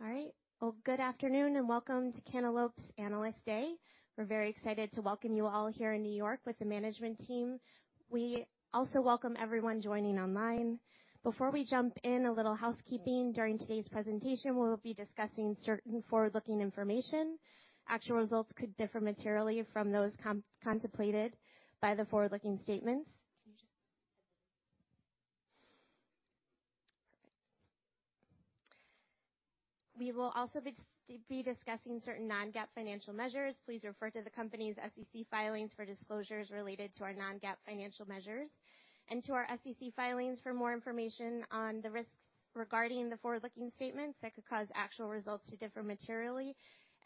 All right. Well, good afternoon and welcome to Cantaloupe's Investor Day. We're very excited to welcome you all here in New York with the management team. We also welcome everyone joining online. Before we jump in, a little housekeeping. During today's presentation, we will be discussing certain forward-looking information. Actual results could differ materially from those contemplated by the forward-looking statements. Can you just. Perfect. We will also be discussing certain non-GAAP financial measures. Please refer to the company's SEC filings for disclosures related to our non-GAAP financial measures and to our SEC filings for more information on the risks regarding the forward-looking statements that could cause actual results to differ materially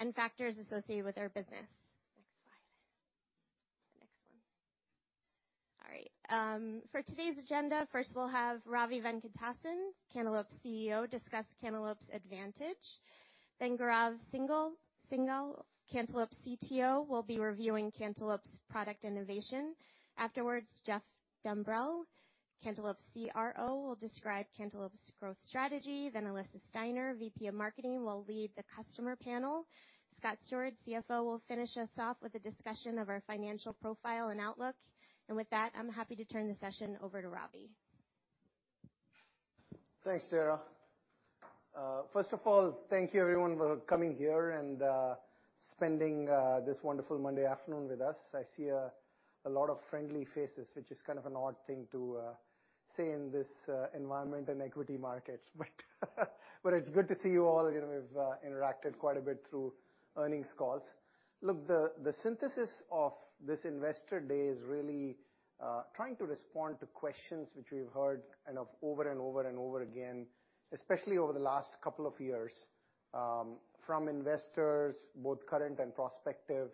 and factors associated with our business. Next slide. The next one. All right. For today's agenda, first we'll have Ravi Venkatesan, Cantaloupe's CEO, discuss Cantaloupe's advantage Gaurav Singal, Cantaloupe's CTO, will be reviewing Cantaloupe's product innovation. Afterwards, Jeff Dumbrell., Cantaloupe's CRO, will describe Cantaloupe's growth strategy. Elyssa Steiner, VP of Marketing, will lead the customer panel. Scott Stewart, CFO, will finish us off with a discussion of our financial profile and outlook. With that, I'm happy to turn the session over to Ravi. Thanks, Dara. First of all, thank you everyone for coming here and spending this wonderful Monday afternoon with us. I see a lot of friendly faces, which is kind of an odd thing to say in this environment and equity markets. It's good to see you all. You know, we've interacted quite a bit through earnings calls. Look, the synthesis of this Investor Day is really trying to respond to questions which we've heard kind of over and over and over again, especially over the last couple of years, from investors, both current and prospective,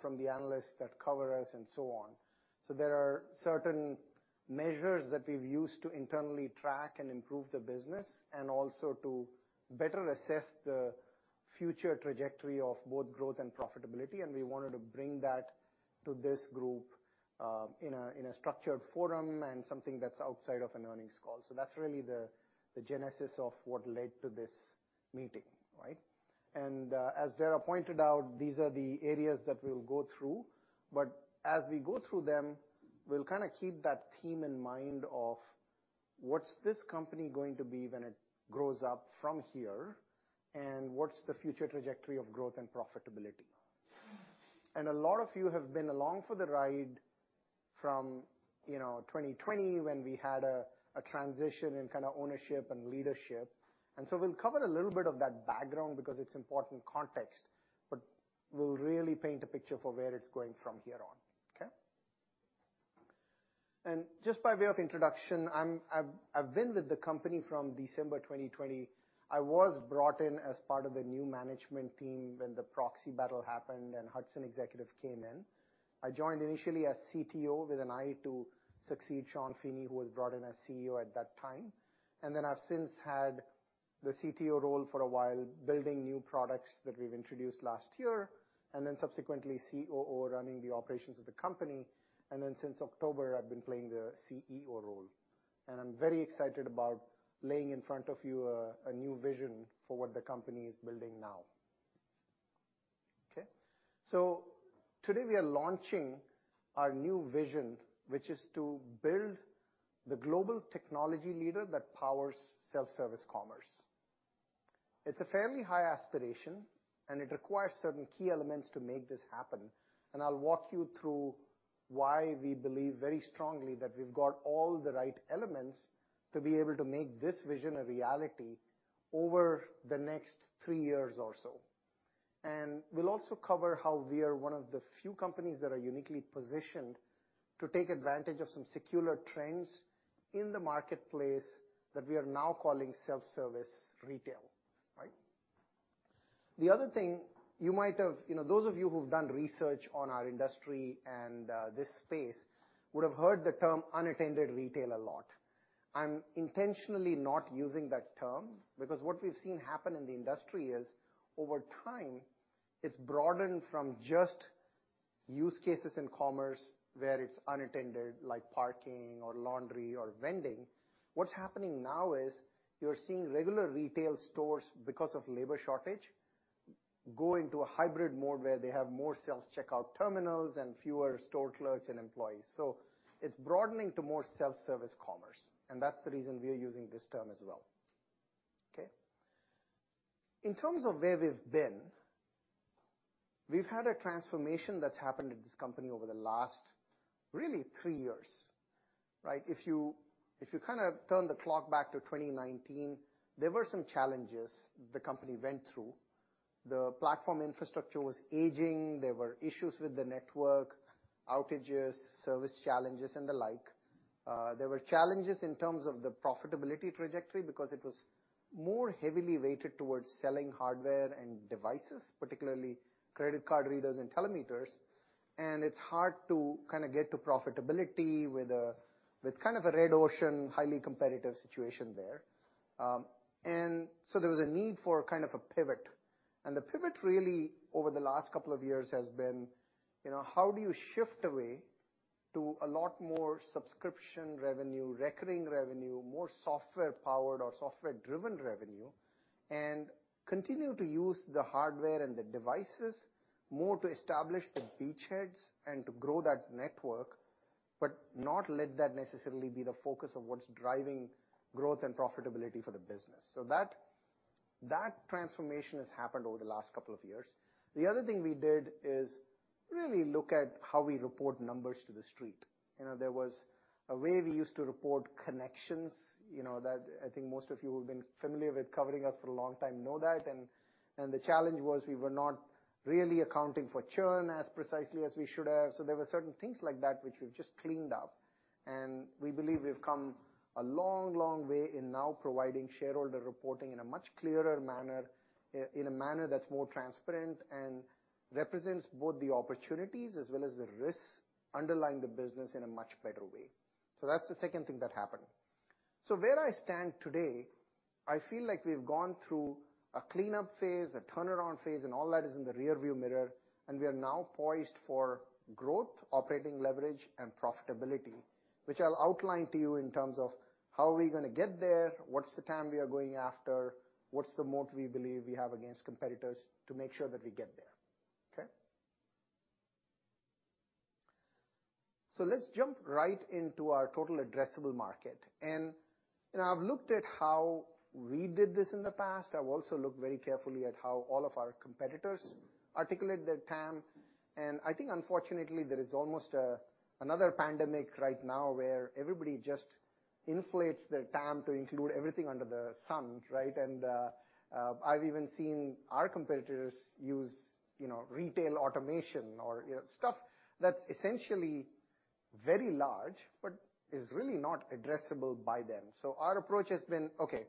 from the analysts that cover us, and so on. There are certain measures that we've used to internally track and improve the business and also to better assess the future trajectory of both growth and profitability, and we wanted to bring that to this group, in a structured forum and something that's outside of an earnings call. That's really the genesis of what led to this meeting, right. As Dara pointed out, these are the areas that we'll go through, but as we go through them, we'll kinda keep that theme in mind of what's this company going to be when it grows up from here, and what's the future trajectory of growth and profitability? A lot of you have been along for the ride from, you know, 2020 when we had a transition in kinda ownership and leadership. We'll cover a little bit of that background because it's important context. We'll really paint a picture for where it's going from here on, okay? Just by way of introduction, I've been with the company from December 2020. I was brought in as part of a new management team when the proxy battle happened and Hudson Executive came in. I joined initially as CTO with an eye to succeed Sean Feeney, who was brought in as CEO at that time. Then I've since had the CTO role for a while, building new products that we've introduced last year, and then subsequently COO, running the operations of the company. Since October, I've been playing the CEO role. I'm very excited about laying in front of you a new vision for what the company is building now. Okay. Today we are launching our new vision, which is to build the global technology leader that powers self-service commerce. It's a fairly high aspiration, and it requires certain key elements to make this happen, and I'll walk you through why we believe very strongly that we've got all the right elements to be able to make this vision a reality over the next three years or so. We'll also cover how we are one of the few companies that are uniquely positioned to take advantage of some secular trends in the marketplace that we are now calling self-service retail, right. The other thing you might have... You know, those of you who've done research on our industry and this space would have heard the term unattended retail a lot. I'm intentionally not using that term because what we've seen happen in the industry is over time, it's broadened from just use cases in commerce where it's unattended, like parking or laundry or vending. What's happening now is you're seeing regular retail stores, because of labor shortage, going to a hybrid mode where they have more self-checkout terminals and fewer store clerks and employees. It's broadening to more self-service commerce, and that's the reason we are using this term as well. Okay? In terms of where we've been, we've had a transformation that's happened at this company over the last really three years, right? If you kind of turn the clock back to 2019, there were some challenges the company went through. The platform infrastructure was aging. There were issues with the network, outages, service challenges, and the like. There were challenges in terms of the profitability trajectory because it was more heavily weighted towards selling hardware and devices, particularly credit card readers and telemeters, and it's hard to kind of get to profitability with a kind of a red ocean, highly competitive situation there. There was a need for kind of a pivot, and the pivot really over the last couple of years has been, you know, how do you shift away-To a lot more subscription revenue, recurring revenue, more software powered or software-driven revenue, and continue to use the hardware and the devices more to establish the beachheads and to grow that network, but not let that necessarily be the focus of what's driving growth and profitability for the business. That transformation has happened over the last couple of years. The other thing we did is really look at how we report numbers to the street. You know, there was a way we used to report connections, you know, that I think most of you who have been familiar with covering us for a long time know that. The challenge was we were not really accounting for churn as precisely as we should have. There were certain things like that which we've just cleaned up. We believe we've come a long, long way in now providing shareholder reporting in a much clearer manner, in a manner that's more transparent and represents both the opportunities as well as the risks underlying the business in a much better way. That's the second thing that happened. Where I stand today, I feel like we've gone through a cleanup phase, a turnaround phase, and all that is in the rearview mirror, and we are now poised for growth, operating leverage, and profitability, which I'll outline to you in terms of how are we gonna get there, what's the time we are going after, what's the moat we believe we have against competitors to make sure that we get there. Okay? Let's jump right into our total addressable market. You know, I've looked at how we did this in the past. I've also looked very carefully at how all of our competitors articulate their TAM. I think unfortunately, there is almost another pandemic right now where everybody just inflates their TAM to include everything under the sun, right? I've even seen our competitors use, you know, retail automation or, you know, stuff that's essentially very large but is really not addressable by them. Our approach has been, okay,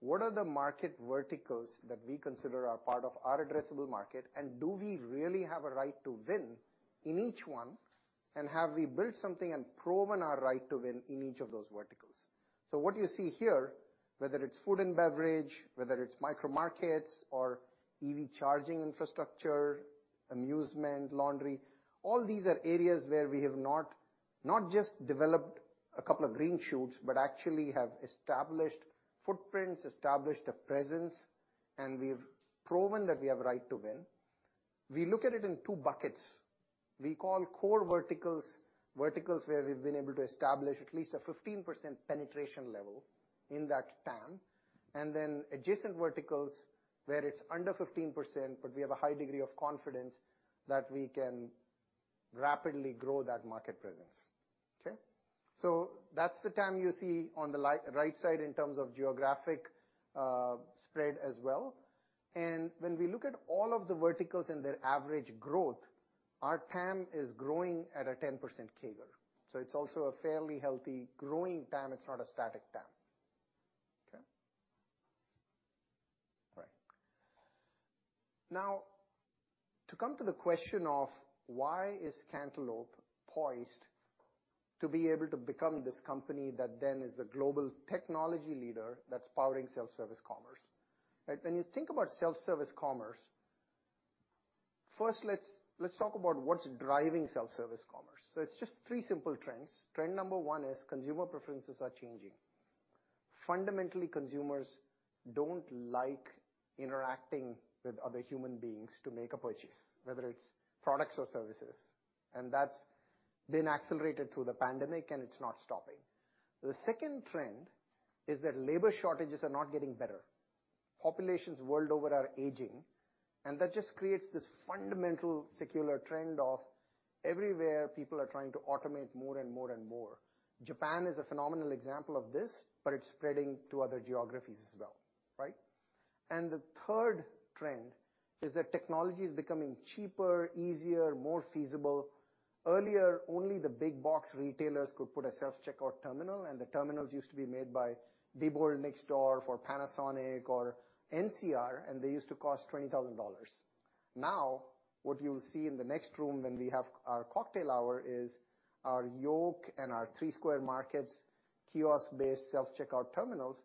what are the market verticals that we consider are part of our addressable market, and do we really have a right to win in each one, and have we built something and proven our right to win in each of those verticals? What you see here, whether it's food and beverage, whether it's micro markets or EV charging infrastructure, amusement, laundry, all these are areas where we have not just developed a couple of green shoots, but actually have established footprints, established a presence, and we've proven that we have right to win. We look at it in two buckets. We call core verticals where we've been able to establish at least a 15% penetration level in that TAM. Adjacent verticals where it's under 15%, but we have a high degree of confidence that we can rapidly grow that market presence. Okay? That's the TAM you see on the right side in terms of geographic spread as well. When we look at all of the verticals and their average growth, our TAM is growing at a 10% CAGR. It's also a fairly healthy growing TAM. It's not a static TAM. Okay? All right. Now, to come to the question of why is Cantaloupe poised to be able to become this company that then is the global technology leader that's powering self-service commerce, right? When you think about self-service commerce, first, let's talk about what's driving self-service commerce. It's just three simple trends. Trend number one is consumer preferences are changing. Fundamentally, consumers don't like interacting with other human beings to make a purchase, whether it's products or services, and that's been accelerated through the pandemic, and it's not stopping. The second trend is that labor shortages are not getting better. Populations world over are aging, and that just creates this fundamental secular trend of everywhere people are trying to automate more and more and more. Japan is a phenomenal example of this, but it's spreading to other geographies as well, right? The third trend is that technology is becoming cheaper, easier, more feasible. Earlier, only the big box retailers could put a self-checkout terminal, and the terminals used to be made by the boy next door for Panasonic or NCR, and they used to cost $20,000. What you'll see in the next room when we have our cocktail hour is our Yoke and our Three Square Market kiosk-based self-checkout terminals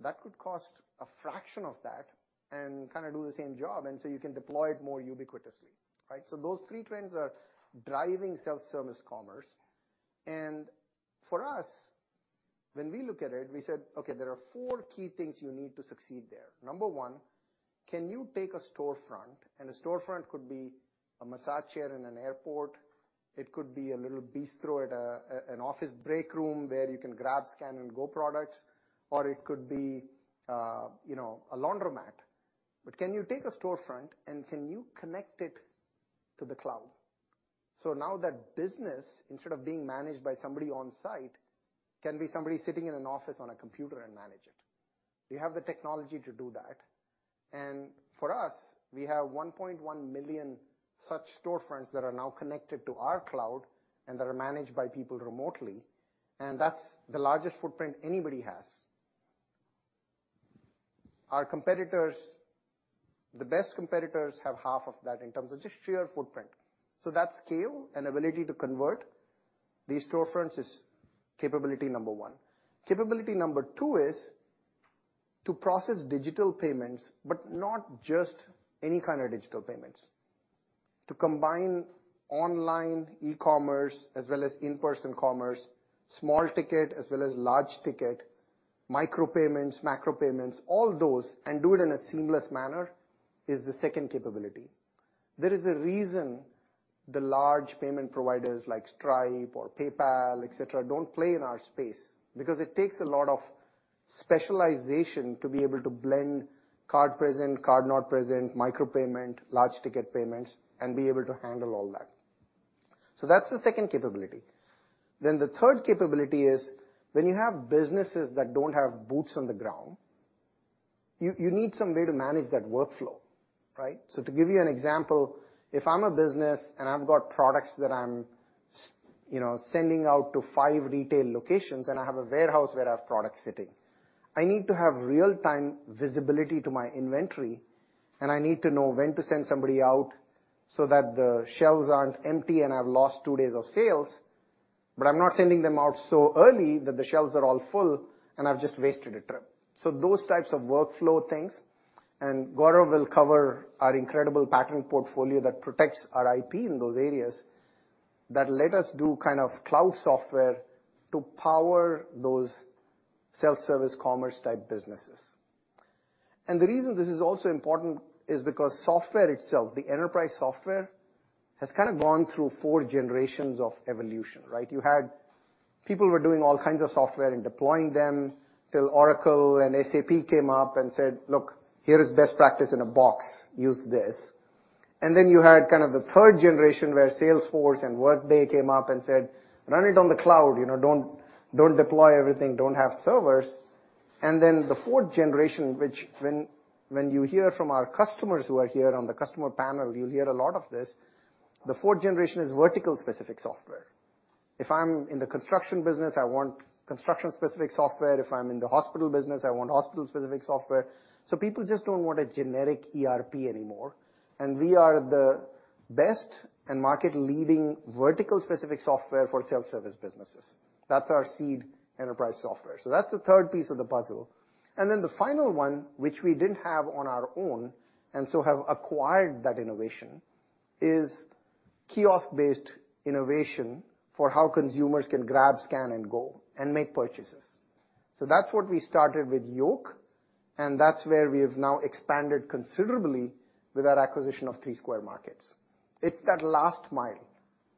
that could cost a fraction of that and kinda do the same job, so you can deploy it more ubiquitously, right? Those three trends are driving self-service commerce. For us, when we look at it, we said, "Okay, there are four key things you need to succeed there." Number one, can you take a storefront? A storefront could be a massage chair in an airport, it could be a little bistro at an office break room where you can grab scan and go products, or it could be, you know, a laundromat. Can you take a storefront, and can you connect it to the cloud, so now that business, instead of being managed by somebody on site, can be somebody sitting in an office on a computer and manage it? Do you have the technology to do that? For us, we have 1.1 million such storefronts that are now connected to our cloud and that are managed by people remotely, and that's the largest footprint anybody has. Our competitors, the best competitors, have half of that in terms of just sheer footprint. That scale and ability to convert these storefronts is capability number one. Capability number two is: To process digital payments, but not just any kind of digital payments. To combine online e-commerce as well as in-person commerce, small ticket as well as large ticket, micropayments, macro payments, all those, and do it in a seamless manner is the second capability. There is a reason the large payment providers like Stripe or PayPal, et cetera, don't play in our space because it takes a lot of specialization to be able to blend card present, card not present, micro payment, large ticket payments, and be able to handle all that. That's the second capability. The third capability is when you have businesses that don't have boots on the ground, you need some way to manage that workflow, right? To give you an example, if I'm a business and I'm you know, sending out to five retail locations, and I have a warehouse where I have product sitting. I need to have real-time visibility to my inventory. I need to know when to send somebody out so that the shelves aren't empty and I've lost two days of sales. I'm not sending them out so early that the shelves are all full and I've just wasted a trip. Those types of workflow things. Gaurav will cover our incredible patent portfolio that protects our IP in those areas, that let us do kind of cloud software to power those self-service commerce type businesses. The reason this is also important is because software itself, the enterprise software, has kind of gone through four generations of evolution, right? People were doing all kinds of software and deploying them till Oracle and SAP came up and said, "Look, here is best practice in a box. Use this." You had kind of the third generation where Salesforce and Workday came up and said, "Run it on the cloud. You know, don't deploy everything. Don't have servers." The fourth generation, which when you hear from our customers who are here on the customer panel, you'll hear a lot of this, the fourth generation is vertical specific software. If I'm in the construction business, I want construction specific software. If I'm in the hospital business, I want hospital specific software. People just don't want a generic ERP anymore, and we are the best and market leading vertical specific software for self-service businesses. That's our Seed enterprise software. That's the third piece of the puzzle. The final one, which we didn't have on our own, have acquired that innovation, is kiosk-based innovation for how consumers can grab, scan, and go and make purchases. That's what we started with Yoke, and that's where we have now expanded considerably with our acquisition of Three Square Market. It's that last mile.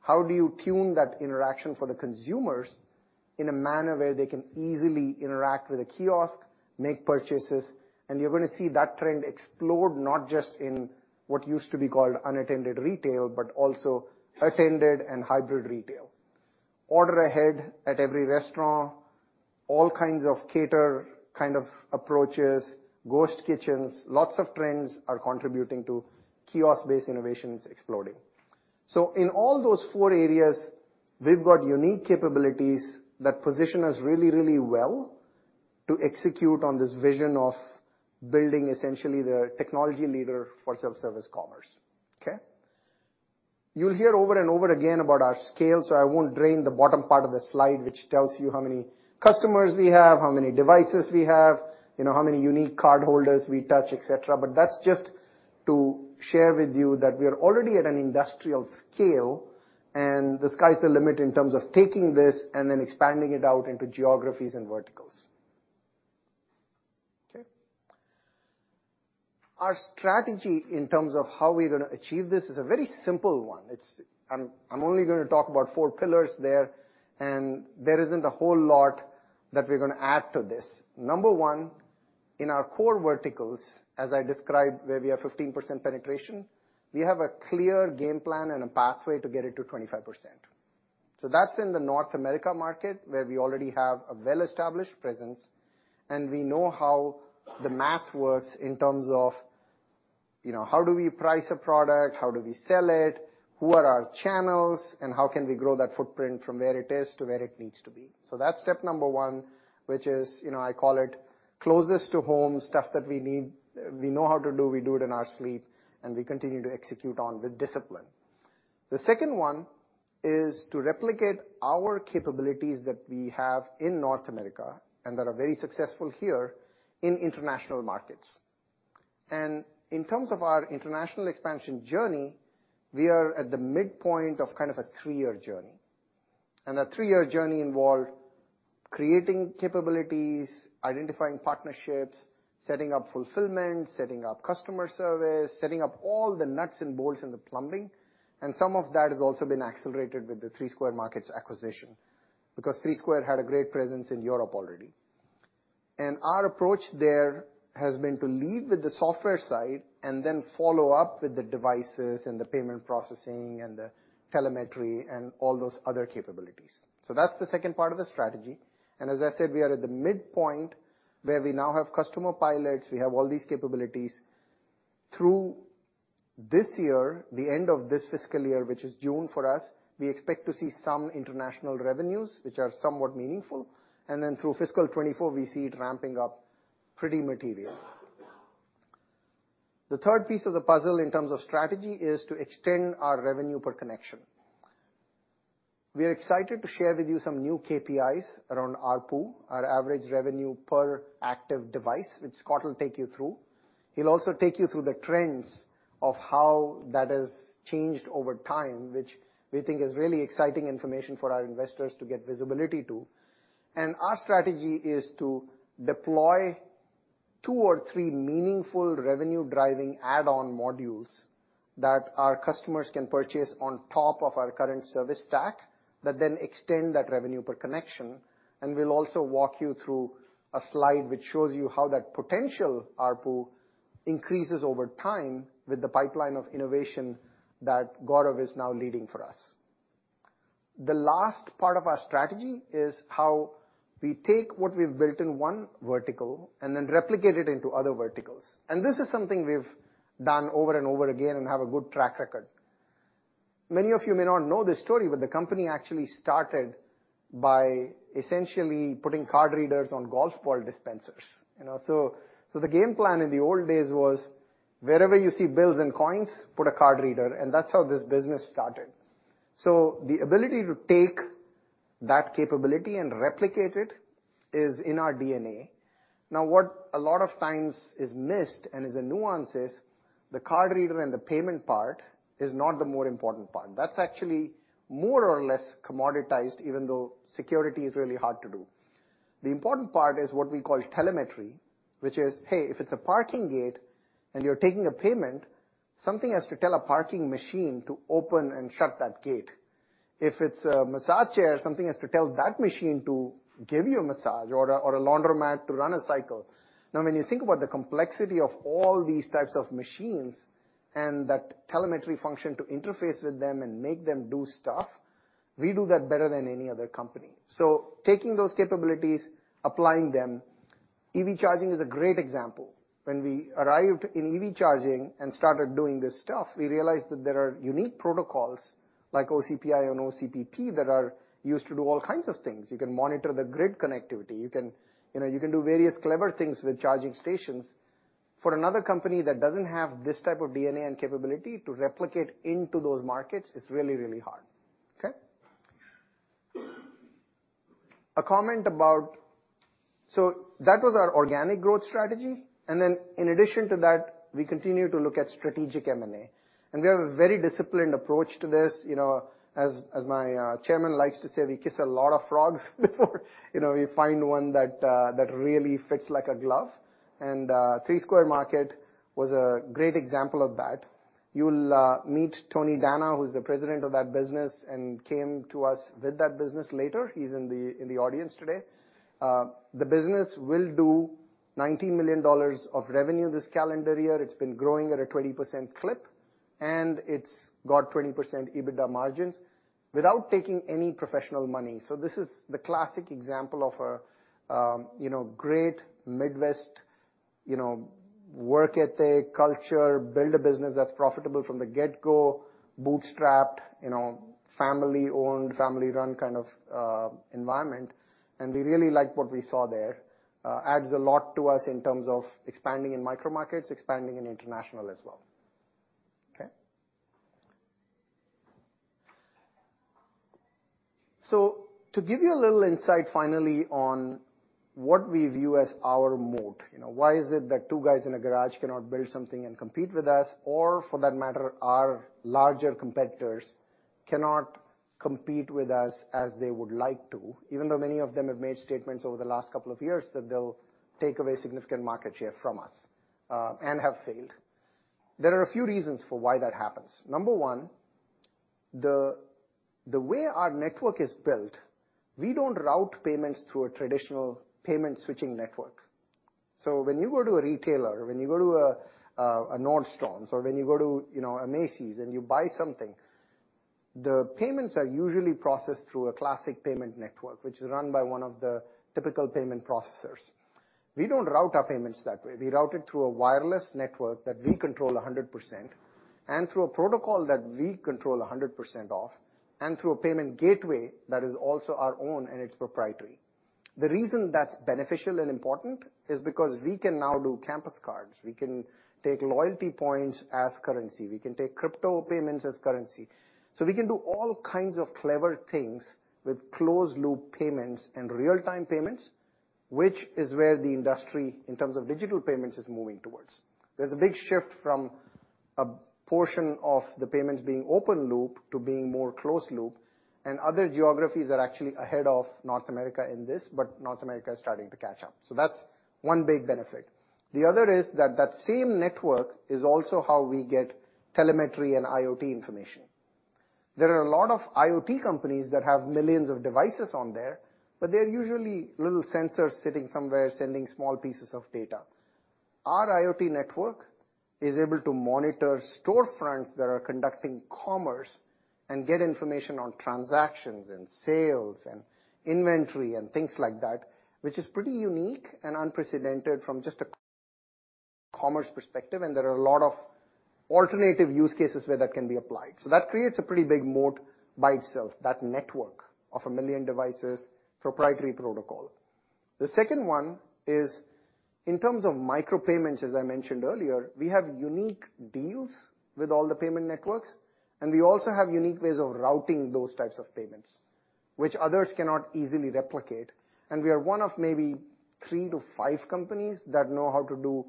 How do you tune that interaction for the consumers in a manner where they can easily interact with a kiosk, make purchases? You're gonna see that trend explode not just in what used to be called unattended retail, but also attended and hybrid retail. Order ahead at every restaurant, all kinds of cater kind of approaches, ghost kitchens, lots of trends are contributing to kiosk-based innovations exploding. In all those four areas, we've got unique capabilities that position us really, really well to execute on this vision of building essentially the technology leader for self-service commerce, okay. You'll hear over and over again about our scale, I won't drain the bottom part of the slide, which tells you how many customers we have, how many devices we have, you know, how many unique cardholders we touch, et cetera. That's just to share with you that we are already at an industrial scale, and the sky's the limit in terms of taking this and then expanding it out into geographies and verticals. Okay. Our strategy in terms of how we're gonna achieve this is a very simple one. I'm only gonna talk about four pillars there, and there isn't a whole lot that we're gonna add to this. Number one, in our core verticals, as I described, where we have 15% penetration, we have a clear game plan and a pathway to get it to 25%. That's in the North America market where we already have a well-established presence, and we know how the math works in terms of, you know, how do we price a product? How do we sell it? Who are our channels? How can we grow that footprint from where it is to where it needs to be? That's step number one, which is, you know, I call it closest to home, stuff that we need, we know how to do, we do it in our sleep, and we continue to execute on with discipline. The second one is to replicate our capabilities that we have in North America and that are very successful here in international markets. In terms of our international expansion journey, we are at the midpoint of kind of a three-year journey. That three-year journey involved creating capabilities, identifying partnerships, setting up fulfillment, setting up customer service, setting up all the nuts and bolts in the plumbing, and some of that has also been accelerated with the Three Square Market acquisition because Three Square had a great presence in Europe already. Our approach there has been to lead with the software side and then follow up with the devices and the payment processing and the telemetry and all those other capabilities. That's the second part of the strategy. As I said, we are at the midpoint where we now have customer pilots. We have all these capabilities. Through this year, the end of this fiscal year, which is June for us, we expect to see some international revenues, which are somewhat meaningful. Through fiscal 2024, we see it ramping up pretty material. The third piece of the puzzle in terms of strategy is to extend our revenue per connection. We are excited to share with you some new KPIs around ARPU, our average revenue per active device, which Scott will take you through. He'll also take you through the trends of how that has changed over time, which we think is really exciting information for our investors to get visibility to. Our strategy is to deploy two or three meaningful revenue-driving add-on modules that our customers can purchase on top of our current service stack that then extend that revenue per connection. We'll also walk you through a slide which shows you how that potential ARPU increases over time with the pipeline of innovation that Gaurav is now leading for us. The last part of our strategy is how we take what we've built in one vertical and then replicate it into other verticals. This is something we've done over and over again and have a good track record. Many of you may not know this story, but the company actually started by essentially putting card readers on golf ball dispensers. You know, so the game plan in the old days was wherever you see bills and coins, put a card reader, and that's how this business started. The ability to take that capability and replicate it is in our DNA. What a lot of times is missed and is a nuance is the card reader and the payment part is not the more important part. That's actually more or less commoditized, even though security is really hard to do. The important part is what we call telemetry, which is, hey, if it's a parking gate and you're taking a payment, something has to tell a parking machine to open and shut that gate. If it's a massage chair, something has to tell that machine to give you a massage or a laundromat to run a cycle. When you think about the complexity of all these types of machines and that telemetry function to interface with them and make them do stuff, we do that better than any other company. Taking those capabilities, applying them. EV charging is a great example. When we arrived in EV charging and started doing this stuff, we realized that there are unique protocols like OCPI and OCPP that are used to do all kinds of things. You can monitor the grid connectivity. You can, you know, do various clever things with charging stations. For another company that doesn't have this type of DNA and capability to replicate into those markets, it's really, really hard. Okay? A comment about... That was our organic growth strategy. In addition to that, we continue to look at strategic M&A. We have a very disciplined approach to this. You know, as my chairman likes to say, we kiss a lot of frogs before, you know, we find one that really fits like a glove. Three Square Market was a great example of that. You'll meet Tony D'Anna, who's the president of that business and came to us with that business later. He's in the audience today. The business will do $90 million of revenue this calendar year. It's been growing at a 20% clip, and it's got 20% EBITDA margins without taking any professional money. This is the classic example of a, you know, great Midwest, you know, work ethic, culture, build a business that's profitable from the get-go, bootstrapped, you know, family-owned, family-run kind of environment. We really liked what we saw there. Adds a lot to us in terms of expanding in micro markets, expanding in international as well. Okay? To give you a little insight finally on what we view as our moat, you know, why is it that two guys in a garage cannot build something and compete with us, or for that matter, our larger competitors cannot compete with us as they would like to, even though many of them have made statements over the last couple of years that they'll take away significant market share from us and have failed. There are a few reasons for why that happens. Number one, the way our network is built, we don't route payments through a traditional payment switching network. When you go to a retailer, when you go to a Nordstrom or when you go to, you know, a Macy's and you buy something, the payments are usually processed through a classic payment network, which is run by one of the typical payment processors. We don't route our payments that way. We route it through a wireless network that we control 100% and through a protocol that we control 100% of and through a payment gateway that is also our own and it's proprietary. The reason that's beneficial and important is because we can now do campus cards. We can take loyalty points as currency. We can take crypto payments as currency. We can do all kinds of clever things with closed loop payments and real-time payments, which is where the industry, in terms of digital payments, is moving towards. There's a big shift from a portion of the payments being open loop to being more closed loop. Other geographies are actually ahead of North America in this. North America is starting to catch up. That's one big benefit. The other is that that same network is also how we get telemetry and IoT information. There are a lot of IoT companies that have millions of devices on there. They're usually little sensors sitting somewhere sending small pieces of data. Our IoT network is able to monitor storefronts that are conducting commerce and get information on transactions and sales and inventory and things like that, which is pretty unique and unprecedented from just a commerce perspective. There are a lot of alternative use cases where that can be applied. That creates a pretty big moat by itself, that network of a million devices, proprietary protocol. The second one is in terms of micropayments, as I mentioned earlier, we have unique deals with all the payment networks, and we also have unique ways of routing those types of payments, which others cannot easily replicate. We are one of maybe 3 to 5 companies that know how to do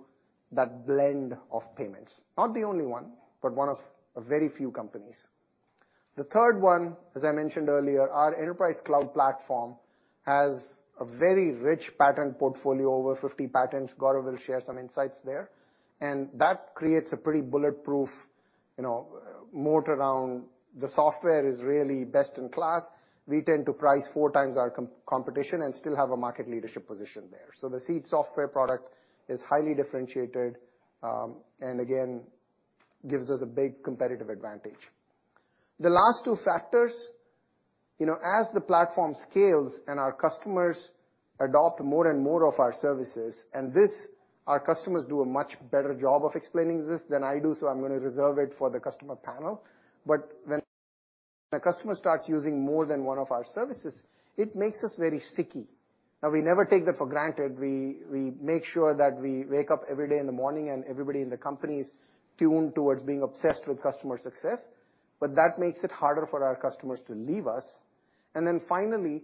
that blend of payments. Not the only one, but one of a very few companies. The third one, as I mentioned earlier, our enterprise cloud platform has a very rich patent portfolio, over 50 patents. Gaurav will share some insights there. That creates a pretty bulletproof, you know, moat around. The software is really best in class. We tend to price 4 times our competition and still have a market leadership position there. The Seed software product is highly differentiated, and again, gives us a big competitive advantage. The last two factors, you know, as the platform scales and our customers adopt more and more of our services, and this, our customers do a much better job of explaining this than I do. I'm going to reserve it for the customer panel. When a customer starts using more than one of our services, it makes us very sticky. Now, we never take that for granted. We make sure that we wake up every day in the morning and everybody in the company is tuned towards being obsessed with customer success. That makes it harder for our customers to leave us. Finally,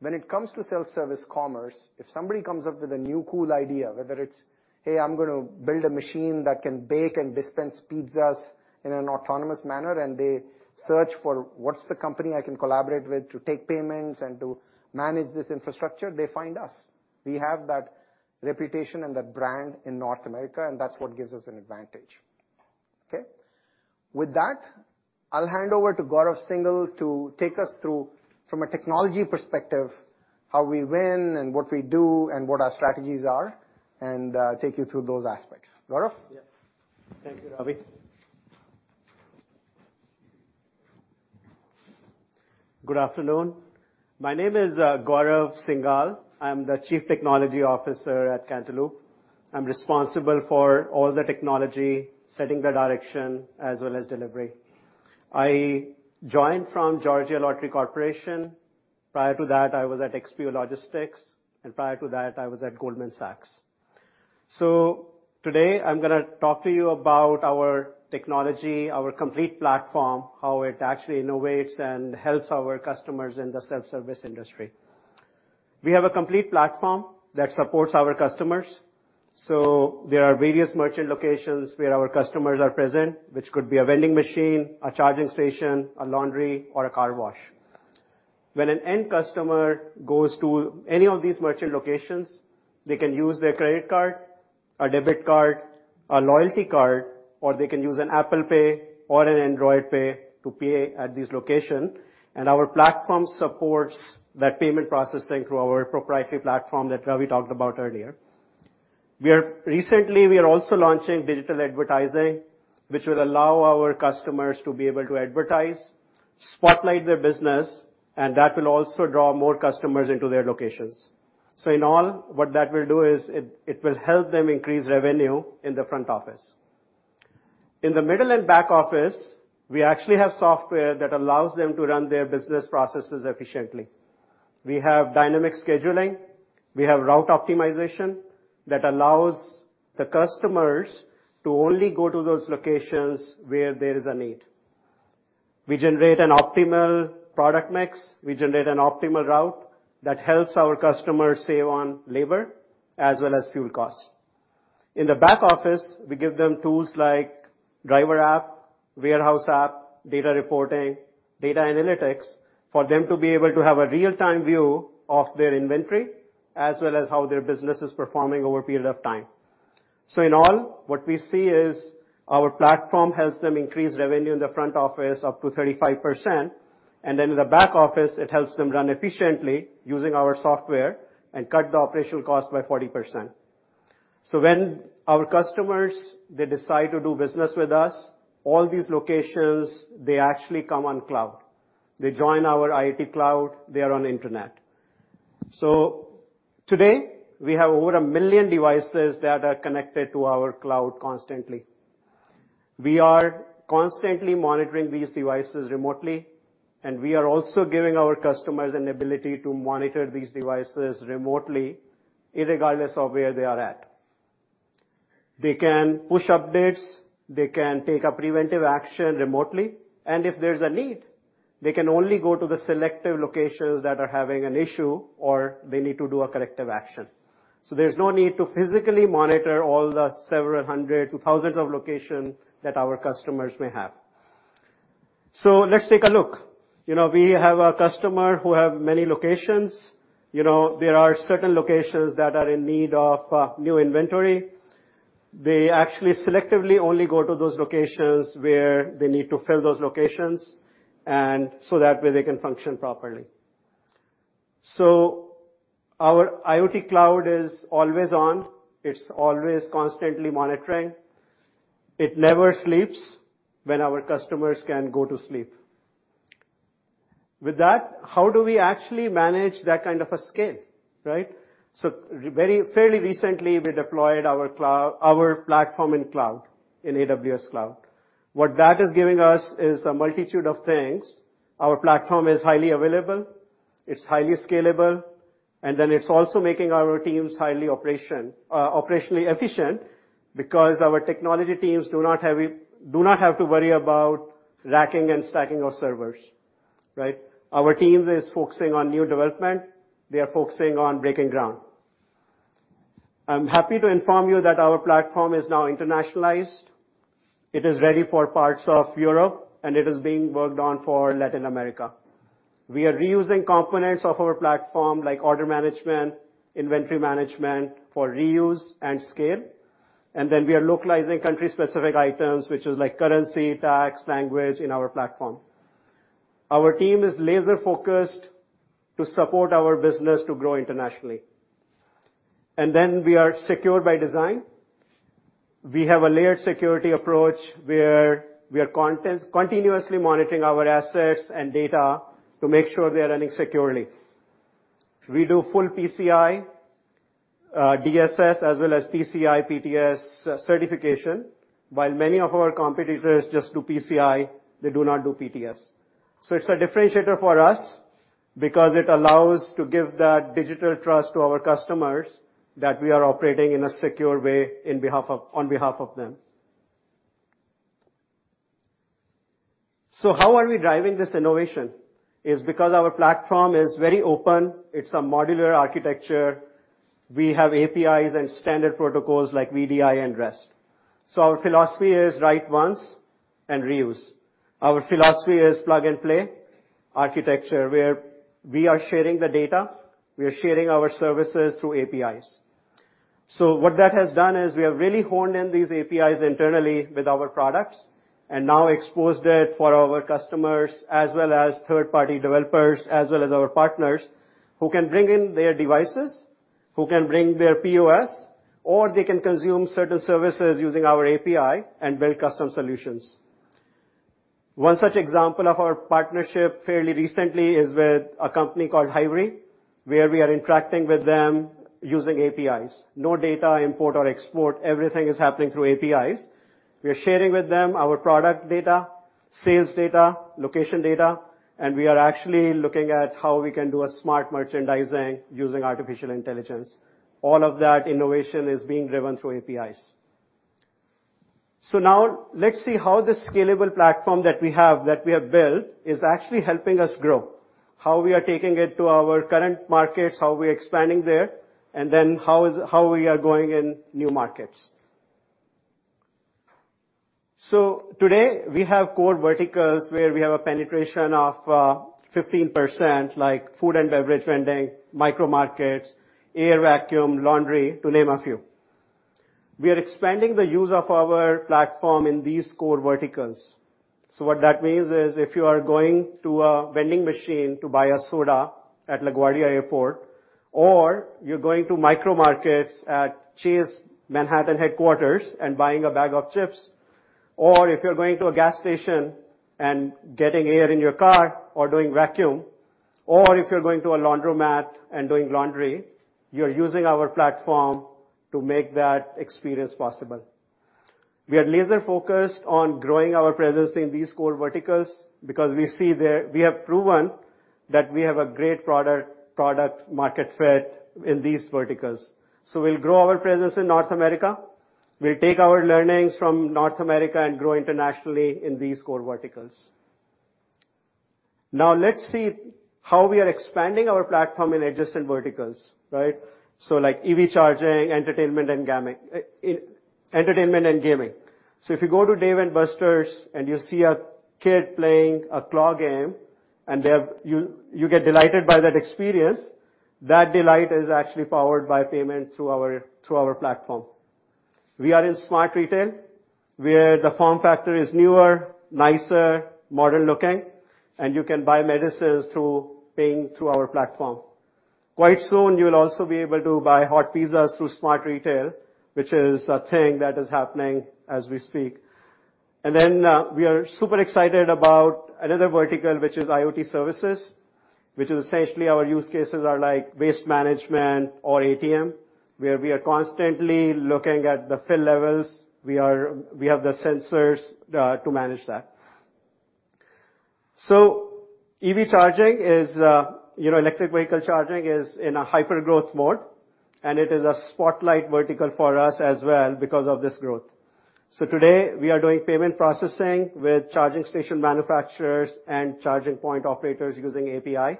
when it comes to self-service commerce, if somebody comes up with a new cool idea, whether it's, "Hey, I'm gonna build a machine that can bake and dispense pizzas in an autonomous manner," and they search for what's the company I can collaborate with to take payments and to manage this infrastructure, they find us. We have that reputation and that brand in North America. That's what gives us an advantage. Okay? With that, I'll hand over to Gaurav Singal to take us through from a technology perspective, how we win and what we do and what our strategies are, and, take you through those aspects. Gaurav? Yes. Thank you, Ravi. Good afternoon. My name is Gaurav Singal. I'm the Chief Technology Officer at Cantaloupe. I'm responsible for all the technology, setting the direction, as well as delivery. I joined from Georgia Lottery Corporation. Prior to that, I was at XPO Logistics, and prior to that, I was at Goldman Sachs. Today, I'm gonna talk to you about our technology, our complete platform, how it actually innovates and helps our customers in the self-service industry. We have a complete platform that supports our customers. There are various merchant locations where our customers are present, which could be a vending machine, a charging station, a laundry, or a car wash. When an end customer goes to any of these merchant locations, they can use their credit card, a debit card, a loyalty card, or they can use an Apple Pay or an Android Pay to pay at this location. Our platform supports that payment processing through our proprietary platform that Ravi talked about earlier. Recently, we are also launching digital advertising, which will allow our customers to be able to advertise, spotlight their business, and that will also draw more customers into their locations. In all, what that will do is it will help them increase revenue in the front office. In the middle and back office, we actually have software that allows them to run their business processes efficiently. We have dynamic scheduling, we have route optimization that allows the customers to only go to those locations where there is a need. We generate an optimal product mix. We generate an optimal route that helps our customers save on labor as well as fuel costs. In the back office, we give them tools like driver app, warehouse app, data reporting, data analytics for them to be able to have a real-time view of their inventory, as well as how their business is performing over a period of time. In all, what we see is our platform helps them increase revenue in the front office up to 35%, and then in the back office, it helps them run efficiently using our software and cut the operational cost by 40%. When our customers, they decide to do business with us, all these locations, they actually come on cloud. They join our IT cloud, they are on internet. Today, we have over 1 million devices that are connected to our cloud constantly. We are constantly monitoring these devices remotely, and we are also giving our customers an ability to monitor these devices remotely regardless of where they are at. They can push updates, they can take a preventive action remotely, and if there's a need, they can only go to the selective locations that are having an issue or they need to do a corrective action. There's no need to physically monitor all the several hundred to thousands of location that our customers may have. Let's take a look. You know, we have a customer who have many locations. You know, there are certain locations that are in need of new inventory. They actually selectively only go to those locations where they need to fill those locations that way, they can function properly. Our IoT cloud is always on. It's always constantly monitoring. It never sleeps when our customers can go to sleep. With that, how do we actually manage that kind of a scale, right? Fairly recently, we deployed our cloud, our platform in cloud, in AWS cloud. What that is giving us is a multitude of things. Our platform is highly available, it's highly scalable, it's also making our teams highly operationally efficient, because our technology teams do not have to worry about racking and stacking of servers, right? Our teams is focusing on new development. They are focusing on breaking ground. I'm happy to inform you that our platform is now internationalized. It is ready for parts of Europe. It is being worked on for Latin America. We are reusing components of our platform like order management, inventory management for reuse and scale, and then we are localizing country-specific items, which is like currency, tax, language in our platform. Our team is laser-focused to support our business to grow internationally. We are secured by design. We have a layered security approach, where we are continuously monitoring our assets and data to make sure they are running securely. We do full PCI DSS, as well as PCI PTS certification. While many of our competitors just do PCI, they do not do PTS. It's a differentiator for us because it allows to give that digital trust to our customers that we are operating in a secure way on behalf of them. How are we driving this innovation? Is because our platform is very open. It's a modular architecture. We have APIs and standard protocols like VDI and REST. Our philosophy is write once and reuse. Our philosophy is plug-and-play architecture, where we are sharing the data, we are sharing our services through APIs. What that has done is we have really honed in these APIs internally with our products and now exposed it for our customers as well as third-party developers as well as our partners who can bring in their devices, who can bring their POS, or they can consume certain services using our API and build custom solutions. One such example of our partnership fairly recently is with a company called Hy-Vee, where we are interacting with them using APIs. No data import or export. Everything is happening through APIs. We are sharing with them our product data, sales data, location data, and we are actually looking at how we can do a smart merchandising using artificial intelligence. All of that innovation is being driven through APIs. Now let's see how the scalable platform that we have built is actually helping us grow, how we are taking it to our current markets, how we're expanding there, and then how we are going in new markets. Today, we have core verticals where we have a penetration of 15%, like food and beverage vending, micro markets, air vacuum, laundry, to name a few. We are expanding the use of our platform in these core verticals. What that means is if you are going to a vending machine to buy a soda at LaGuardia Airport, or you're going to micro markets at Chase Manhattan headquarters and buying a bag of chips, or if you're going to a gas station and getting air in your car or doing vacuum, or if you're going to a laundromat and doing laundry, you're using our platform to make that experience possible. We are laser-focused on growing our presence in these core verticals because we have proven that we have a great product market fit in these verticals. We'll grow our presence in North America. We'll take our learnings from North America and grow internationally in these core verticals. Now let's see how we are expanding our platform in adjacent verticals, right? Like EV charging, entertainment and gaming. If you go to Dave & Buster's and you see a kid playing a claw game, you get delighted by that experience, that delight is actually powered by payment through our platform. We are in smart retail, where the form factor is newer, nicer, modern-looking, and you can buy medicines through paying through our platform. Quite soon, you'll also be able to buy hot pizzas through smart retail, which is a thing that is happening as we speak. We are super excited about another vertical, which is IoT services, which is essentially our use cases are like waste management or ATM, where we are constantly looking at the fill levels. We have the sensors to manage that. EV charging is, you know, electric vehicle charging is in a hyper-growth mode, and it is a spotlight vertical for us as well because of this growth. Today, we are doing payment processing with charging station manufacturers and charging point operators using API.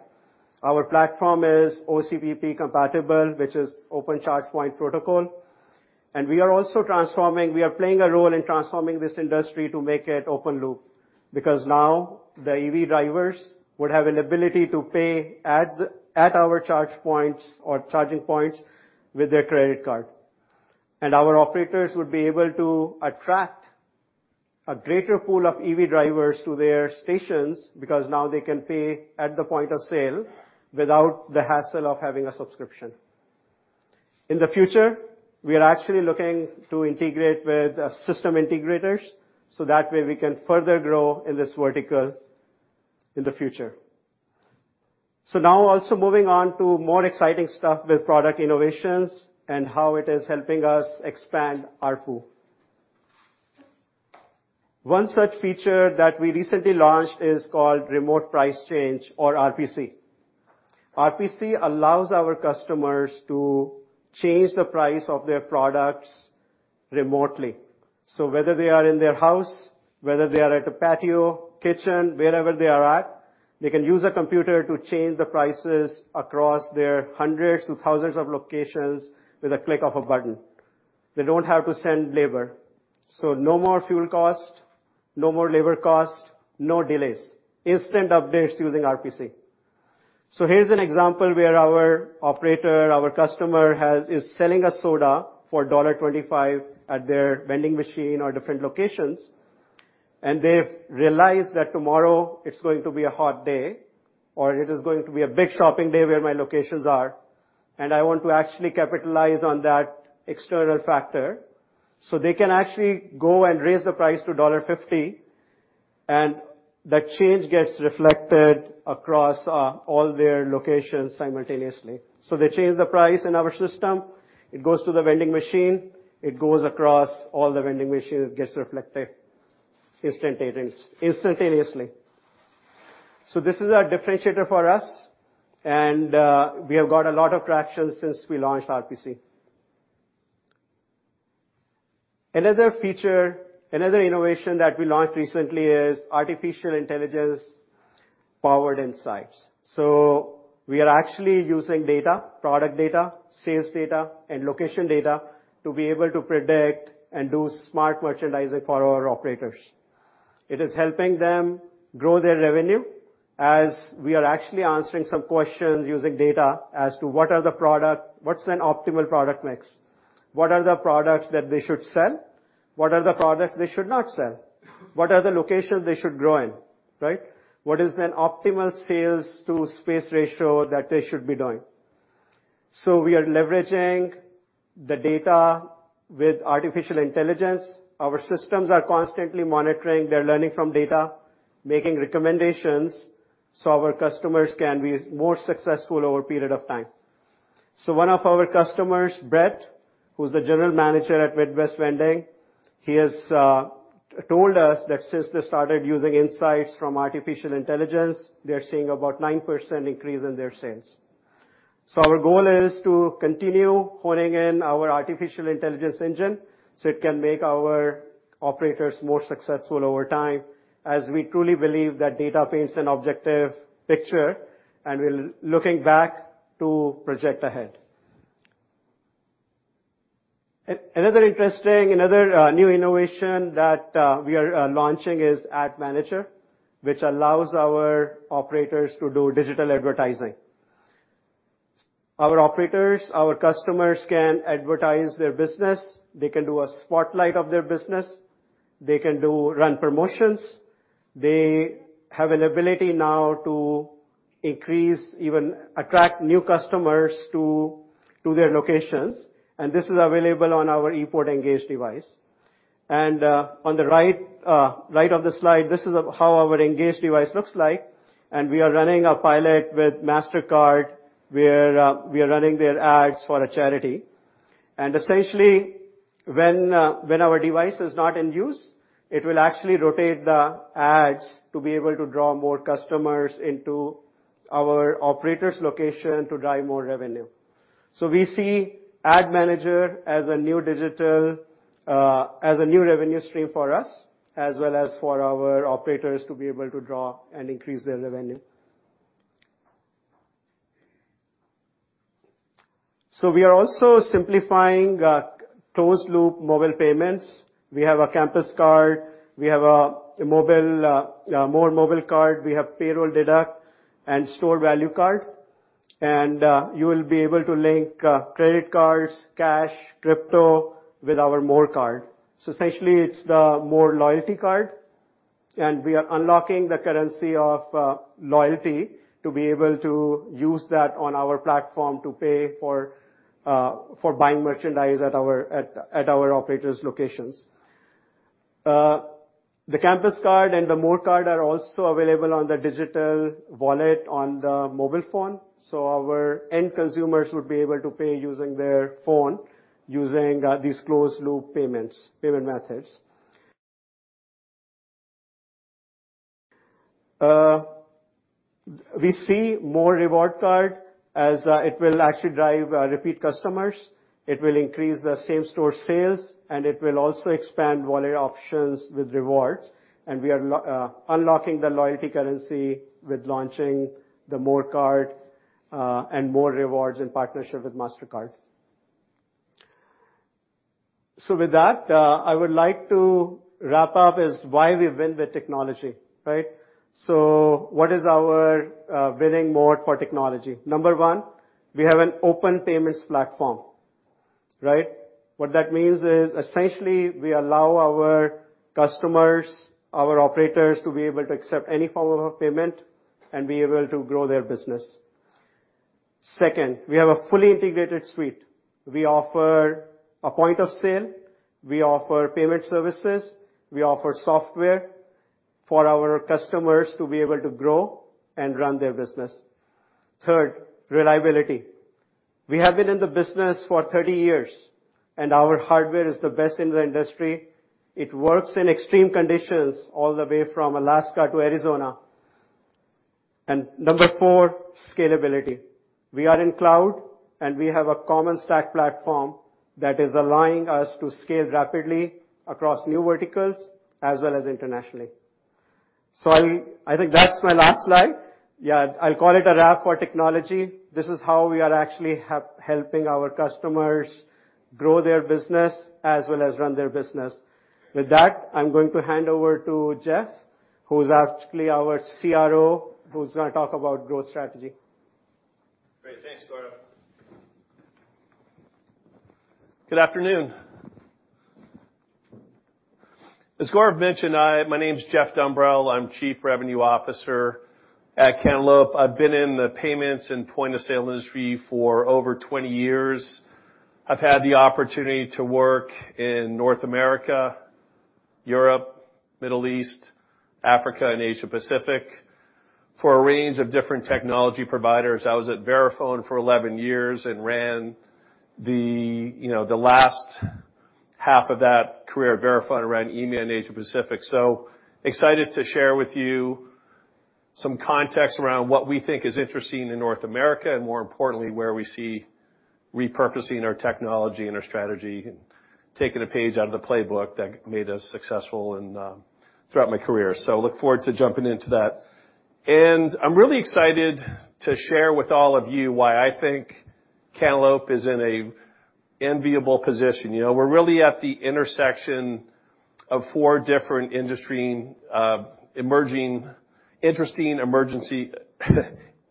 Our platform is OCPP compatible, which is Open Charge Point Protocol. We are playing a role in transforming this industry to make it open loop, because now the EV drivers would have an ability to pay at our charge points or charging points with their credit card. Our operators would be able to attract a greater pool of EV drivers to their stations, because now they can pay at the point of sale without the hassle of having a subscription. In the future, we are actually looking to integrate with system integrators, so that way we can further grow in this vertical in the future. Now also moving on to more exciting stuff with product innovations and how it is helping us expand ARPU. One such feature that we recently launched is called Remote Price Change or RPC. RPC allows our customers to change the price of their products remotely. Whether they are in their house, whether they are at a patio, kitchen, wherever they are at, they can use a computer to change the prices across their hundreds of thousands of locations with a click of a button. They don't have to send labor. No more fuel cost, no more labor cost, no delays. Instant updates using RPC. Here's an example where our operator, our customer is selling a soda for $1.25 at their vending machine or different locations, and they've realized that tomorrow it's going to be a hot day, or it is going to be a big shopping day where my locations are, and I want to actually capitalize on that external factor. They can actually go and raise the price to $1.50, and that change gets reflected across all their locations simultaneously. They change the price in our system, it goes to the vending machine, it goes across all the vending machines, it gets reflected instantaneously. This is a differentiator for us, and we have got a lot of traction since we launched RPC. Another feature, another innovation that we launched recently is artificial intelligence-powered insights. We are actually using data, product data, sales data, and location data to be able to predict and do smart merchandising for our operators. It is helping them grow their revenue as we are actually answering some questions using data as to what's an optimal product mix? What are the products that they should sell? What are the products they should not sell? What are the locations they should grow in, right? What is an optimal sales to space ratio that they should be doing? We are leveraging the data with artificial intelligence. Our systems are constantly monitoring. They're learning from data, making recommendations, so our customers can be more successful over a period of time. One of our customers, Brett, who's the general manager at Midwest Vending, he has told us that since they started using insights from artificial intelligence, they are seeing about 9% increase in their sales. Our goal is to continue honing in our artificial intelligence engine, so it can make our operators more successful over time, as we truly believe that data paints an objective picture, and we're looking back to project ahead. Another new innovation that we are launching is Ad Manager, which allows our operators to do digital advertising. Our operators, our customers can advertise their business. They can do a spotlight of their business. They can run promotions. They have an ability now to increase, even attract new customers to their locations, and this is available on our ePort Engage device. On the right of the slide, this is how our Engage device looks like. We are running a pilot with Mastercard, where we are running their ads for a charity. Essentially, when our device is not in use, it will actually rotate the ads to be able to draw more customers into our operator's location to drive more revenue. We see Ad Manager as a new digital, as a new revenue stream for us, as well as for our operators to be able to draw and increase their revenue. We are also simplifying closed-loop mobile payments. We have a Campus Card, we have a mobile, more mobile card, we have payroll deduct, and stored value card. You will be able to link credit cards, cash, crypto with our more card. Essentially it's the more loyalty card, and we are unlocking the currency of loyalty to be able to use that on our platform to pay for buying merchandise at our operators' locations. The Campus Card and the more card are also available on the digital wallet on the mobile phone. Our end consumers would be able to pay using their phone, using these closed loop payments, payment methods. We see more Reward Card as it will actually drive repeat customers. It will increase the same store sales, and it will also expand wallet options with rewards. We are unlocking the loyalty currency with launching the more card and more Rewards in partnership with Mastercard. With that, I would like to wrap up is why we win with technology, right? What is our winning mode for technology? Number one, we have an open payments platform. Right? What that means is, essentially we allow our customers, our operators, to be able to accept any form of payment and be able to grow their business. Second, we have a fully integrated suite. We offer a point of sale, we offer payment services, we offer software for our customers to be able to grow and run their business. Third, reliability. We have been in the business for 30 years. Our hardware is the best in the industry. It works in extreme conditions all the way from Alaska to Arizona. Number four, scalability. We are in cloud. We have a common stack platform that is allowing us to scale rapidly across new verticals as well as internationally. I think that's my last slide. Yeah, I'll call it a wrap for technology. This is how we are actually helping our customers grow their business as well as run their business. With that, I'm going to hand over to Jeff, who's actually our CRO, who's gonna talk about growth strategy. Great. Thanks, Gaurav. Good afternoon. As Gaurav mentioned, my name's Jeff Dumbrell, I'm Chief Revenue Officer at Cantaloupe. I've been in the payments and point of sale industry for over 20 years. I've had the opportunity to work in North America, Europe, Middle East, Africa, and Asia Pacific for a range of different technology providers. I was at Verifone for 11 years and ran the, you know, the last half of that career at Verifone. I ran EMEA and Asia Pacific. Excited to share with you some context around what we think is interesting in North America, and more importantly, where we see repurposing our technology and our strategy and taking a page out of the playbook that made us successful in throughout my career. Look forward to jumping into that. I'm really excited to share with all of you why I think Cantaloupe is in an enviable position. You know, we're really at the intersection of four different industry and emerging, interesting,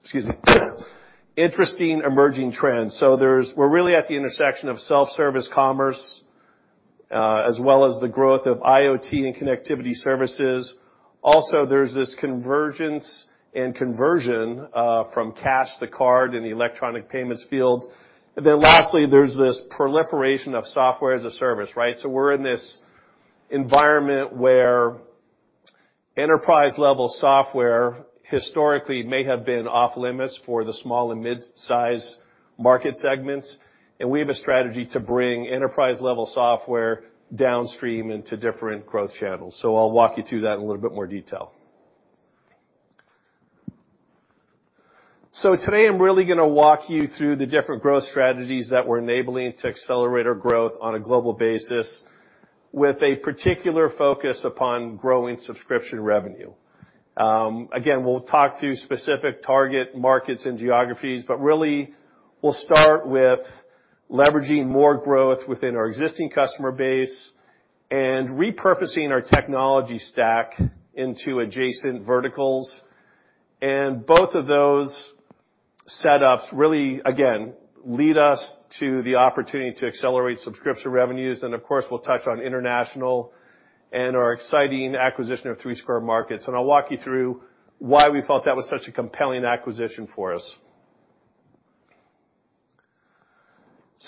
Excuse me. Interesting emerging trends. We're really at the intersection of self-service commerce, as well as the growth of IoT and connectivity services. There's this convergence and conversion from cash to card in the electronic payments field. Lastly, there's this proliferation of software as a service, right? We're in this environment where enterprise-level software historically may have been off-limits for the small and mid-size market segments, and we have a strategy to bring enterprise-level software downstream into different growth channels. I'll walk you through that in a little bit more detail. Today, I'm really gonna walk you through the different growth strategies that we're enabling to accelerate our growth on a global basis with a particular focus upon growing subscription revenue. Again, we'll talk through specific target markets and geographies, but really we'll start with leveraging more growth within our existing customer base and repurposing our technology stack into adjacent verticals. Both of those setups really, again, lead us to the opportunity to accelerate subscription revenues. Of course, we'll touch on international and our exciting acquisition of Three Square Market. I'll walk you through why we thought that was such a compelling acquisition for us.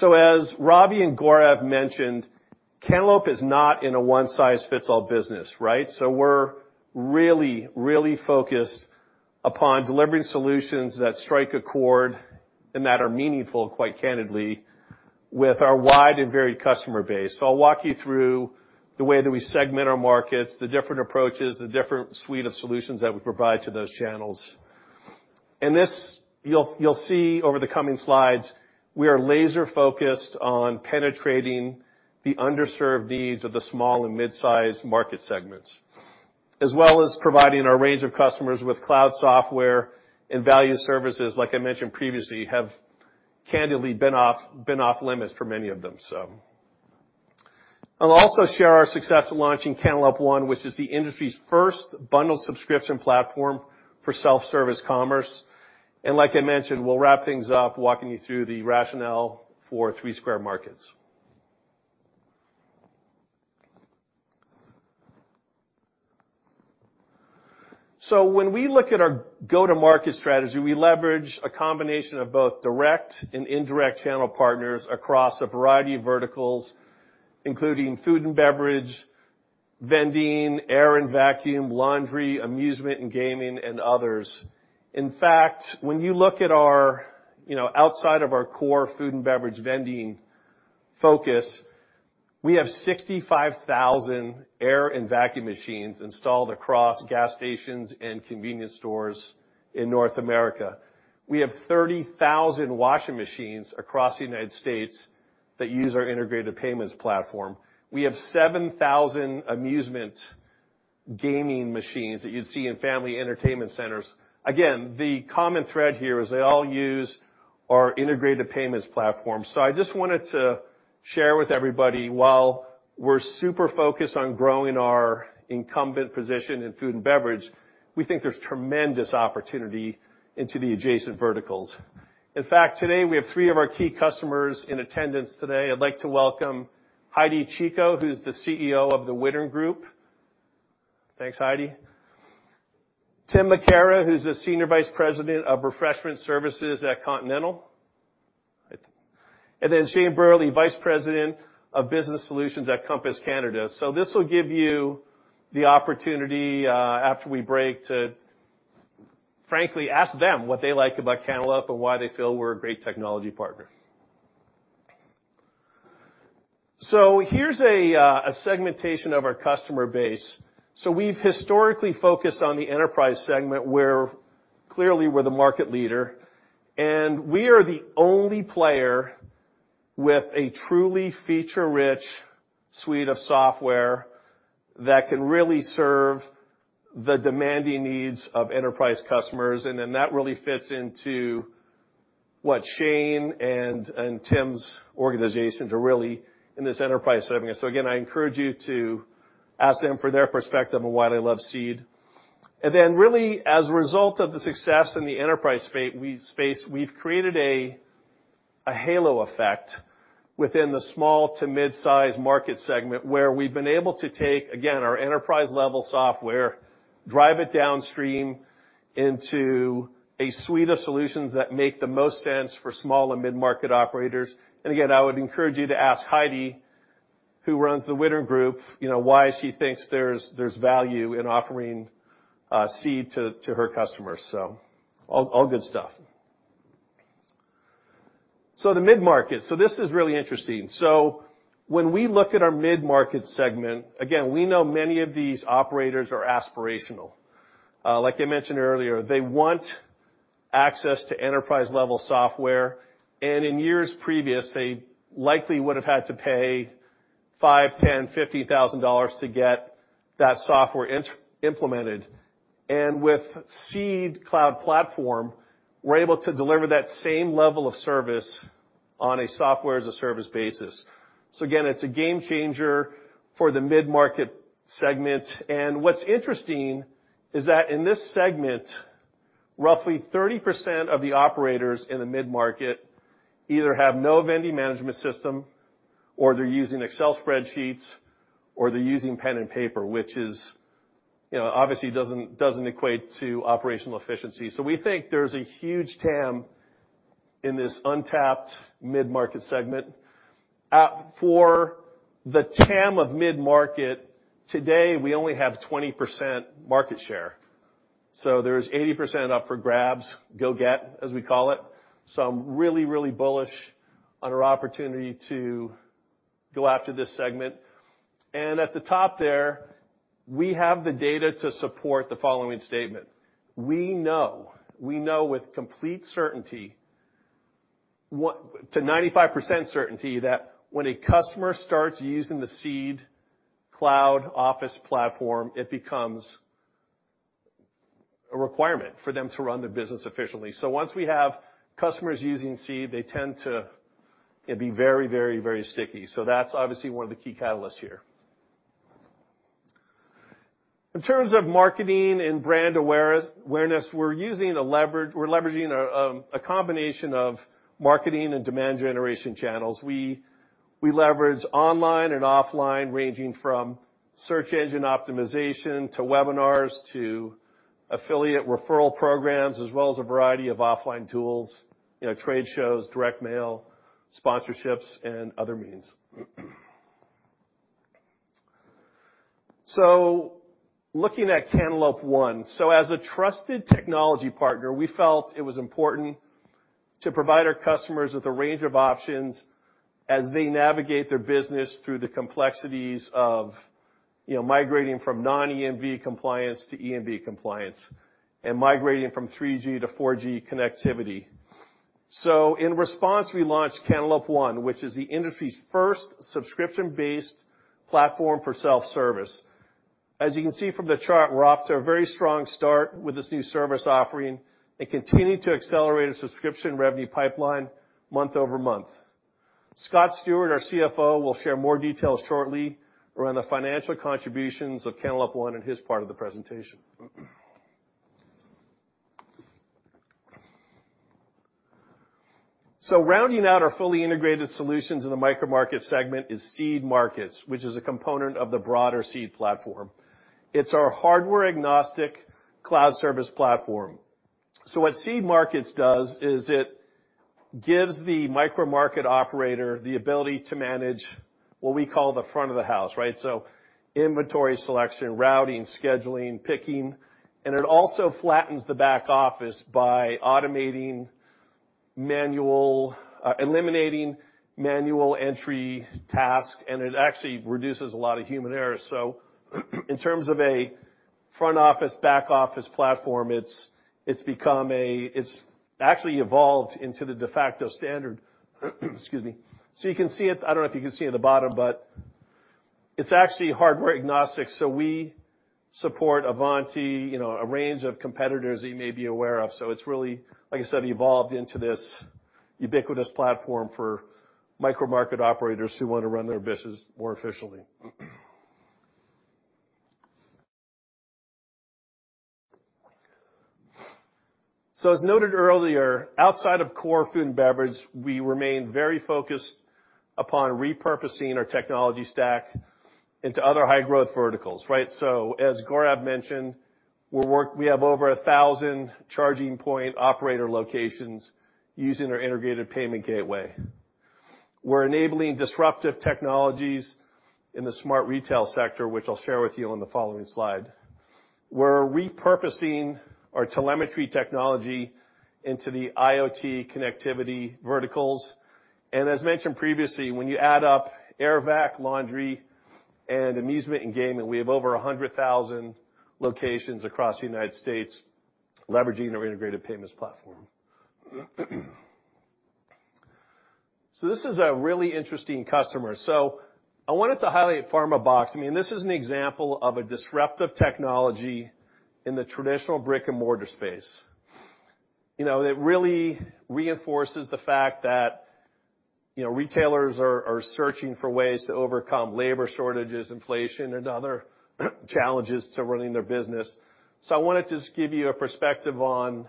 As Ravi and Gaurav mentioned, Cantaloupe is not in a one-size-fits-all business, right? We're really, really focused upon delivering solutions that strike a chord and that are meaningful, quite candidly, with our wide and varied customer base. I'll walk you through the way that we segment our markets, the different approaches, the different suite of solutions that we provide to those channels. This you'll see over the coming slides, we are laser-focused on penetrating the underserved needs of the small and mid-sized market segments, as well as providing our range of customers with cloud software and value services, like I mentioned previously, have candidly been off limits for many of them. I'll also share our success in launching Cantaloupe ONE, which is the industry's first bundled subscription platform for self-service commerce. Like I mentioned, we'll wrap things up walking you through the rationale for Three Square Market. When we look at our go-to-market strategy, we leverage a combination of both direct and indirect channel partners across a variety of verticals, including food and beverage, vending, air and vacuum, laundry, amusement, and gaming, and others. In fact, when you look at our, you know, outside of our core food and beverage vending focus, we have 65,000 air and vacuum machines installed across gas stations and convenience stores in North America. We have 30,000 washing machines across the United States that use our integrated payments platform. We have 7,000 amusement gaming machines that you'd see in family entertainment centers. Again, the common thread here is they all use our integrated payments platform. I just wanted to share with everybody We're super focused on growing our incumbent position in food and beverage. We think there's tremendous opportunity into the adjacent verticals. In fact, today, we have three of our key customers in attendance today. I'd like to welcome Heidi Chico, who's the CEO of The Wittern Group. Thanks, Heidi. Tim McAra, who's the Senior Vice President of Refreshment Services at Continental. Shane Burley, Vice President of Business Solutions at Compass Canada. This will give you the opportunity after we break to frankly ask them what they like about Cantaloupe and why they feel we're a great technology partner. Here's a segmentation of our customer base. We've historically focused on the enterprise segment, where clearly we're the market leader, and we are the only player with a truly feature-rich suite of software that can really serve the demanding needs of enterprise customers. That really fits into what Shane and Tim's organizations are really in this enterprise segment. Again, I encourage you to ask them for their perspective on why they love Seed. Really, as a result of the success in the enterprise space, we've created a halo effect within the small to mid-size market segment where we've been able to take, again, our enterprise-level software, drive it downstream into a suite of solutions that make the most sense for small and mid-market operators. Again, I would encourage you to ask Heidi, who runs The Wittern Group, you know, why she thinks there's value in offering Seed to her customers. All good stuff. The mid-market. This is really interesting. When we look at our mid-market segment, again, we know many of these operators are aspirational. Like I mentioned earlier, they want access to enterprise-level software, and in years previous, they likely would have had to pay $5,000, $10,000, $50,000 to get that software implemented. With Seed Cloud platform, we're able to deliver that same level of service on a software-as-a-service basis. Again, it's a game changer for the mid-market segment. What's interesting is that in this segment, roughly 30% of the operators in the mid-market either have no vending management system, or they're using Excel spreadsheets, or they're using pen and paper, which is, you know, obviously doesn't equate to operational efficiency. We think there's a huge TAM in this untapped mid-market segment. For the TAM of mid-market, today, we only have 20% market share, so there's 80% up for grabs. Go get, as we call it. I'm really, really bullish on our opportunity to go after this segment. At the top there, we have the data to support the following statement. We know with complete certainty to 95% certainty that when a customer starts using the Seed Cloud Office platform, it becomes a requirement for them to run the business efficiently. Once we have customers using Seed, they tend to, it'd be very sticky. That's obviously one of the key catalysts here. In terms of marketing and brand awareness, we're leveraging a combination of marketing and demand generation channels. We leverage online and offline, ranging from search engine optimization to webinars to affiliate referral programs, as well as a variety of offline tools, you know, trade shows, direct mail, sponsorships, and other means. Looking at Cantaloupe ONE. As a trusted technology partner, we felt it was important to provide our customers with a range of options as they navigate their business through the complexities of, you know, migrating from non-EMV compliance to EMV compliance and migrating from 3G to 4G connectivity. In response, we launched Cantaloupe ONE, which is the industry's first subscription-based platform for self-service. As you can see from the chart, we're off to a very strong start with this new service offering and continue to accelerate our subscription revenue pipeline month-over-month. Scott Stewart, our CFO, will share more details shortly around the financial contributions of Cantaloupe ONE in his part of the presentation. Rounding out our fully integrated solutions in the micro market segment is Seed Markets, which is a component of the broader Seed platform. It's our hardware-agnostic cloud service platform. What Seed Markets does is it gives the micro market operator the ability to manage what we call the front of the house. Right? So inventory selection, routing, scheduling, picking, and it also flattens the back office by automating eliminating manual entry tasks, and it actually reduces a lot of human error. In terms of a front office, back office platform, it's actually evolved into the de facto standard. Excuse me. You can see it. I don't know if you can see at the bottom, but it's actually hardware agnostic. We support Avanti, you know, a range of competitors that you may be aware of. It's really, like I said, evolved into this ubiquitous platform for micro-market operators who want to run their business more efficiently. As noted earlier, outside of core food and beverage, we remain very focused upon repurposing our technology stack into other high-growth verticals, right. As Gaurav mentioned, we have over 1,000 charging point operator locations using our integrated payment gateway. We're enabling disruptive technologies in the smart retail sector, which I'll share with you on the following slide. We're repurposing our telemetry technology into the IoT connectivity verticals. As mentioned previously, when you add up AirVac, laundry, and amusement, and gaming, we have over 100,000 locations across the United States leveraging our integrated payments platform. This is a really interesting customer. I wanted to highlight Pharmabox. I mean, this is an example of a disruptive technology in the traditional brick-and-mortar space. You know, it really reinforces the fact that, you know, retailers are searching for ways to overcome labor shortages, inflation, and other challenges to running their business. I wanted to just give you a perspective on,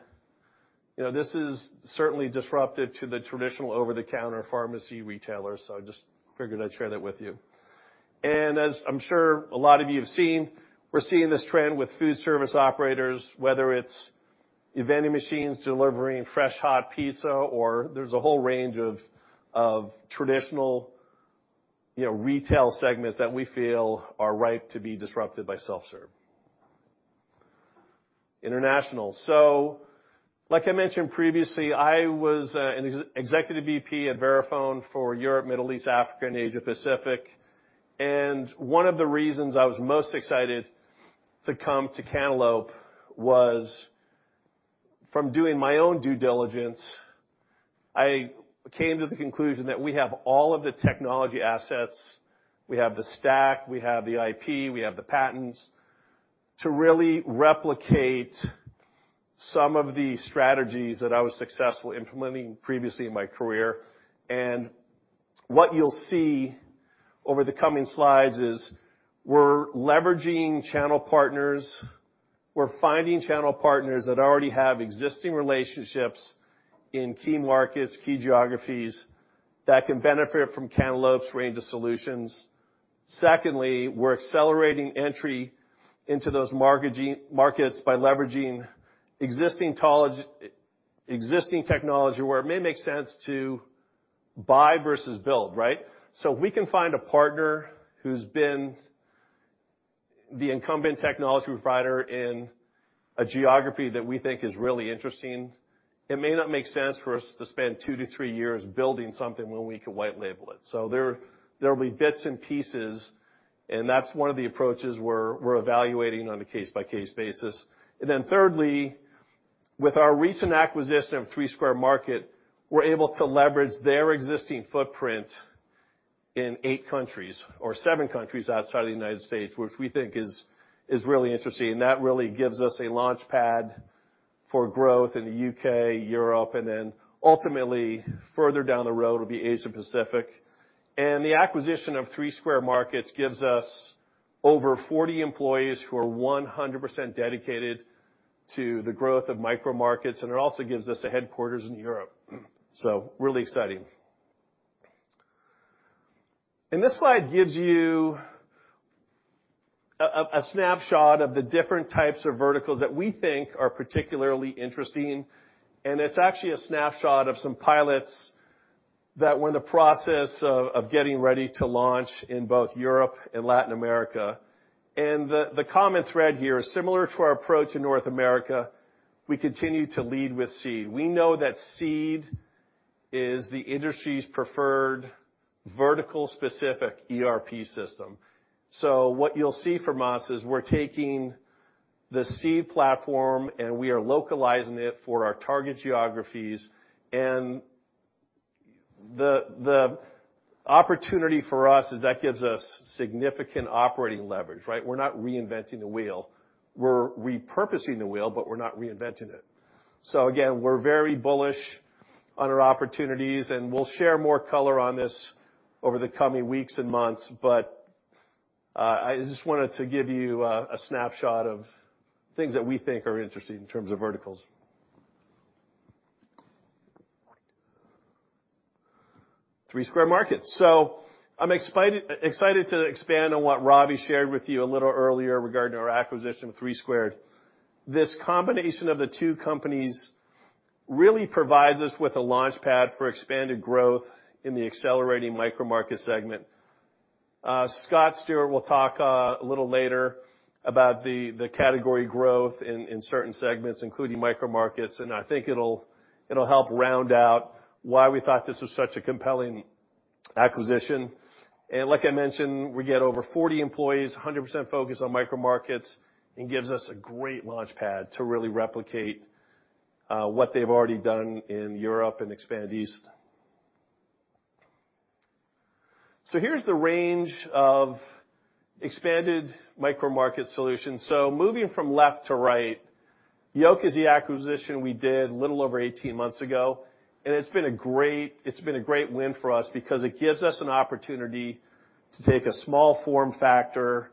you know, this is certainly disruptive to the traditional over-the-counter pharmacy retailers. I just figured I'd share that with you. As I'm sure a lot of you have seen, we're seeing this trend with food service operators, whether it's vending machines delivering fresh, hot pizza, or there's a whole range of traditional, you know, retail segments that we feel are ripe to be disrupted by self-serve. International. Like I mentioned previously, I was an ex-executive VP at Verifone for Europe, Middle East, Africa, and Asia Pacific. One of the reasons I was most excited to come to Cantaloupe was from doing my own due diligence, I came to the conclusion that we have all of the technology assets, we have the stack, we have the IP, we have the patents to really replicate some of the strategies that I was successful implementing previously in my career. What you'll see over the coming slides is we're leveraging channel partners, we're finding channel partners that already have existing relationships in key markets, key geographies that can benefit from Cantaloupe's range of solutions. Secondly, we're accelerating entry into those markets by leveraging existing technology where it may make sense to buy versus build, right? We can find a partner who's been the incumbent technology provider in a geography that we think is really interesting. It may not make sense for us to spend 2 to 3 years building something when we can white label it. There will be bits and pieces, and that's one of the approaches we're evaluating on a case-by-case basis. Thirdly, with our recent acquisition of Three Square Market, we're able to leverage their existing footprint in 8 countries or 7 countries outside of the United States, which we think is really interesting. That really gives us a launchpad for growth in the UK, Europe, and ultimately, further down the road, it'll be Asia-Pacific. The acquisition of Three Square Market gives us over 40 employees who are 100% dedicated to the growth of micro markets, and it also gives us a headquarters in Europe. Really exciting. This slide gives you a snapshot of the different types of verticals that we think are particularly interesting, and it's actually a snapshot of some pilots that we're in the process of getting ready to launch in both Europe and Latin America. The common thread here, similar to our approach in North America, we continue to lead with Seed. We know that Seed is the industry's preferred vertical-specific ERP system. What you'll see from us is we're taking the Seed platform, and we are localizing it for our target geographies. The opportunity for us is that gives us significant operating leverage, right? We're not reinventing the wheel. We're repurposing the wheel, but we're not reinventing it. Again, we're very bullish on our opportunities, and we'll share more color on this over the coming weeks and months. I just wanted to give you a snapshot of things that we think are interesting in terms of verticals. Three Square Market. I'm excited to expand on what Ravi shared with you a little earlier regarding our acquisition of Three Squared. This combination of the two companies really provides us with a launchpad for expanded growth in the accelerating micro-market segment. Scott Stewart will talk a little later about the category growth in certain segments, including micro markets, and I think it'll help round out why we thought this was such a compelling acquisition. Like I mentioned, we get over 40 employees, 100% focused on micro markets, and gives us a great launchpad to really replicate what they've already done in Europe and expand east. So here's the range of expanded micro market solutions. Moving from left to right, Yoke is the acquisition we did a little over 18 months ago, and it's been a great win for us because it gives us an opportunity to take a small form factor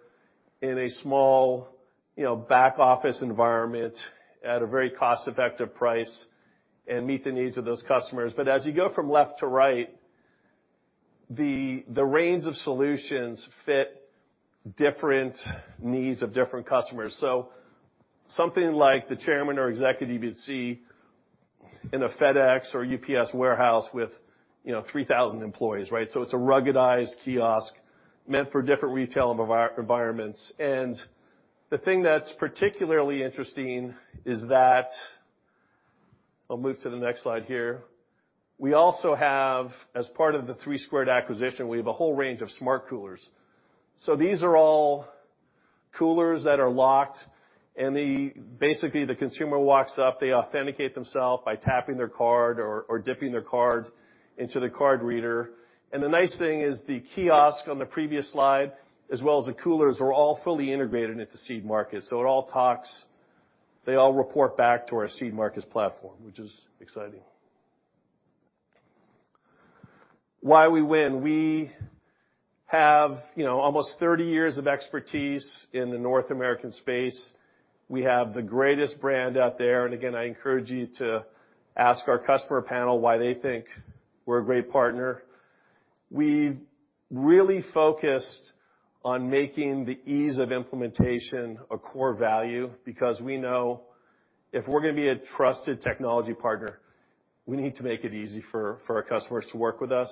in a small, you know, back-office environment at a very cost-effective price and meet the needs of those customers. As you go from left to right, the range of solutions fit different needs of different customers. Something like the chairman or executive you'd see in a FedEx or UPS warehouse with, you know, 3,000 employees, right? It's a ruggedized kiosk meant for different retail environments. The thing that's particularly interesting is that. I'll move to the next slide here. We also have, as part of the Three Squared acquisition, we have a whole range of smart coolers. These are all coolers that are locked, basically, the consumer walks up, they authenticate themselves by tapping their card or dipping their card into the card reader. The nice thing is the kiosk on the previous slide, as well as the coolers, are all fully integrated into Seed Markets. It all talks. They all report back to our Seed Markets platform, which is exciting. Why we win? We have, you know, almost 30 years of expertise in the North American space. We have the greatest brand out there. Again, I encourage you to ask our customer panel why they think we're a great partner. We've really focused on making the ease of implementation a core value because we know if we're gonna be a trusted technology partner, we need to make it easy for our customers to work with us.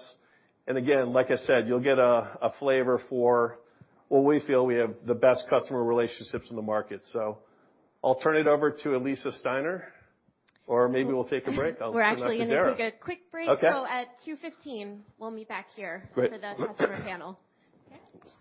again, like I said, you'll get a flavor for what we feel we have the best customer relationships in the market. I'll turn it over to Elyssa Steiner, or maybe we'll take a break. I'll turn it to Darryl. We're actually gonna take a quick break. Okay. At 2:15, we'll meet back here. Great. for the customer panel. Okay? Thanks.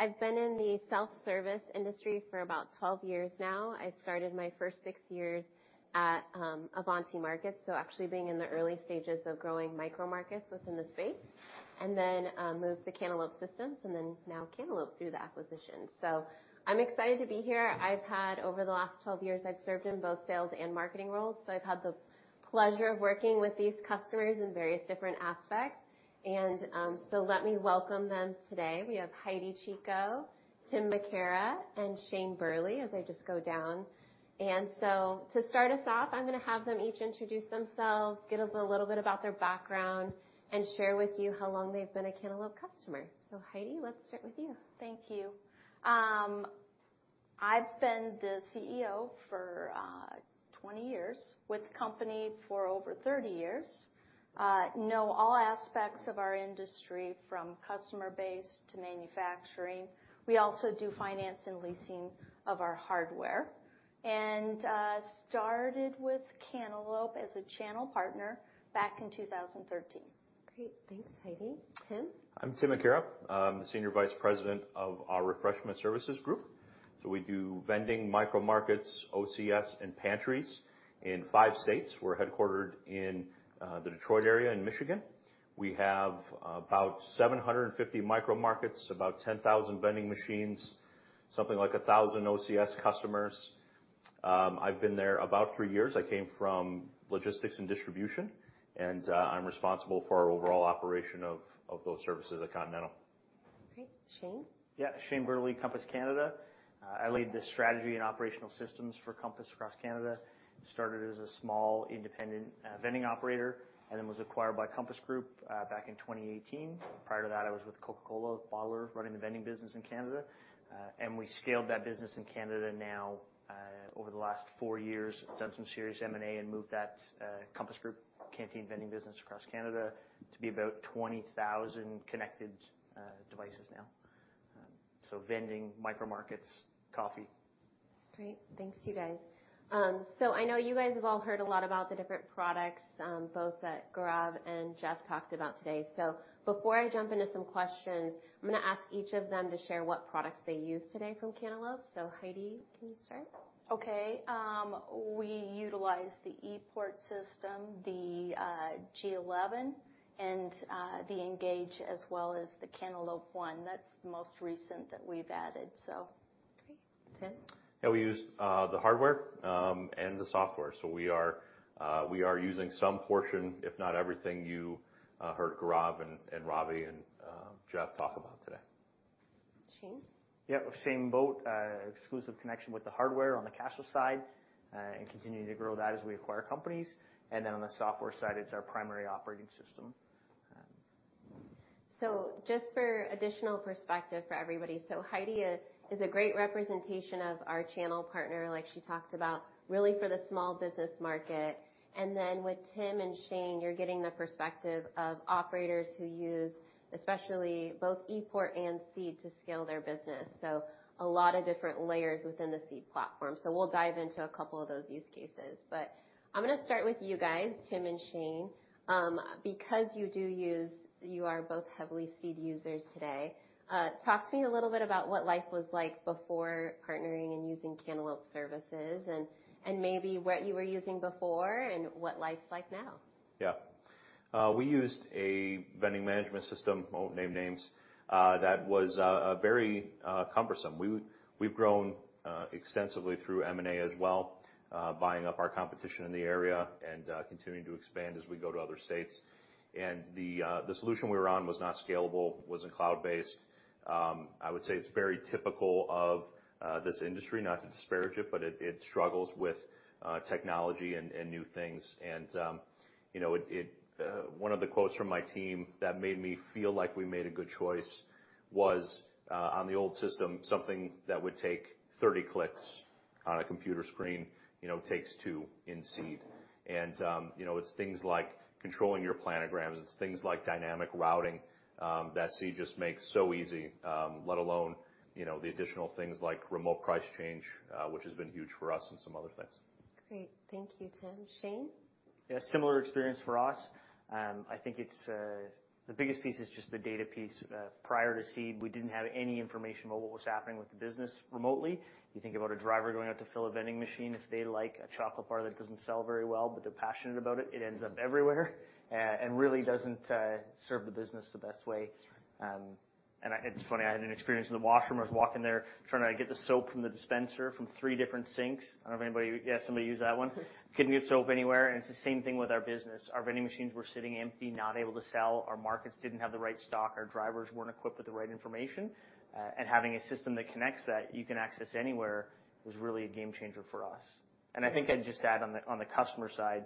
I've been in the self-service industry for about 12 years now. I started my first six years at Avanti Markets, so actually being in the early stages of growing micro markets within the space, and then moved to Cantaloupe Systems, and then now Cantaloupe through the acquisition. I'm excited to be here. I've had over the last 12 years, I've served in both sales and marketing roles, so I've had the pleasure of working with these customers in various different aspects. Let me welcome them today. We have Heidi Chico, Tim McAra, and Shane Burley, as I just go down. To start us off, I'm gonna have them each introduce themselves, give us a little bit about their background and share with you how long they've been a Cantaloupe customer. Heidi, let's start with you. Thank you. I've been the CEO for 20 years, with the company for over 30 years. Know all aspects of our industry from customer base to manufacturing. We also do finance and leasing of our hardware. Started with Cantaloupe as a channel partner back in 2013. Great. Thanks, Heidi. Tim. I'm Tim McAra. I'm the Senior Vice President of our Refreshment Services Group. We do vending micro markets, OCS, and pantries in 5 states. We're headquartered in the Detroit area in Michigan. We have about 750 micro markets, about 10,000 vending machines, something like 1,000 OCS customers. I've been there about 3 years. I came from logistics and distribution, and I'm responsible for our overall operation of those services at Continental. Great. Shane? Shane Burley, Compass Canada. I lead the strategy and operational systems for Compass across Canada. Started as a small independent vending operator and then was acquired by Compass Group back in 2018. Prior to that, I was with Coca-Cola bottler, running the vending business in Canada. We scaled that business in Canada now, over the last 4 years, done some serious M&A and moved that Compass Group Canteen vending business across Canada to be about 20,000 connected devices now. So vending, micro markets, coffee. Great. Thanks to you guys. I know you guys have all heard a lot about the different products, both that Gaurav and Jeff talked about today. Before I jump into some questions, I'm gonna ask each of them to share what products they use today from Cantaloupe. Heidi, can you start? Okay. We utilize the ePort system, the G11 and the Engage as well as the Cantaloupe ONE. That's the most recent that we've added, so. Great. Tim? Yeah, we use, the hardware, and the software. We are using some portion, if not everything you heard Gaurav and Ravi and Jeff talk about today. Shane? Same boat, exclusive connection with the hardware on the cashless side, and continuing to grow that as we acquire companies. On the software side, it's our primary operating system. Just for additional perspective for everybody. Heidi is a great representation of our channel partner, like she talked about, really for the small business market. With Tim and Shane, you're getting the perspective of operators who use especially both ePort and Seed to scale their business. A lot of different layers within the Seed platform. We'll dive into a couple of those use cases. I'm gonna start with you guys, Tim and Shane. Because you are both heavily Seed users today, talk to me a little bit about what life was like before partnering and using Cantaloupe services and maybe what you were using before and what life's like now. Yeah. We used a vending management system, won't name names, that was very cumbersome. We've grown extensively through M&A as well, buying up our competition in the area and continuing to expand as we go to other states. The solution we were on was not scalable, wasn't cloud-based. I would say it's very typical of this industry, not to disparage it, but it struggles with technology and new things. You know, it, one of the quotes from my team that made me feel like we made a good choice was on the old system, something that would take 30 clicks on a computer screen, you know, takes two in Seed. You know, it's things like controlling your planograms. It's things like dynamic routing, that Seed just makes so easy, let alone, you know, the additional things like Remote Price Change, which has been huge for us and some other things. Great. Thank you, Tim. Shane? Yeah, similar experience for us. I think it's the biggest piece is just the data piece. Prior to Seed, we didn't have any information about what was happening with the business remotely. You think about a driver going out to fill a vending machine if they like, a chocolate bar that doesn't sell very well, but they're passionate about it ends up everywhere. Really doesn't serve the business the best way. It's funny, I had an experience in the washroom. I was walking there trying to get the soap from the dispenser from three different sinks. I don't know if anybody... Yeah, somebody used that one. Couldn't get soap anywhere. It's the same thing with our business. Our vending machines were sitting empty, not able to sell. Our markets didn't have the right stock. Our drivers weren't equipped with the right information. Having a system that connects that you can access anywhere was really a game changer for us. I think I'd just add on the, on the customer side,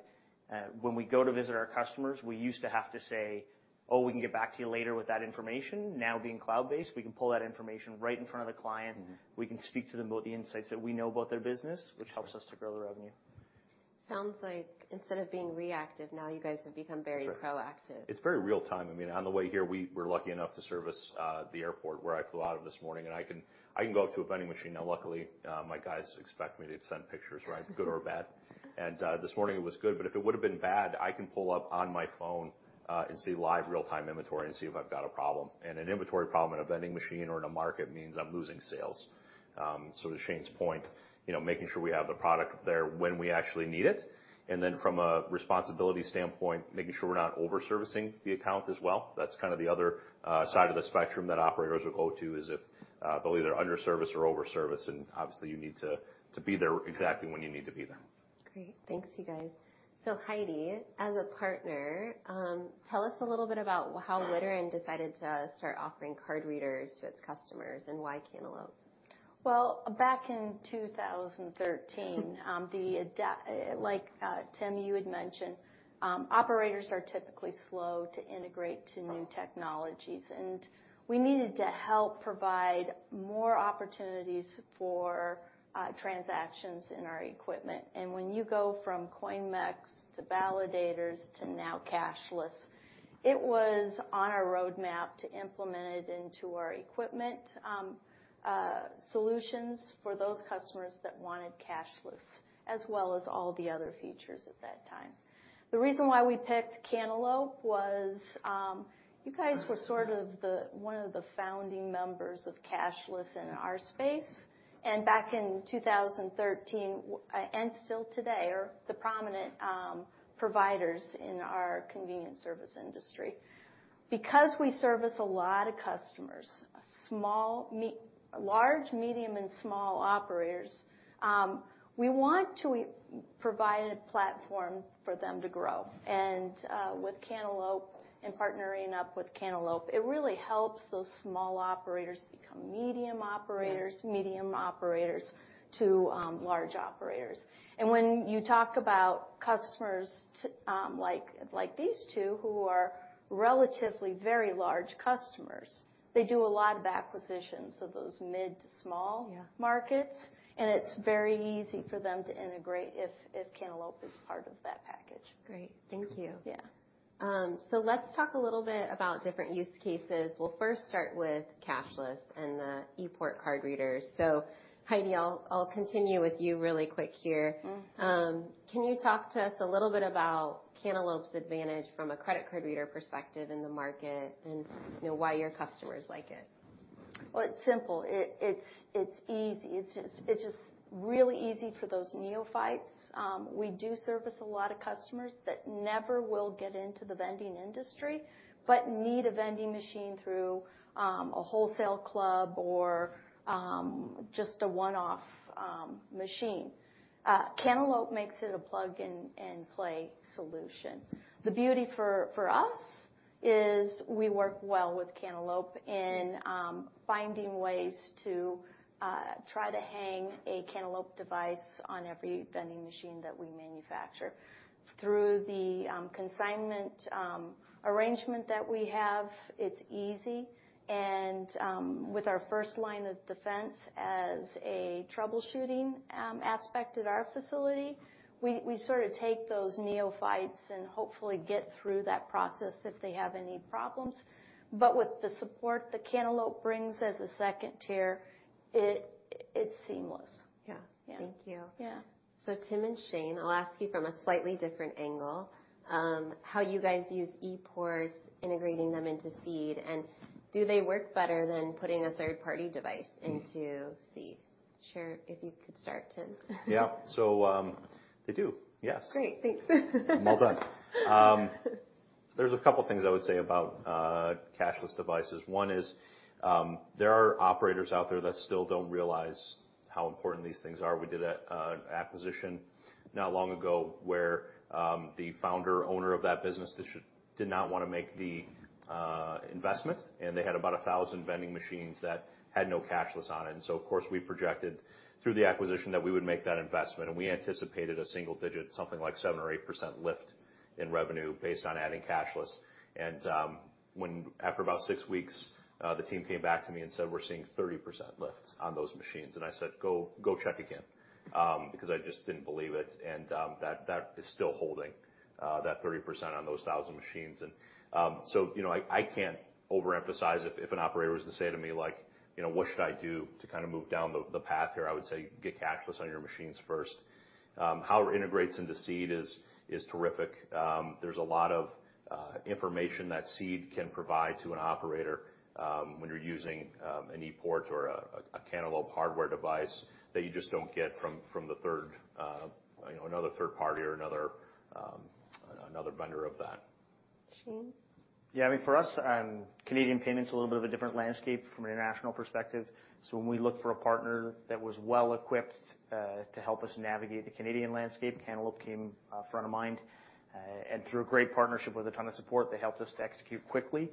when we go to visit our customers, we used to have to say, "Oh, we can get back to you later with that information." Now being cloud-based, we can pull that information right in front of the client. Mm-hmm. We can speak to them about the insights that we know about their business, which helps us to grow the revenue. Sounds like instead of being reactive, now you guys have become very proactive. It's very real time. I mean, on the way here, we were lucky enough to service, the airport where I flew out of this morning, I can go up to a vending machine now. Luckily, my guys expect me to send pictures, right? Good or bad. This morning it was good, but if it would've been bad, I can pull up on my phone, and see live real-time inventory and see if I've got a problem. An inventory problem in a vending machine or in a market means I'm losing sales. So to Shane's point, you know, making sure we have the product there when we actually need it. Then from a responsibility standpoint, making sure we're not over-servicing the account as well. That's kinda the other side of the spectrum that operators will go to is if, they'll either under service or over service, and obviously you need to be there exactly when you need to be there. Great. Thanks you guys. Heidi, as a partner, tell us a little bit about how Wittern decided to start offering card readers to its customers and why Cantaloupe? Well, back in 2013, like Tim, you had mentioned, operators are typically slow to integrate to new technologies, and we needed to help provide more opportunities for transactions in our equipment. When you go from coin mechs to validators to now cashless, it was on our roadmap to implement it into our equipment solutions for those customers that wanted cashless as well as all the other features at that time. The reason why we picked Cantaloupe was, you guys were sort of the one of the founding members of cashless in our space, and back in 2013, and still today, are the prominent providers in our convenience service industry. Because we service a lot of customers, small, large, medium, and small operators, we want to provide a platform for them to grow. With Cantaloupe and partnering up with Cantaloupe, it really helps those small operators become medium operators. Yeah. -medium operators to large operators. When you talk about customers like these two who are relatively very large customers, they do a lot of acquisitions of those mid to small. Yeah. markets, it's very easy for them to integrate if Cantaloupe is part of that package. Great. Thank you. Yeah. Let's talk a little bit about different use cases. We'll first start with cashless and the ePort card readers. Heidi, I'll continue with you really quick here. Mm-hmm. Can you talk to us a little bit about Cantaloupe's advantage from a credit card reader perspective in the market and, you know, why your customers like it? It's simple. It's easy. It's just really easy for those neophytes. We do service a lot of customers that never will get into the vending industry, but need a vending machine through a wholesale club or just a one-off machine. Cantaloupe makes it a plug-in and play solution. The beauty for us is we work well with Cantaloupe in finding ways to try to hang a Cantaloupe device on every vending machine that we manufacture. Through the consignment arrangement that we have, it's easy and with our first line of defense as a troubleshooting aspect at our facility, we sort of take those neophytes and hopefully get through that process if they have any problems. With the support that Cantaloupe brings as a second tier, it's seamless. Yeah. Yeah. Thank you. Yeah. Tim and Shane, I'll ask you from a slightly different angle, how you guys use ePorts, integrating them into Seed, and do they work better than putting a third-party device into Seed? Sure, if you could start, Tim. Yeah. They do, yes. Great, thanks. Well done. There's a couple things I would say about cashless devices. One is, there are operators out there that still don't realize how important these things are. We did an acquisition not long ago where the founder, owner of that business did not wanna make the investment, and they had about 1,000 vending machines that had no cashless on it. Of course, we projected through the acquisition that we would make that investment, and we anticipated a single digit, something like 7% or 8% lift in revenue based on adding cashless. When after about six weeks, the team came back to me and said, "We're seeing 30% lifts on those machines." I said, "Go check again," because I just didn't believe it, and that is still holding, that 30% on those 1,000 machines. You know, I can't overemphasize if an operator was to say to me like, you know, "What should I do to kind of move down the path here?" I would say, "Get cashless on your machines first." How it integrates into Seed is terrific. There's a lot of information that Seed can provide to an operator, when you're using an ePort or a Cantaloupe hardware device that you just don't get from the third, you know, another third party or another vendor of that. Shane? Yeah. I mean, for us, Canadian payment's a little bit of a different landscape from an international perspective. When we look for a partner that was well-equipped to help us navigate the Canadian landscape, Cantaloupe came front of mind. Through a great partnership with a ton of support, they helped us to execute quickly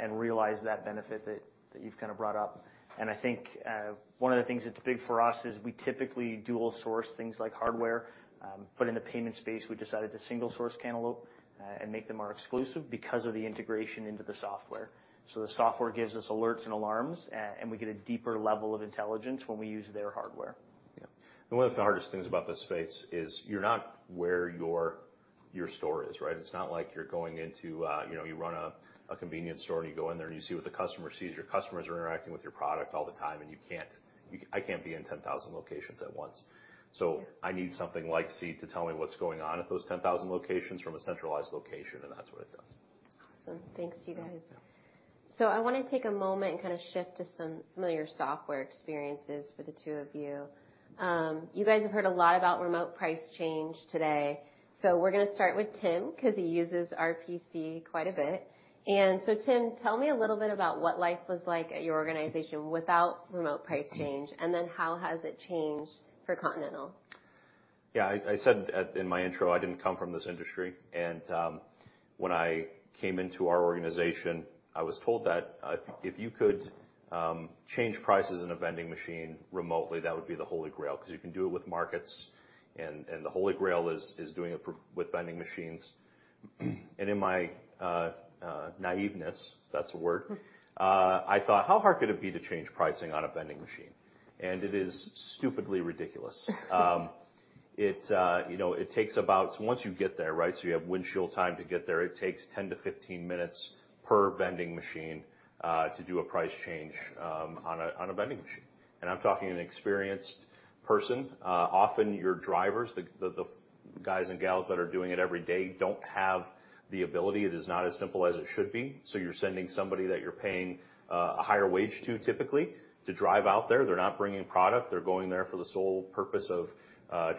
and realize that benefit that you've kind of brought up. I think, one of the things that's big for us is we typically dual source things like hardware. In the payment space, we decided to single source Cantaloupe and make them our exclusive because of the integration into the software. The software gives us alerts and alarms and we get a deeper level of intelligence when we use their hardware. Yeah. One of the hardest things about this space is you're not where your store is, right? It's not like you're going into, you know, you run a convenience store, and you go in there, and you see what the customer sees. Your customers are interacting with your product all the time, and you can't... I can't be in 10,000 locations at once. Yeah. I need something like Seed to tell me what's going on at those 10,000 locations from a centralized location, and that's what it does. Awesome. Thanks, you guys. Yeah. I want to take a moment and kind of shift to some familiar software experiences for the 2 of you. You guys have heard a lot about Remote Price Change today. We're going to start with Tim because he uses RPC quite a bit. Tim, tell me a little bit about what life was like at your organization without Remote Price Change, and then how has it changed for Continental? Yeah, I said at, in my intro I didn't come from this industry. When I came into our organization, I was told that if you could change prices in a vending machine remotely, that would be the Holy Grail 'cause you can do it with markets and the Holy Grail is doing it for, with vending machines. In my naiveness, if that's a word, I thought, "How hard could it be to change pricing on a vending machine?" It is stupidly ridiculous. It, you know, it takes about. Once you get there, right, so you have windshield time to get there, it takes 10-15 minutes per vending machine to do a price change on a vending machine, and I'm talking an experienced person. Often your drivers, the guys and gals that are doing it every day, don't have the ability. It is not as simple as it should be. You're sending somebody that you're paying a higher wage to typically to drive out there. They're not bringing product. They're going there for the sole purpose of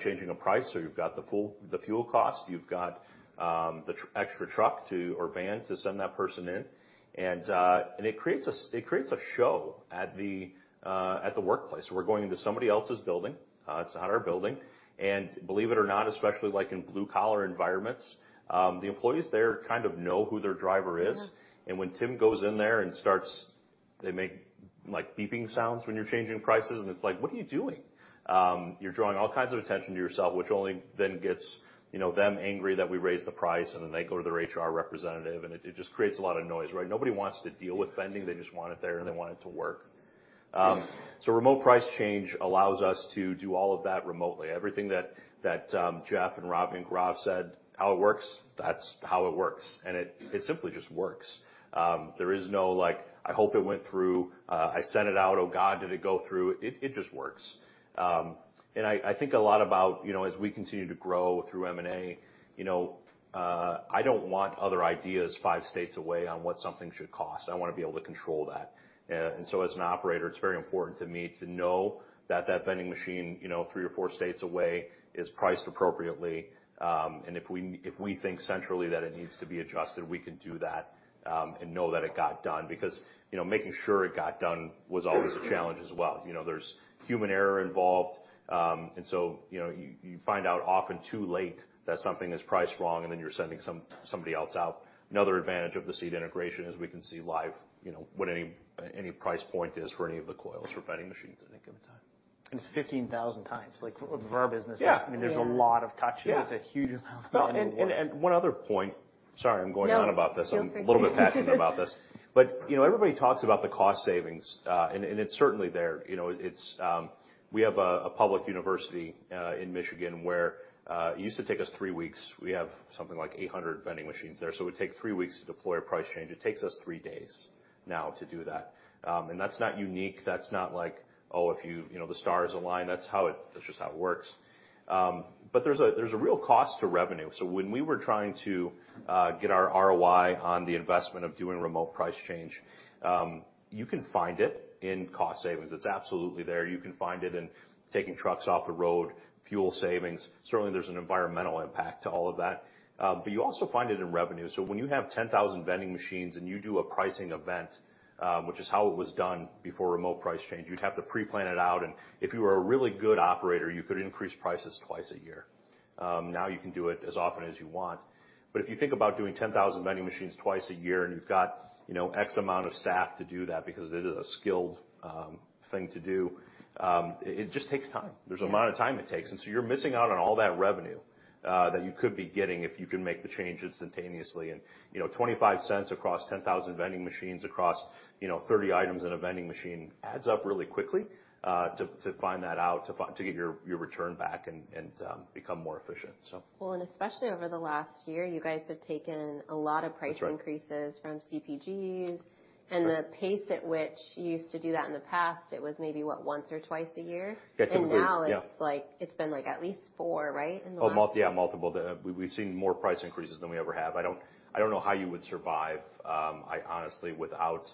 changing a price. You've got the fuel cost. You've got the extra truck to, or van, to send that person in. It creates a show at the workplace. We're going into somebody else's building, it's not our building. Believe it or not, especially like in blue-collar environments, the employees there kind of know who their driver is. Yeah. When Tim goes in there and starts... They make, like, beeping sounds when you're changing prices, and it's like, "What are you doing?" You're drawing all kinds of attention to yourself, which only then gets, you know, them angry that we raised the price, then they go to their HR representative, it just creates a lot of noise, right? Nobody wants to deal with vending. They just want it there, and they want it to work. Remote Price Change allows us to do all of that remotely. Everything that Jeff and Rob and Grav said, how it works, that's how it works. It simply just works. There is no like, "I hope it went through. I sent it out. Oh, God, did it go through?" It just works. I think a lot about, you know, as we continue to grow through M&A, you know, I don't want other ideas five states away on what something should cost. I wanna be able to control that. As an operator, it's very important to me to know that that vending machine, you know, three or four states away is priced appropriately, and if we think centrally that it needs to be adjusted, we can do that, and know that it got done. You know, making sure it got done was always a challenge as well. You know, there's human error involved, and so, you know, you find out often too late that something is priced wrong, and then you're sending somebody else out. Another advantage of the Seed integration is we can see live, you know, what any price point is for any of the coils for vending machines at any given time. It's 15,000 times. Like for our business- Yeah. Yeah. I mean, there's a lot of touches. Yeah. It's a huge amount of manual work. No, and one other point. Sorry, I'm going on about this. No, keep going. I'm a little bit passionate about this. You know, everybody talks about the cost savings, and it's certainly there. You know, it's. We have a public university in Michigan where it used to take us three weeks. We have something like 800 vending machines there, so it would take three weeks to deploy a Remote Price Change. It takes us three days now to do that. That's not unique. That's not like, oh, if you know, the stars align. That's just how it works. There's a, there's a real cost to revenue. When we were trying to get our ROI on the investment of doing Remote Price Change, you can find it in cost savings. It's absolutely there. You can find it in taking trucks off the road, fuel savings. Certainly, there's an environmental impact to all of that. You also find it in revenue. When you have 10,000 vending machines and you do a pricing event, which is how it was done before Remote Price Change, you'd have to pre-plan it out, and if you were a really good operator, you could increase prices twice a year. Now you can do it as often as you want. If you think about doing 10,000 vending machines twice a year and you've got, you know, X amount of staff to do that, because it is a skilled thing to do, it just takes time. Yeah. There's amount of time it takes, and so you're missing out on all that revenue that you could be getting if you can make the change instantaneously. You know, $0.25 across 10,000 vending machines across, you know, 30 items in a vending machine adds up really quickly to find that out, to get your return back and become more efficient. Especially over the last year, you guys have taken a lot of price increases... That's right. from CPGs. Right. The pace at which you used to do that in the past, it was maybe, what, once or twice a year? Yeah, completely. Yeah. Now it's like, it's been, like, at least four, right, in the last... Yeah, multiple. We've seen more price increases than we ever have. I don't know how you would survive, I honestly, without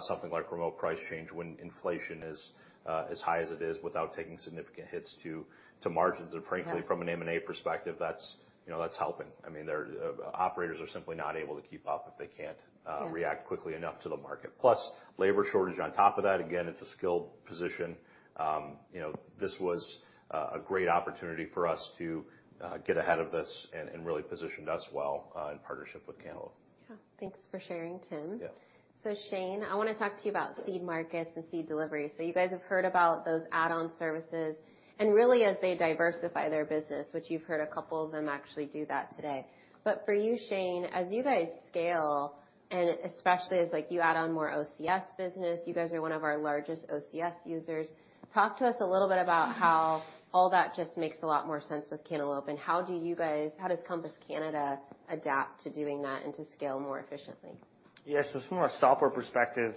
something like Remote Price Change when inflation is as high as it is without taking significant hits to margins. Yeah. Frankly, from an M&A perspective, that's, you know, that's helping. I mean, they're operators are simply not able to keep up if they can't. Yeah. react quickly enough to the market. Labor shortage on top of that. Again, it's a skilled position. You know, this was a great opportunity for us to get ahead of this and really positioned us well in partnership with Cantaloupe. Yeah. Thanks for sharing, Tim. Yeah. Shane, I wanna talk to you about Seed Markets and Seed Delivery. You guys have heard about those add-on services, and really as they diversify their business, which you've heard a couple of them actually do that today. For you, Shane, as you guys scale, and especially as, like, you add on more OCS business, you guys are one of our largest OCS users. Talk to us a little bit about how all that just makes a lot more sense with Cantaloupe, and how do you guys, how does Compass Canada adapt to doing that and to scale more efficiently? Yes. From a software perspective,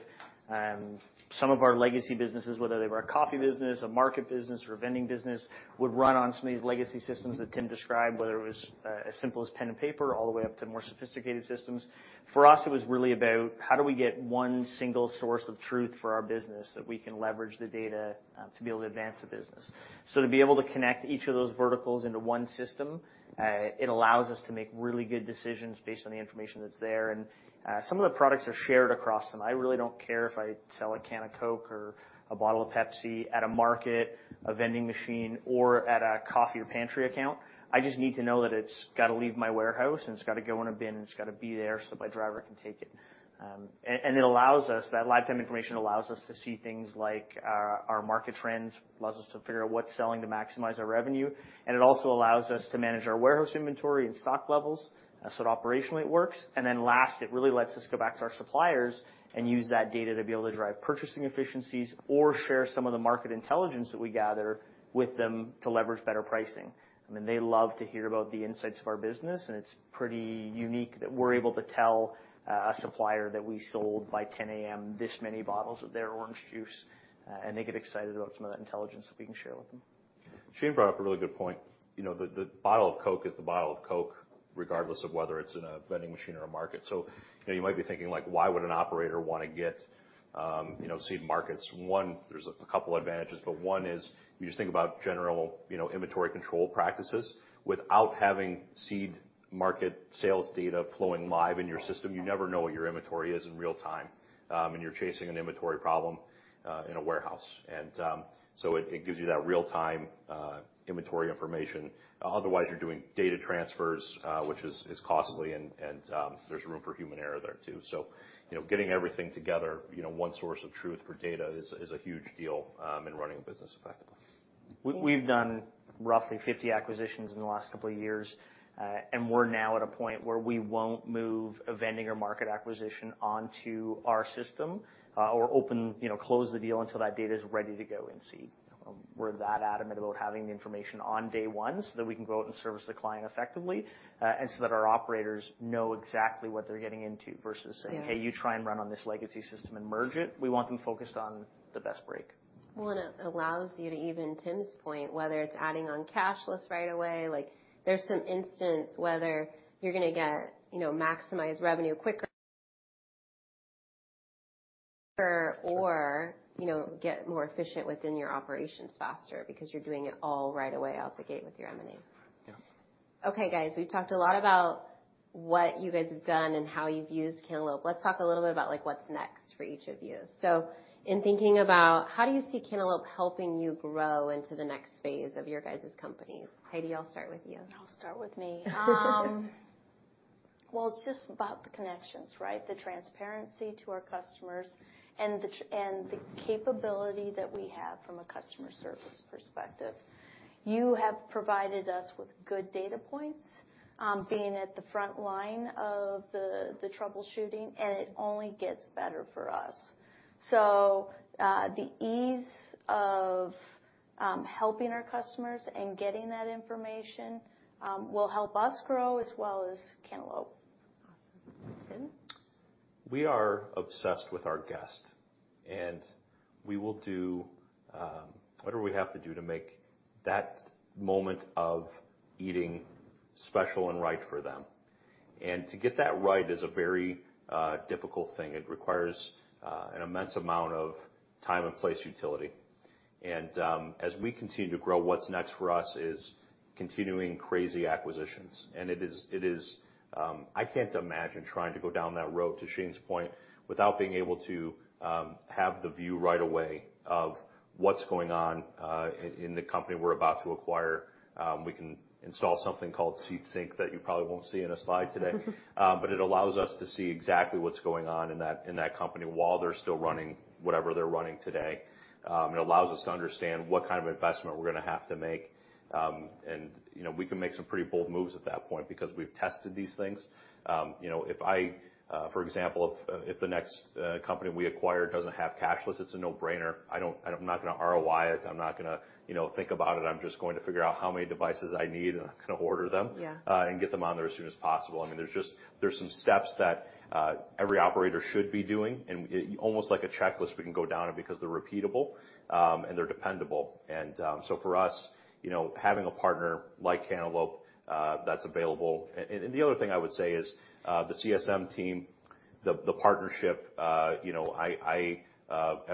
some of our legacy businesses, whether they were a coffee business, a market business, or a vending business, would run on some of these legacy systems that Tim described, whether it was as simple as pen and paper all the way up to more sophisticated systems. For us, it was really about how do we get one single source of truth for our business that we can leverage the data to be able to advance the business. To be able to connect each of those verticals into one system, it allows us to make really good decisions based on the information that's there. Some of the products are shared across, and I really don't care if I sell a can of Coke or a bottle of Pepsi at a market, a vending machine, or at a coffee or pantry account. I just need to know that it's gotta leave my warehouse, and it's gotta go on a bin, and it's gotta be there so my driver can take it. And that lifetime information allows us to see things like our market trends, allows us to figure out what's selling to maximize our revenue, and it also allows us to manage our warehouse inventory and stock levels, so it operationally works. Last, it really lets us go back to our suppliers and use that data to be able to drive purchasing efficiencies or share some of the market intelligence that we gather with them to leverage better pricing. I mean, they love to hear about the insights of our business, and it's pretty unique that we're able to tell a supplier that we sold by 10:00 A.M. this many bottles of their orange juice, and they get excited about some of that intelligence that we can share with them. Shane brought up a really good point. The bottle of Coke is the bottle of Coke, regardless of whether it's in a vending machine or a market. You might be thinking, why would an operator wanna get Seed Markets? One, there's a couple advantages, but one is you just think about general inventory control practices. Without having Seed Markets sales data flowing live in your system, you never know what your inventory is in real time, and you're chasing an inventory problem in a warehouse. It gives you that real-time inventory information. Otherwise, you're doing data transfers, which is costly and there's room for human error there too. You know, getting everything together, you know, one source of truth for data is a huge deal, in running a business effectively. We've done roughly 50 acquisitions in the last couple of years. We're now at a point where we won't move a vending or market acquisition onto our system or open, you know, close the deal until that data is ready to go in Seed. We're that adamant about having the information on day one so that we can go out and service the client effectively, so that our operators know exactly what they're getting into versus saying- Yeah. Hey, you try and run on this legacy system and merge it. We want them focused on the best break. It allows you to even Tim's point, whether it's adding on cashless right away, like, there's some instance whether you're gonna get, you know, maximize revenue quicker or, you know, get more efficient within your operations faster because you're doing it all right away out the gate with your M&As. Yeah. Okay, guys. We've talked a lot about what you guys have done and how you've used Cantaloupe. Let's talk a little bit about, like, what's next for each of you. In thinking about how do you see Cantaloupe helping you grow into the next phase of your guys's companies? Heidi, I'll start with you. I'll start with me. Well, it's just about the connections, right? The transparency to our customers and the capability that we have from a customer service perspective. You have provided us with good data points, being at the front line of the troubleshooting, and it only gets better for us. The ease of helping our customers and getting that information will help us grow as well as Cantaloupe. Awesome. Tim? We are obsessed with our guests, we will do whatever we have to do to make that moment of eating special and right for them. To get that right is a very difficult thing. It requires an immense amount of time and place utility. As we continue to grow, what's next for us is continuing crazy acquisitions. It is, I can't imagine trying to go down that road, to Shane's point, without being able to have the view right away of what's going on in the company we're about to acquire. We can install something called Seed Sync that you probably won't see in a slide today. It allows us to see exactly what's going on in that company while they're still running whatever they're running today. It allows us to understand what kind of investment we're gonna have to make. You know, we can make some pretty bold moves at that point because we've tested these things. You know, if I, for example, if the next company we acquire doesn't have cashless, it's a no-brainer. I'm not gonna ROI it. I'm not gonna, you know, think about it. I'm just going to figure out how many devices I need, and I'm gonna order them- Yeah. and get them on there as soon as possible. I mean, there's some steps that every operator should be doing, and almost like a checklist we can go down because they're repeatable, and they're dependable. So for us, you know, having a partner like Cantaloupe that's available. The other thing I would say is the CSM team, the partnership, you know, I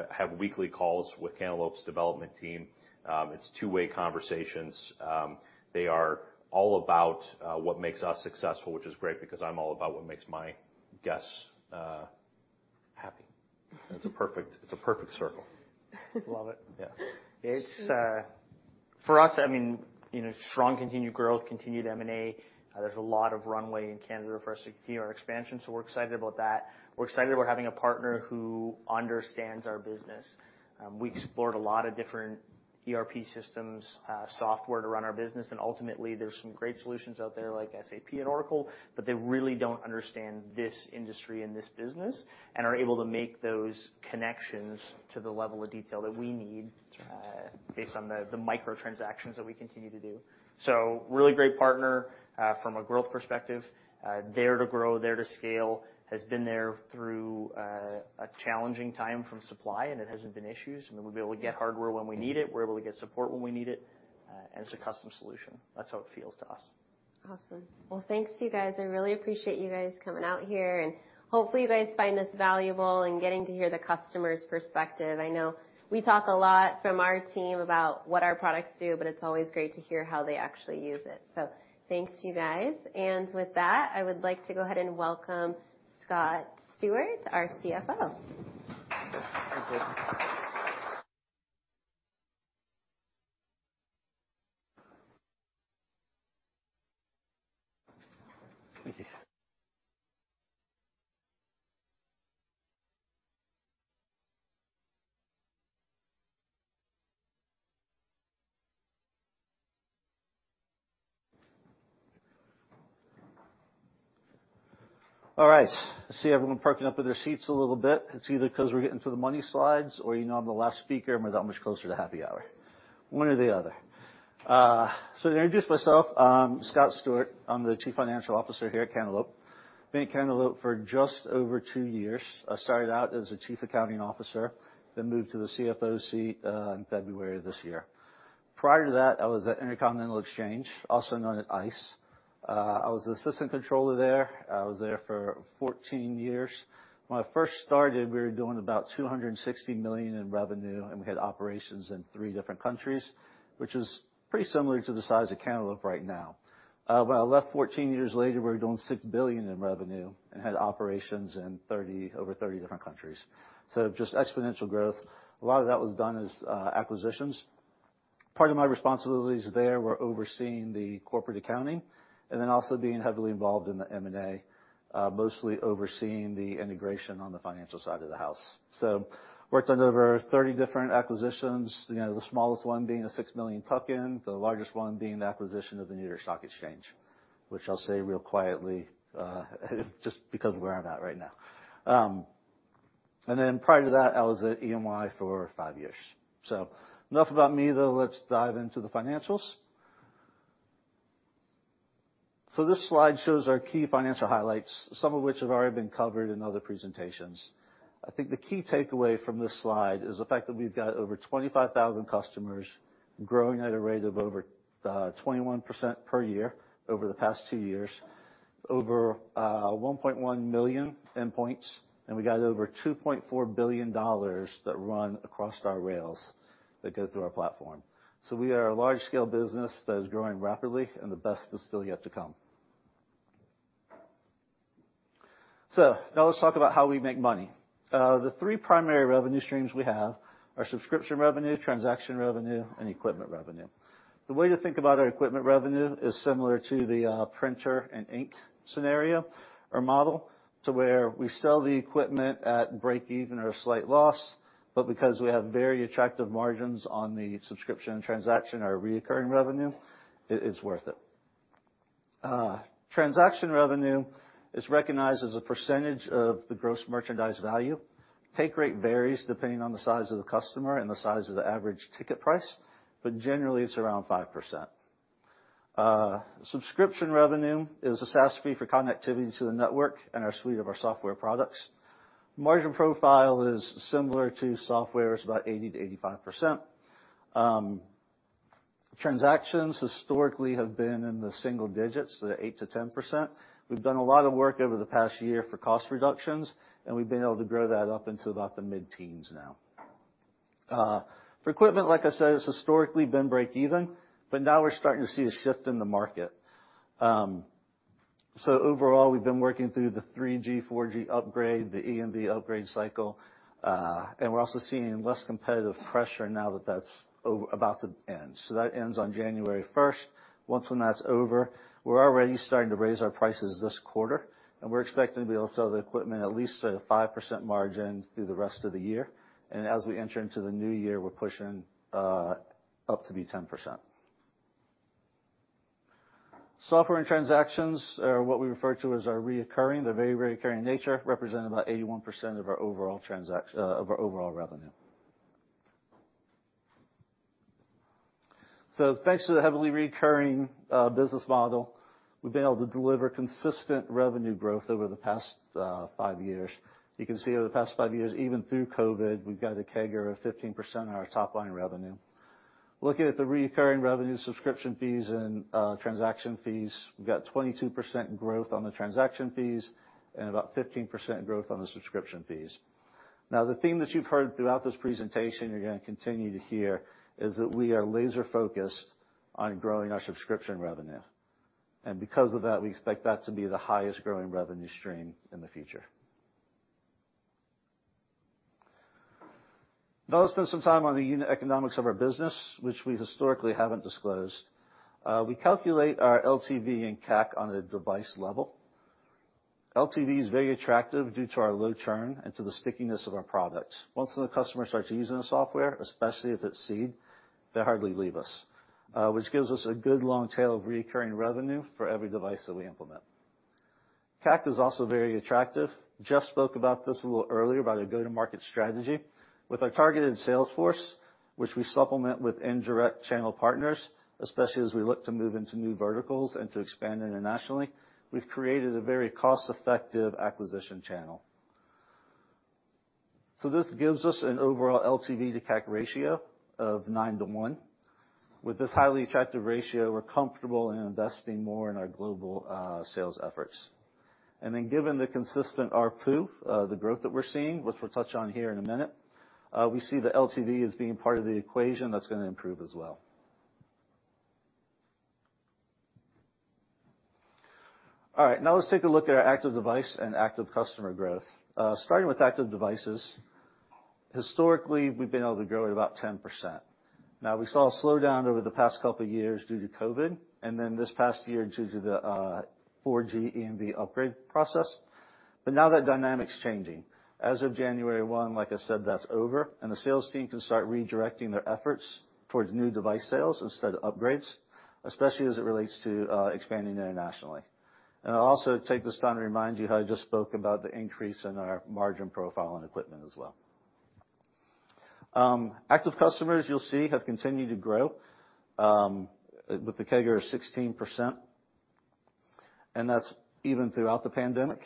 have weekly calls with Cantaloupe's development team. It's two-way conversations. They are all about what makes us successful, which is great because I'm all about what makes my guests happy. It's a perfect circle. Love it. Yeah. It's, for us, I mean, you know, strong continued growth, continued M&A. There's a lot of runway in Canada for us to continue our expansion, so we're excited about that. We're excited about having a partner who understands our business. We explored a lot of different ERP systems, software to run our business, and ultimately, there's some great solutions out there like SAP and Oracle, but they really don't understand this industry and this business. Are able to make those connections to the level of detail that we need, based on the micro transactions that we continue to do. Really great partner, from a growth perspective, there to grow, there to scale, has been there through, a challenging time from supply, and it hasn't been issues, and we'll be able to get hardware when we need it. We're able to get support when we need it, and it's a custom solution. That's how it feels to us. Awesome. Well, thanks you guys. I really appreciate you guys coming out here, and hopefully you guys find this valuable in getting to hear the customer's perspective. I know we talk a lot from our team about what our products do, but it's always great to hear how they actually use it. So thanks you guys. And with that, I would like to go ahead and welcome Scott Stewart, our CFO. All right. I see everyone perking up in their seats a little bit. It's either 'cause we're getting to the money slides or you know I'm the last speaker, and we're that much closer to happy hour. One or the other. To introduce myself, I'm Scott Stewart. I'm the chief financial officer here at Cantaloupe. Been at Cantaloupe for just over two years. I started out as the chief accounting officer, then moved to the CFO seat in February of this year. Prior to that, I was at Intercontinental Exchange, also known as ICE. I was the assistant controller there. I was there for 14 years. When I first started, we were doing about $260 million in revenue, and we had operations in three different countries, which is pretty similar to the size of Cantaloupe right now. When I left 14 years later, we were doing $6 billion in revenue and had operations in over 30 different countries. Just exponential growth. A lot of that was done as acquisitions. Part of my responsibilities there were overseeing the corporate accounting and then also being heavily involved in the M&A, mostly overseeing the integration on the financial side of the house. Worked on over 30 different acquisitions, you know, the smallest one being a $6 million tuck-in, the largest one being the acquisition of the New York Stock Exchange, which I'll say real quietly, just because of where I'm at right now. Then prior to that, I was at EMI for five years. Enough about me, though. Let's dive into the financials. This slide shows our key financial highlights, some of which have already been covered in other presentations. I think the key takeaway from this slide is the fact that we've got over 25,000 customers growing at a rate of over 21% per year over the past two years. Over 1.1 million endpoints, and we got over $2.4 billion that run across our rails that go through our platform. We are a large-scale business that is growing rapidly, and the best is still yet to come. Now let's talk about how we make money. The three primary revenue streams we have are subscription revenue, transaction revenue, and equipment revenue. The way to think about our equipment revenue is similar to the printer and ink scenario or model to where we sell the equipment at break even or a slight loss, but because we have very attractive margins on the subscription and transaction, our recurring revenue, it is worth it. Transaction revenue is recognized as a percentage of the gross merchandise value. Take rate varies depending on the size of the customer and the size of the average ticket price, but generally, it's around 5%. Subscription revenue is a SaaS fee for connectivity to the network and our suite of our software products. Margin profile is similar to software. It's about 80%-85%. Transactions historically have been in the single digits, the 8%-10%. We've done a lot of work over the past year for cost reductions, and we've been able to grow that up into about the mid-teens now. For equipment, like I said, it's historically been break even, but now we're starting to see a shift in the market. Overall, we've been working through the 3G, 4G upgrade, the EMV upgrade cycle, and we're also seeing less competitive pressure now that that's about to end. That ends on January first. Once when that's over, we're already starting to raise our prices this quarter, and we're expecting to be able to sell the equipment at least at a 5% margin through the rest of the year. As we enter into the new year, we're pushing up to be 10%. Software and transactions are what we refer to as our reoccurring. They're very, very recurring in nature, represent about 81% of our overall revenue. Thanks to the heavily recurring business model, we've been able to deliver consistent revenue growth over the past five years. You can see over the past five years, even through COVID, we've got a CAGR of 15% on our top-line revenue. Looking at the recurring revenue subscription fees and transaction fees, we've got 22% growth on the transaction fees and about 15% growth on the subscription fees. The theme that you've heard throughout this presentation, you're gonna continue to hear, is that we are laser-focused on growing our subscription revenue. Because of that, we expect that to be the highest growing revenue stream in the future. Let's spend some time on the unit economics of our business, which we historically haven't disclosed. We calculate our LTV and CAC on a device level. LTV is very attractive due to our low churn and to the stickiness of our products. Once the customers start using the software, especially if it's Seed, they hardly leave us, which gives us a good long tail of recurring revenue for every device that we implement. CAC is also very attractive. Jeff spoke about this a little earlier about our go-to-market strategy. With our targeted sales force, which we supplement with indirect channel partners, especially as we look to move into new verticals and to expand internationally, we've created a very cost-effective acquisition channel. This gives us an overall LTV to CAC ratio of 9 to 1. With this highly attractive ratio, we're comfortable in investing more in our global sales efforts. Given the consistent ARPU, the growth that we're seeing, which we'll touch on here in a minute, we see the LTV as being part of the equation that's gonna improve as well. Let's take a look at our active device and active customer growth. Starting with active devices. Historically, we've been able to grow at about 10%. We saw a slowdown over the past couple years due to COVID, and then this past year due to the 4G EMV upgrade process, but now that dynamic's changing. As of January 1, like I said, that's over, and the sales team can start redirecting their efforts towards new device sales instead of upgrades, especially as it relates to expanding internationally. I'll also take this time to remind you how I just spoke about the increase in our margin profile and equipment as well. Active customers, you'll see, have continued to grow with a CAGR of 16%, and that's even throughout the pandemic.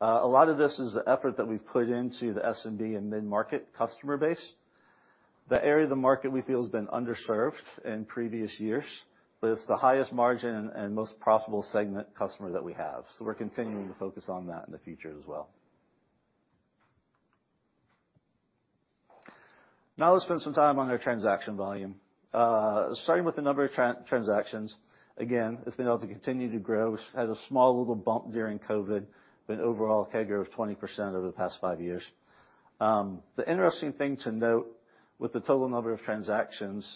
A lot of this is the effort that we've put into the SMB and mid-market customer base. The area of the market we feel has been underserved in previous years, but it's the highest margin and most profitable segment customer that we have. We're continuing to focus on that in the future as well. Now let's spend some time on our transaction volume. Starting with the number of transactions. Again, it's been able to continue to grow. We've had a small little bump during COVID, but overall CAGR of 20% over the past five years. The interesting thing to note with the total number of transactions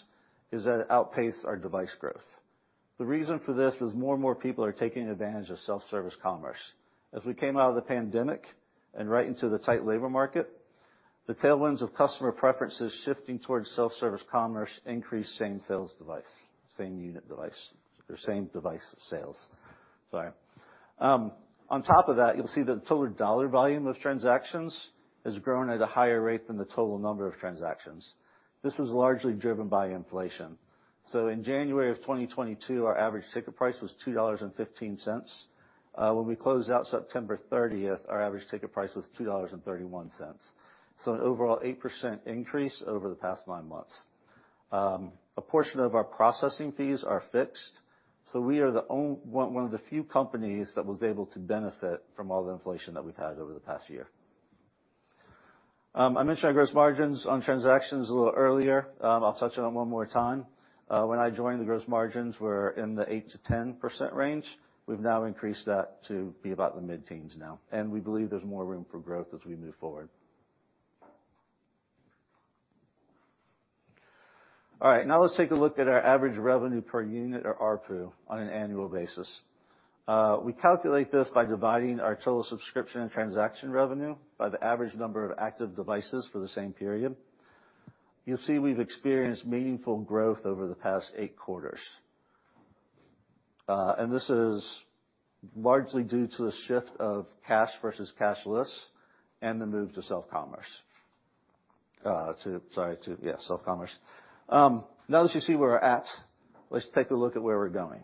is that it outpaced our device growth. The reason for this is more and more people are taking advantage of self-service commerce. As we came out of the pandemic and right into the tight labor market, the tailwinds of customer preferences shifting towards self-service commerce increased same sales device, same unit device or same device sales. Sorry. On top of that, you'll see the total dollar volume of transactions has grown at a higher rate than the total number of transactions. This was largely driven by inflation. In January of 2022, our average ticket price was $2.15. When we closed out September 30th, our average ticket price was $2.31. An overall 8% increase over the past nine months. A portion of our processing fees are fixed, we are one of the few companies that was able to benefit from all the inflation that we've had over the past year. I mentioned our gross margins on transactions a little earlier, I'll touch on it one more time. When I joined, the gross margins were in the 8%-10% range. We've now increased that to be about the mid-teens now, and we believe there's more room for growth as we move forward. Now let's take a look at our average revenue per unit or ARPU on an annual basis. We calculate this by dividing our total subscription and transaction revenue by the average number of active devices for the same period. You'll see we've experienced meaningful growth over the past eight quarters. This is largely due to the shift of cash versus cashless and the move to self-commerce. Yeah, self-commerce. Now that you see where we're at, let's take a look at where we're going.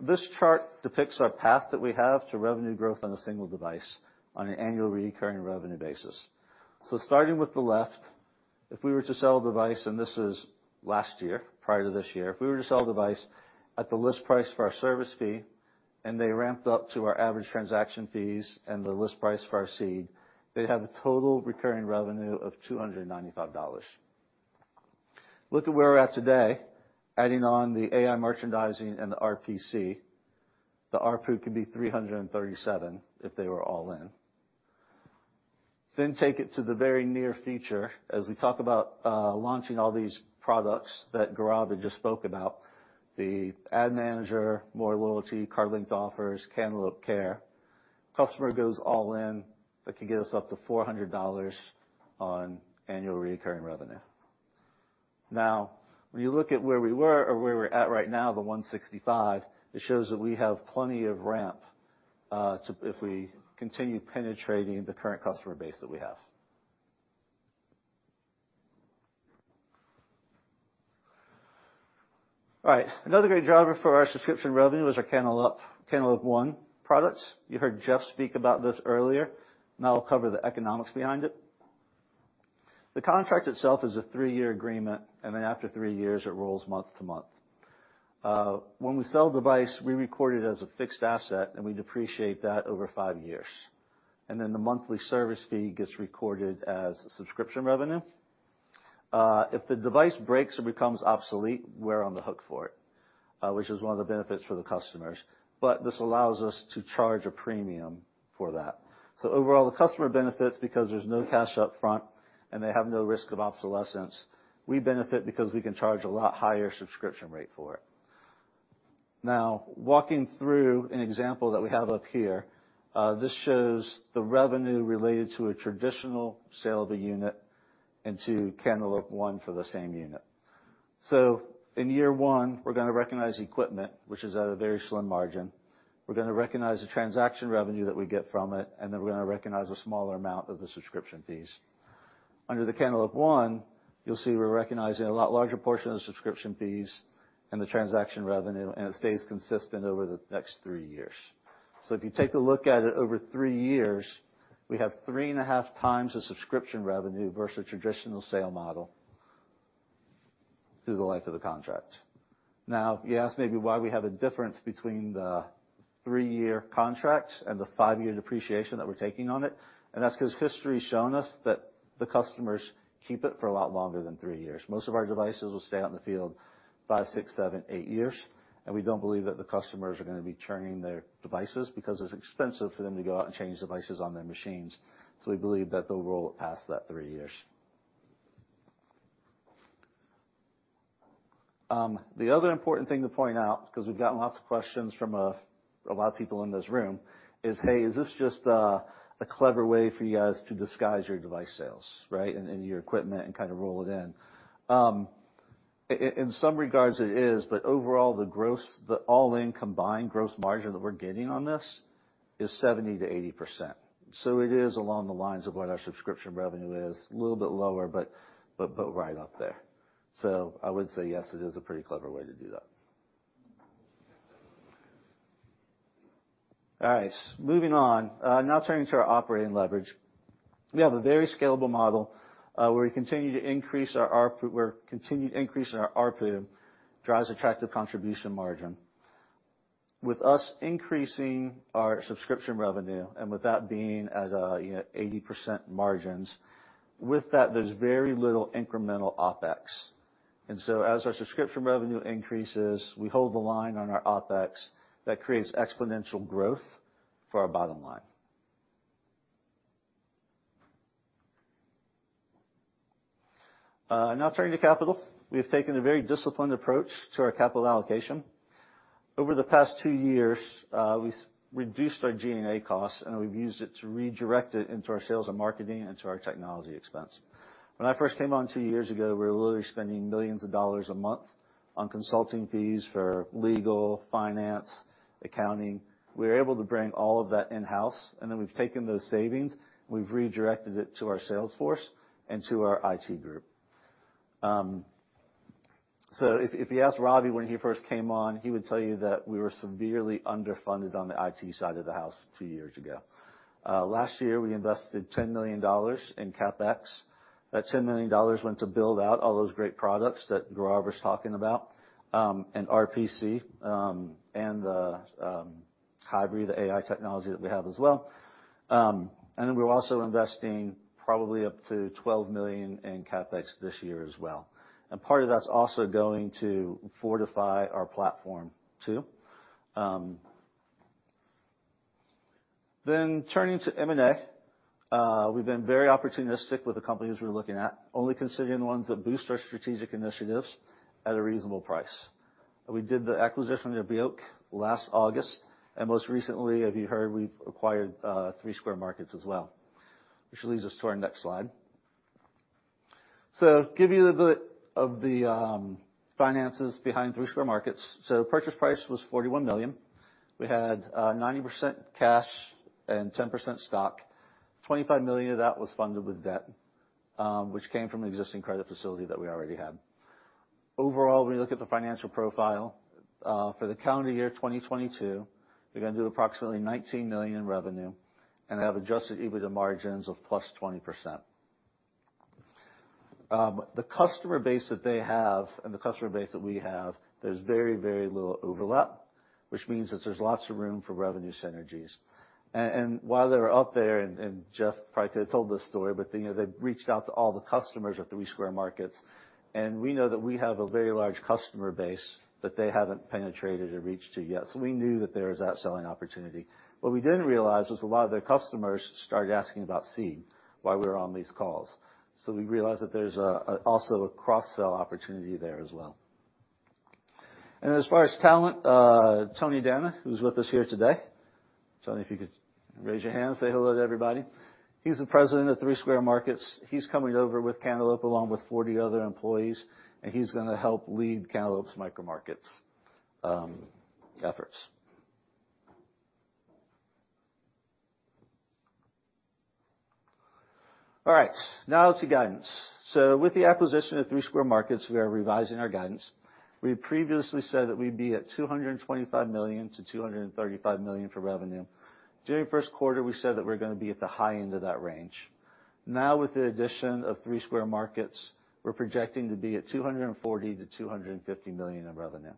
This chart depicts our path that we have to revenue growth on a single device on an annual recurring revenue basis. Starting with the left, if we were to sell a device, and this is last year, prior to this year. If we were to sell a device at the list price for our service fee, and they ramped up to our average transaction fees and the list price for our Seed, they'd have a total recurring revenue of $295. Look at where we're at today, adding on the AI merchandising and the RPC. The ARPU could be 337 if they were all in. Take it to the very near future as we talk about launching all these products that Gaurav had just spoke about, the Ad Manager, more Loyalty, card-linked offers, Cantaloupe Care. Customer goes all in, that could get us up to $400 on annual recurring revenue. When you look at where we were or where we're at right now, the $165, it shows that we have plenty of ramp to if we continue penetrating the current customer base that we have. Another great driver for our subscription revenue is our Cantaloupe ONE products. You heard Jeff speak about this earlier. I'll cover the economics behind it. The contract itself is a 3-year agreement, and then after three years, it rolls month to month. When we sell a device, we record it as a fixed asset, and we depreciate that over five years. Then the monthly service fee gets recorded as subscription revenue. If the device breaks or becomes obsolete, we're on the hook for it, which is one of the benefits for the customers. This allows us to charge a premium for that. Overall, the customer benefits because there's no cash up front, and they have no risk of obsolescence. We benefit because we can charge a lot higher subscription rate for it. Now, walking through an example that we have up here, this shows the revenue related to a traditional sale of a unit and to Cantaloupe ONE for the same unit. In year one, we're gonna recognize equipment, which is at a very slim margin. We're gonna recognize the transaction revenue that we get from it, and then we're gonna recognize a smaller amount of the subscription fees. Under the Cantaloupe ONE, you'll see we're recognizing a lot larger portion of the subscription fees and the transaction revenue, and it stays consistent over the next three years. If you take a look at it over three years, we have three and a half times the subscription revenue versus traditional sale model through the life of the contract. Now, you ask maybe why we have a difference between the three-year contract and the five-year depreciation that we're taking on it, and that's 'cause history's shown us that the customers keep it for a lot longer than three years. Most of our devices will stay out in the field five, six, seven, eight years. We don't believe that the customers are gonna be turning their devices because it's expensive for them to go out and change devices on their machines. We believe that they'll roll it past that three years. The other important thing to point out, 'cause we've gotten lots of questions from a lot of people in this room is, "Hey, is this just a clever way for you guys to disguise your device sales, right? And your equipment and kind of roll it in?" In some regards it is, but overall, the all-in combined gross margin that we're getting on this is 70%-80%. It is along the lines of what our subscription revenue is, a little bit lower, but right up there. All right. Moving on. Now turning to our operating leverage. We have a very scalable model, where we continue to increase our We're continued increasing our ARPU, drives attractive contribution margin. With us increasing our subscription revenue and with that being at, you know, 80% margins, with that, there's very little incremental OpEx. As our subscription revenue increases, we hold the line on our OpEx. That creates exponential growth for our bottom line. Now turning to capital. We have taken a very disciplined approach to our capital allocation. Over the past two years, we reduced our G&A costs, and we've used it to redirect it into our sales and marketing and to our technology expense. When I first came on two years ago, we were literally spending millions of dollars a month on consulting fees for legal, finance, accounting. We were able to bring all of that in-house, and then we've taken those savings, we've redirected it to our sales force and to our IT group. If you ask Robbie when he first came on, he would tell you that we were severely underfunded on the IT side of the house two years ago. Last year, we invested $10 million in CapEx. That $10 million went to build out all those great products that Gaurav's talking about, and RPC, and the Hybrid, the AI technology that we have as well. Then we're also investing probably up to $12 million in CapEx this year as well. Part of that's also going to fortify our platform too. Turning to M&A. We've been very opportunistic with the companies we're looking at, only considering the ones that boost our strategic initiatives at a reasonable price. We did the acquisition of Yoke last August, and most recently, if you heard, we've acquired Three Square Market as well, which leads us to our next slide. Give you a bit of the finances behind Three Square Market. Purchase price was $41 million. We had 90% cash and 10% stock. $25 million of that was funded with debt, which came from an existing credit facility that we already had. Overall, when you look at the financial profile, for the calendar year 2022, they're gonna do approximately $19 million in revenue and have adjusted EBITDA margins of +20%. The customer base that they have and the customer base that we have, there's very, very little overlap, which means that there's lots of room for revenue synergies. While they were out there, and Jeff probably could've told this story, but, you know, they reached out to all the customers at Three Square Market, and we know that we have a very large customer base that they haven't penetrated or reached to yet. We knew that there was that selling opportunity. What we didn't realize was a lot of their customers started asking about Seed while we were on these calls. We realized that there's also a cross-sell opportunity there as well. As far as talent, Tony Danna, who's with us here today. Tony, if you could raise your hand, say hello to everybody. He's the President of Three Square Market. He's coming over with Cantaloupe along with 40 other employees, and he's gonna help lead Cantaloupe's micro markets efforts. All right. Now to guidance. With the acquisition of Three Square Market, we are revising our guidance. We previously said that we'd be at $225 million-$235 million for revenue. During first quarter, we said that we're gonna be at the high end of that range. With the addition of Three Square Market, we're projecting to be at $240 million-$250 million in revenue.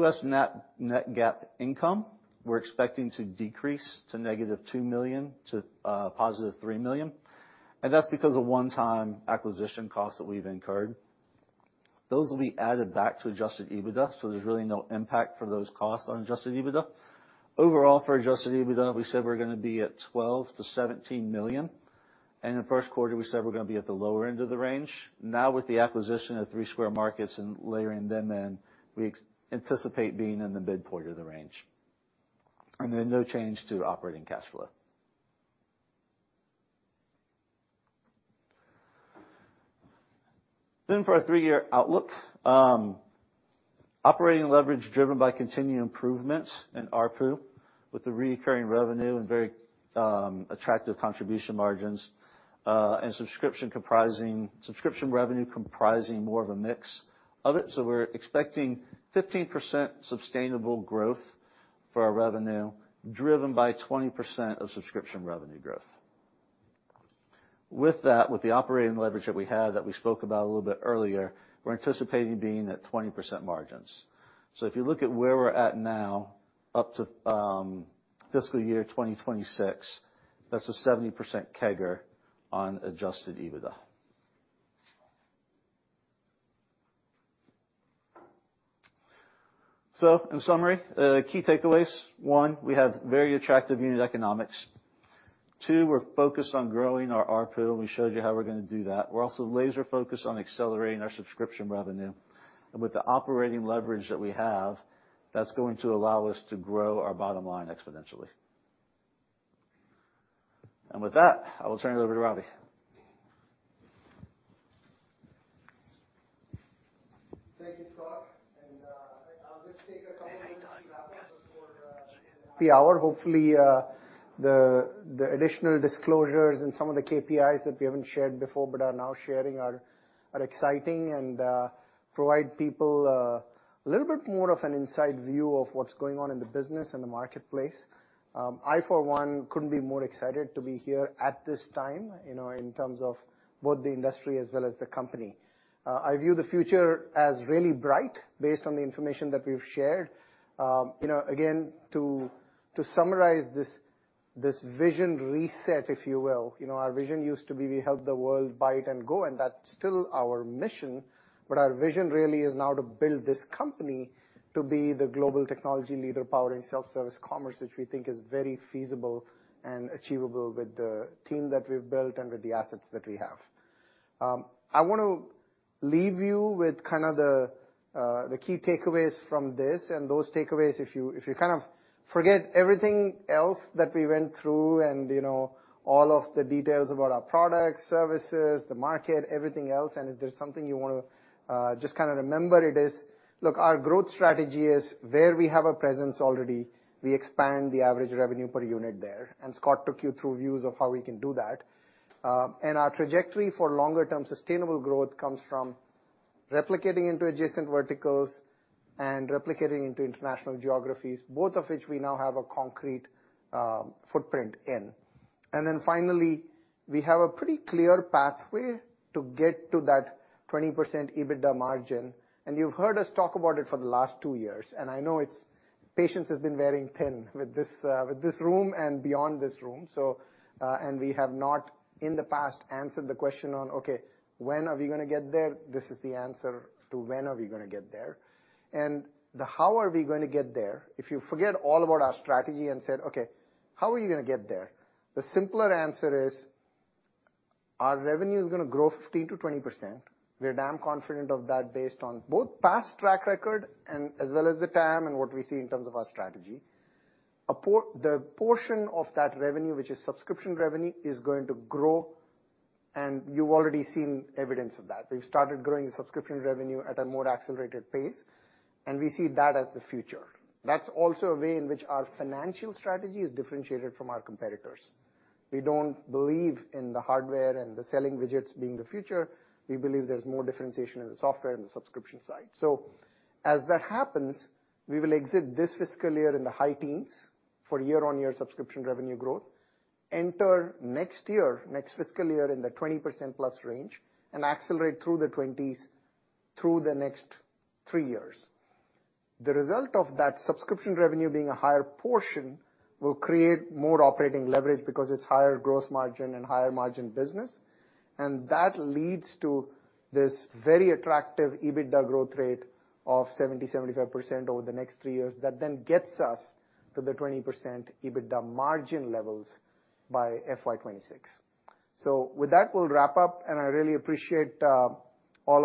U.S. net GAAP income, we're expecting to decrease to -$2 million to +$3 million. That's because of one-time acquisition costs that we've incurred. Those will be added back to adjusted EBITDA. There's really no impact for those costs on adjusted EBITDA. Overall, for adjusted EBITDA, we said we're gonna be at $12 million-$17 million. In the first quarter we said we're gonna be at the lower end of the range. With the acquisition of Three Square Market and layering them in, we anticipate being in the midpoint of the range. No change to operating cash flow. For our three-year outlook, operating leverage driven by continuing improvements in ARPU with the recurring revenue and very attractive contribution margins, and subscription revenue comprising more of a mix of it. We're expecting 15% sustainable growth for our revenue, driven by 20% of subscription revenue growth. With that, with the operating leverage that we had that we spoke about a little bit earlier, we're anticipating being at 20% margins. If you look at where we're at now up to fiscal year 2026, that's a 70% CAGR on adjusted EBITDA. In summary, key takeaways. one, we have very attractive unit economics. two, we're focused on growing our ARPU, and we showed you how we're gonna do that. We're also laser-focused on accelerating our subscription revenue. With the operating leverage that we have, that's going to allow us to grow our bottom line exponentially. With that, I will turn it over to Ravi. Thank you, Scott. I'll just take a couple of minutes to wrap up before the hour. Hopefully, the additional disclosures and some of the KPIs that we haven't shared before but are now sharing are exciting and provide people a little bit more of an inside view of what's going on in the business and the marketplace. I, for one, couldn't be more excited to be here at this time, you know, in terms of both the industry as well as the company. I view the future as really bright based on the information that we've shared. You know, again, to summarize this vision reset, if you will. You know, our vision used to be we help the world buy it and go, and that's still our mission, but our vision really is now to build this company to be the global technology leader powering self-service commerce, which we think is very feasible and achievable with the team that we've built and with the assets that we have. I want to leave you with kind of the key takeaways from this and those takeaways if you, if you kind of forget everything else that we went through and, you know, all of the details about our products, services, the market, everything else. If there's something you wanna just kinda remember it is, look, our growth strategy is where we have a presence already, we expand the average revenue per unit there, and Scott took you through views of how we can do that. Our trajectory for longer-term sustainable growth comes from replicating into adjacent verticals and replicating into international geographies, both of which we now have a concrete footprint in. Finally, we have a pretty clear pathway to get to that 20% EBITDA margin. You've heard us talk about it for the last two years, and I know patience has been wearing thin with this room and beyond this room. We have not in the past answered the question on, okay, when are we gonna get there? This is the answer to when are we gonna get there. The how are we gonna get there, if you forget all about our strategy and said, "Okay, how are you gonna get there?" The simpler answer is our revenue is gonna grow 15%-20%. We're damn confident of that based on both past track record and as well as the TAM and what we see in terms of our strategy. The portion of that revenue, which is subscription revenue, is going to grow, and you've already seen evidence of that. We've started growing subscription revenue at a more accelerated pace, and we see that as the future. That's also a way in which our financial strategy is differentiated from our competitors. We don't believe in the hardware and the selling widgets being the future. We believe there's more differentiation in the software and the subscription side. As that happens, we will exit this fiscal year in the high teens for year-on-year subscription revenue growth, enter next year, next fiscal year in the 20%-plus range, and accelerate through the twenties through the next three years. The result of that subscription revenue being a higher portion will create more operating leverage because it's higher gross margin and higher margin business, and that leads to this very attractive EBITDA growth rate of 70%-75% over the next three years. Gets us to the 20% EBITDA margin levels by FY26. With that, we'll wrap up, and I really appreciate all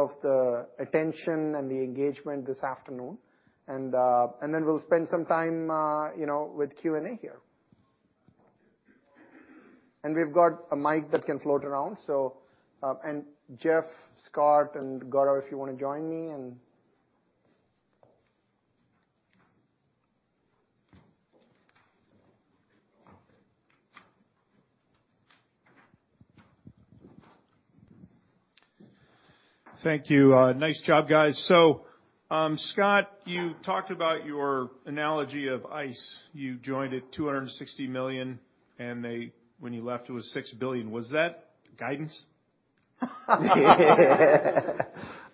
of the attention and the engagement this afternoon. We'll spend some time, you know, with Q&A here. We've got a mic that can float around, so, and Jeff, Scott, and Gaurav, if you wanna join me and... Thank you. Nice job, guys. Scott, you talked about your analogy of ICE. You joined at $260 million, when you left, it was $6 billion. Was that guidance? I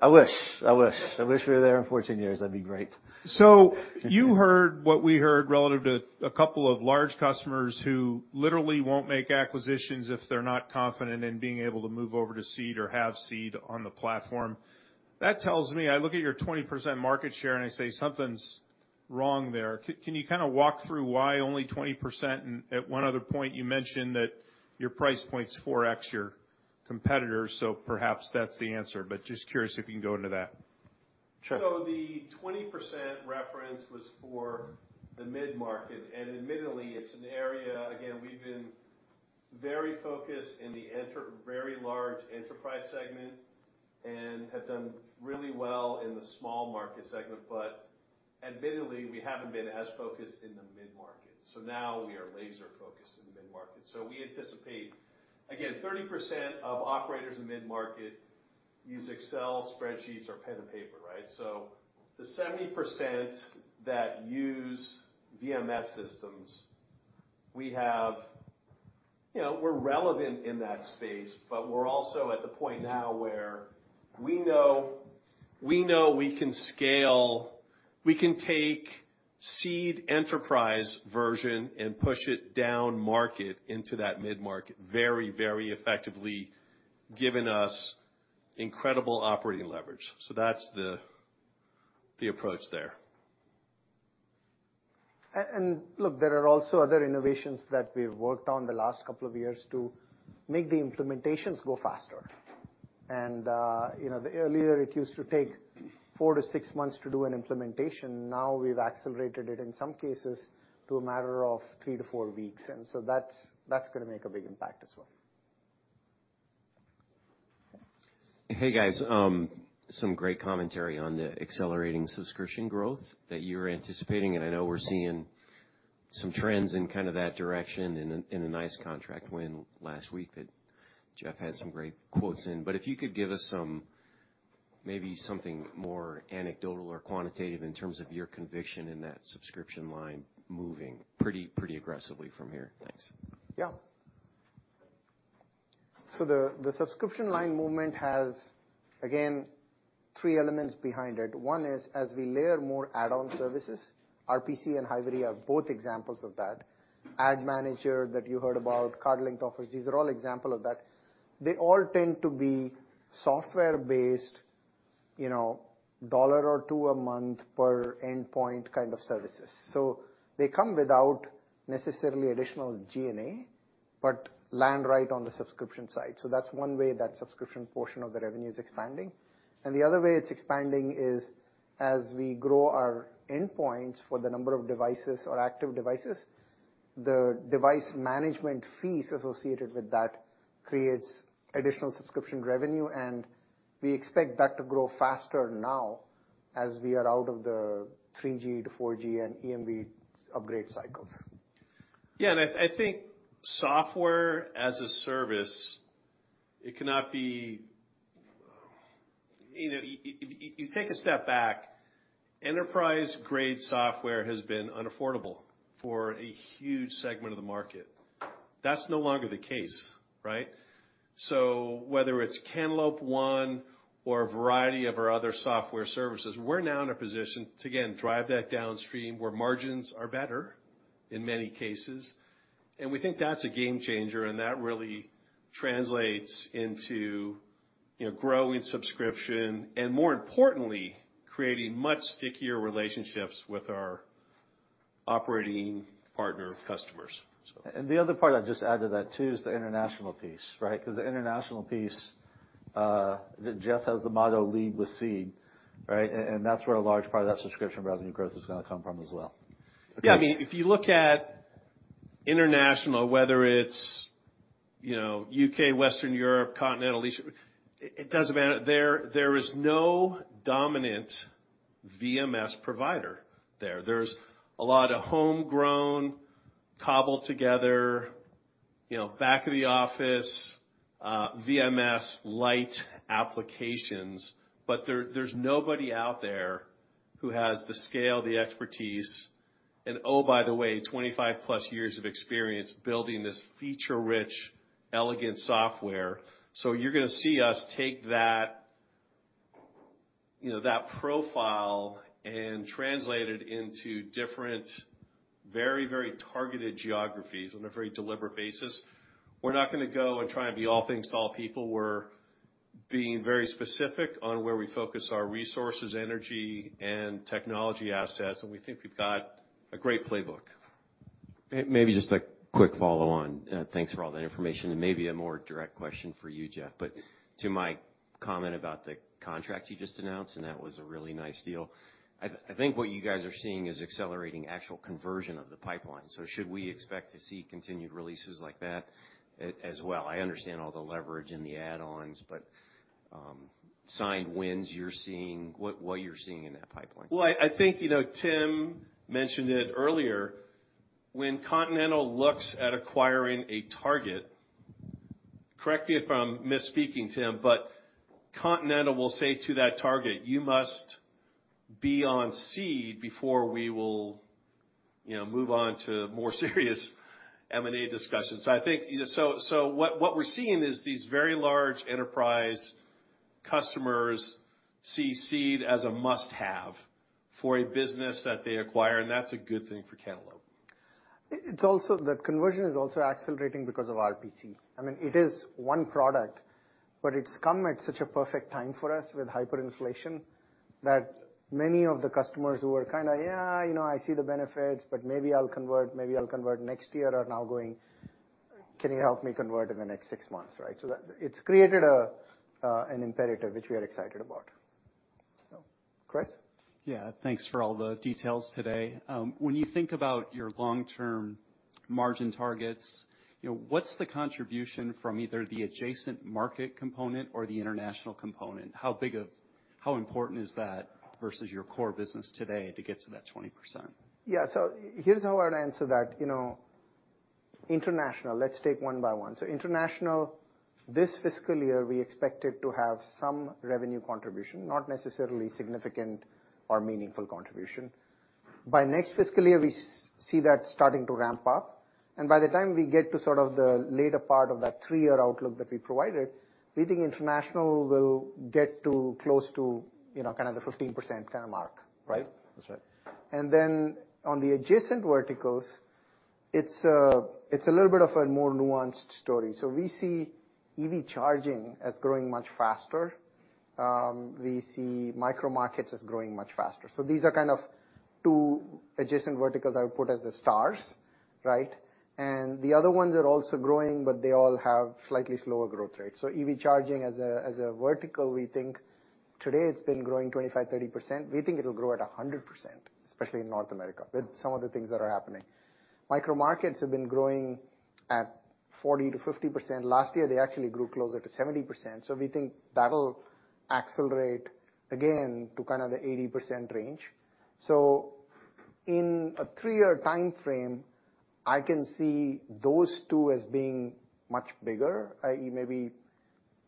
wish we were there in 14 years. That'd be great. You heard what we heard relative to a couple of large customers who literally won't make acquisitions if they're not confident in being able to move over to Seed or have Seed on the platform. That tells me, I look at your 20% market share, and I say, something's wrong there. Can you kinda walk through why only 20%? At one other point, you mentioned that your price point's 4x your competitors, so perhaps that's the answer. Just curious if you can go into that. The 20% reference was for the mid-market, and admittedly, it's an area. Again, we've been very focused in the very large enterprise segment and have done really well in the small market segment. Admittedly, we haven't been as focused in the mid-market. Now we are laser-focused in the mid-market. We anticipate, again, 30% of operators in mid-market use Excel spreadsheets or pen and paper, right. The 70% that use VMS systems, we have. You know, we're relevant in that space, but we're also at the point now where we know we can scale, we can take Seed enterprise version and push it downmarket into that mid-market very, very effectively, giving us incredible operating leverage. That's the approach there. Look, there are also other innovations that we've worked on the last couple of years to make the implementations go faster. You know, the earlier it used to take 4 to 6 months to do an implementation, now we've accelerated it in some cases to a matter of three to four weeks. That's gonna make a big impact as well. Hey, guys, some great commentary on the accelerating subscription growth that you're anticipating. I know we're seeing some trends in kind of that direction in a nice contract win last week that Jeff had some great quotes in. If you could give us some, maybe something more anecdotal or quantitative in terms of your conviction in that subscription line moving pretty aggressively from here. Thanks. Yeah. The subscription line movement has, again, three elements behind it. One is, as we layer more add-on services, RPC and Hydra are both examples of that. Ad Manager that you heard about, Card Link offers. These are all example of that. They all tend to be software-based, you know, $1 or $2 a month per endpoint kind of services. They come without necessarily additional G&A, but land right on the subscription side. That's one way that subscription portion of the revenue is expanding. The other way it's expanding is as we grow our endpoints for the number of devices or active devices, the device management fees associated with that creates additional subscription revenue, and we expect that to grow faster now as we are out of the 3G to 4G and EMV upgrade cycles. Yeah, and I think Software-as-a-Service, it cannot be. You know, you take a step back, enterprise-grade software has been unaffordable for a huge segment of the market. That's no longer the case, right? Whether it's Cantaloupe ONE or a variety of our other software services, we're now in a position to, again, drive that downstream where margins are better in many cases. We think that's a game changer, and that really translates into, you know, growing subscription and, more importantly, creating much stickier relationships with our operating partner customers. The other part I'd just add to that too is the international piece, right? 'Cause the international piece, that Jeff has the motto, "Lead with Seed," right? That's where a large part of that subscription revenue growth is gonna come from as well. Yeah. I mean, if you look at international, whether it's, you know, UK, Western Europe, Continental, it doesn't matter. There is no dominant VMS provider there. There's a lot of homegrown, cobbled together, you know, back of the office, VMS-lite applications, but there's nobody out there who has the scale, the expertise, and oh, by the way, 25 plus years of experience building this feature-rich, elegant software. You're gonna see us take that, you know, that profile and translate it into different, very, very targeted geographies on a very deliberate basis. We're not gonna go and try and be all things to all people. We're being very specific on where we focus our resources, energy, and technology assets, and we think we've got a great playbook. Maybe just a quick follow on. Thanks for all that information, and maybe a more direct question for you, Jeff. To my comment about the contract you just announced, and that was a really nice deal. I think what you guys are seeing is accelerating actual conversion of the pipeline. Should we expect to see continued releases like that as well? I understand all the leverage and the add-ons, but signed wins you're seeing, what you're seeing in that pipeline. Well, I think, you know, Tim mentioned it earlier, when Continental looks at acquiring a target, correct me if I'm misspeaking, Tim, but Continental will say to that target, "You must be on Seed before we will, you know, move on to more serious M&A discussions." I think, so what we're seeing is these very large enterprise customers see Seed as a must-have for a business that they acquire, and that's a good thing for Cantaloupe. The conversion is also accelerating because of RPC. I mean, it is one product, but it's come at such a perfect time for us with hyperinflation that many of the customers who are kind of, "Yeah, you know, I see the benefits, but maybe I'll convert, maybe I'll convert next year," are now going, Can you help me convert in the next six months, right? That's created an imperative, which we are excited about. Chris? Yeah. Thanks for all the details today. When you think about your long-term margin targets, you know, what's the contribution from either the adjacent market component or the international component? How important is that versus your core business today to get to that 20%? Yeah. Here's how I'd answer that, you know. International, let's take one by one. International, this fiscal year, we expected to have some revenue contribution, not necessarily significant or meaningful contribution. By next fiscal year, we see that starting to ramp up, and by the time we get to sort of the later part of that 3-year outlook that we provided, we think international will get to close to, you know, kind of the 15% kind of mark, right? That's right. On the adjacent verticals, it's a little bit of a more nuanced story. We see EV charging as growing much faster. We see micro markets as growing much faster. These are kind of two adjacent verticals I would put as the stars, right? The other ones are also growing, but they all have slightly slower growth rates. EV charging as a vertical, we think today it's been growing 25%-30%. We think it'll grow at 100%, especially in North America, with some of the things that are happening. Micro markets have been growing at 40%-50%. Last year, they actually grew closer to 70%. We think that'll accelerate again to kind of the 80% range. In a 3-year timeframe, I can see those two as being much bigger, i.e., maybe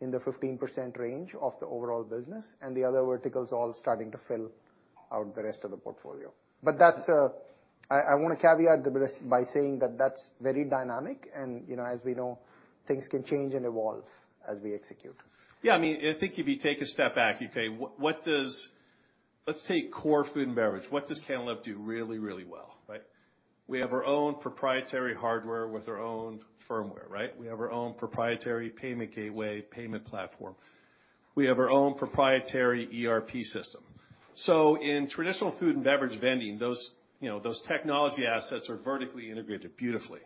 in the 15% range of the overall business and the other verticals all starting to fill out the rest of the portfolio. That's, I wanna caveat the rest by saying that that's very dynamic and, you know, as we know, things can change and evolve as we execute. Yeah, I mean, I think if you take a step back, okay. Let's take core food and beverage. What does Cantaloupe do really, really well, right? We have our own proprietary hardware with our own firmware, right? We have our own proprietary payment gateway, payment platform. We have our own proprietary ERP system. In traditional food and beverage vending, those, you know, those technology assets are vertically integrated beautifully.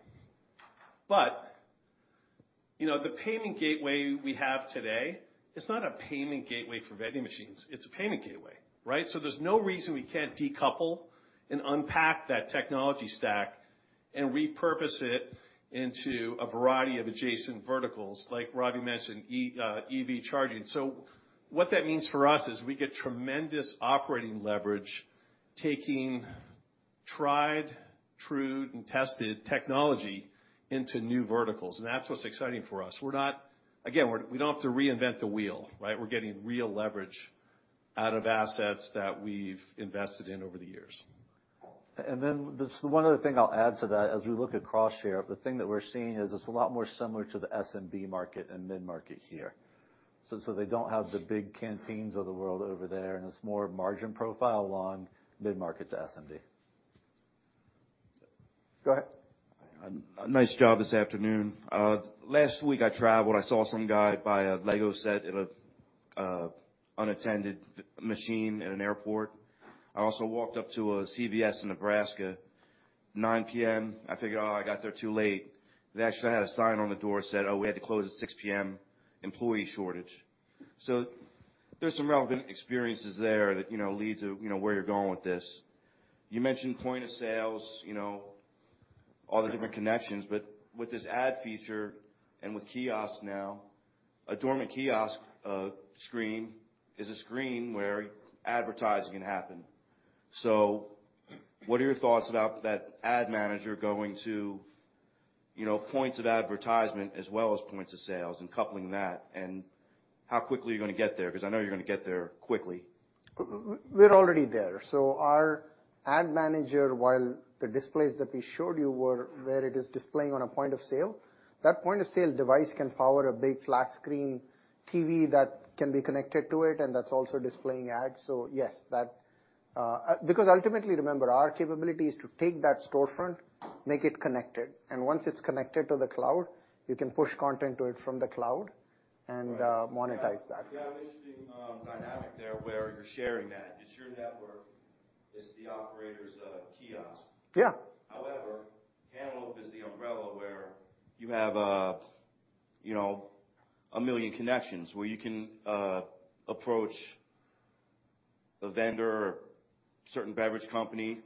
You know, the payment gateway we have today is not a payment gateway for vending machines. It's a payment gateway, right? There's no reason we can't decouple and unpack that technology stack and repurpose it into a variety of adjacent verticals like Ravi mentioned, EV charging. What that means for us is we get tremendous operating leverage taking tried, true, and tested technology into new verticals. That's what's exciting for us. Again, we don't have to reinvent the wheel, right? We're getting real leverage out of assets that we've invested in over the years. There's one other thing I'll add to that. As we look at cross share, the thing that we're seeing is it's a lot more similar to the SMB market and mid-market here. They don't have the big Canteens of the world over there, and it's more margin profile along mid-market to SMB. Go ahead. Nice job this afternoon. Last week I traveled, I saw some guy buy a LEGO set at an unattended machine at an airport. I also walked up to a CVS in Nebraska, 9:00 P.M. I figured, "Oh, I got there too late." They actually had a sign on the door said, "Oh, we had to close at 6:00 P.M., employee shortage." There's some relevant experiences there that, you know, lead to, you know, where you're going with this. You mentioned point of sales, you know, all the different connections, but with this ad feature and with kiosk now, a dormant kiosk screen is a screen where advertising can happen. What are your thoughts about that Ad Manager going to, you know, points of advertisement as well as points of sales and coupling that, and how quickly are you gonna get there? I know you're gonna get there quickly. We're already there. Our Ad Manager, while the displays that we showed you were where it is displaying on a point of sale, that point of sale device can power a big flat-screen TV that can be connected to it, and that's also displaying ads. Yes, that. Because ultimately, remember, our capability is to take that storefront, make it connected, and once it's connected to the cloud, you can push content to it from the cloud and monetize that. You have an interesting dynamic there where you're sharing that. It's your network. It's the operator's kiosk. Yeah. Cantaloupe is the umbrella where you have, you know, 1 million connections where you can, approach a vendor or certain beverage company,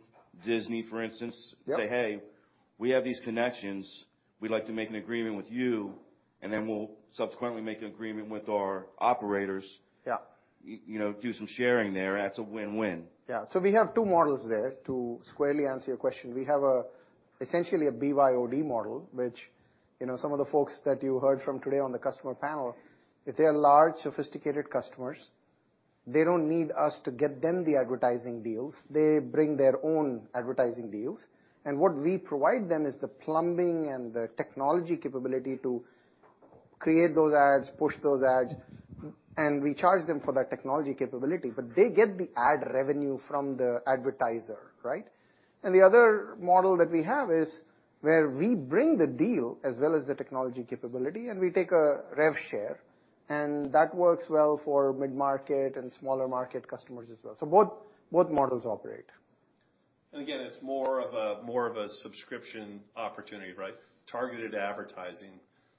Disney, for instance. Yep. say, "Hey, we have these connections. We'd like to make an agreement with you, and then we'll subsequently make an agreement with our operators. Yeah. You, you know, do some sharing there. That's a win-win. Yeah. We have two models there, to squarely answer your question. We have a, essentially a BYOD model, which, you know, some of the folks that you heard from today on the customer panel, if they are large, sophisticated customers, they don't need us to get them the advertising deals. They bring their own advertising deals. What we provide them is the plumbing and the technology capability to create those ads, push those ads, and we charge them for that technology capability. They get the ad revenue from the advertiser, right? The other model that we have is where we bring the deal as well as the technology capability, and we take a rev share, and that works well for mid-market and smaller market customers as well. Both models operate. Again, it's more of a subscription opportunity, right? Targeted advertising.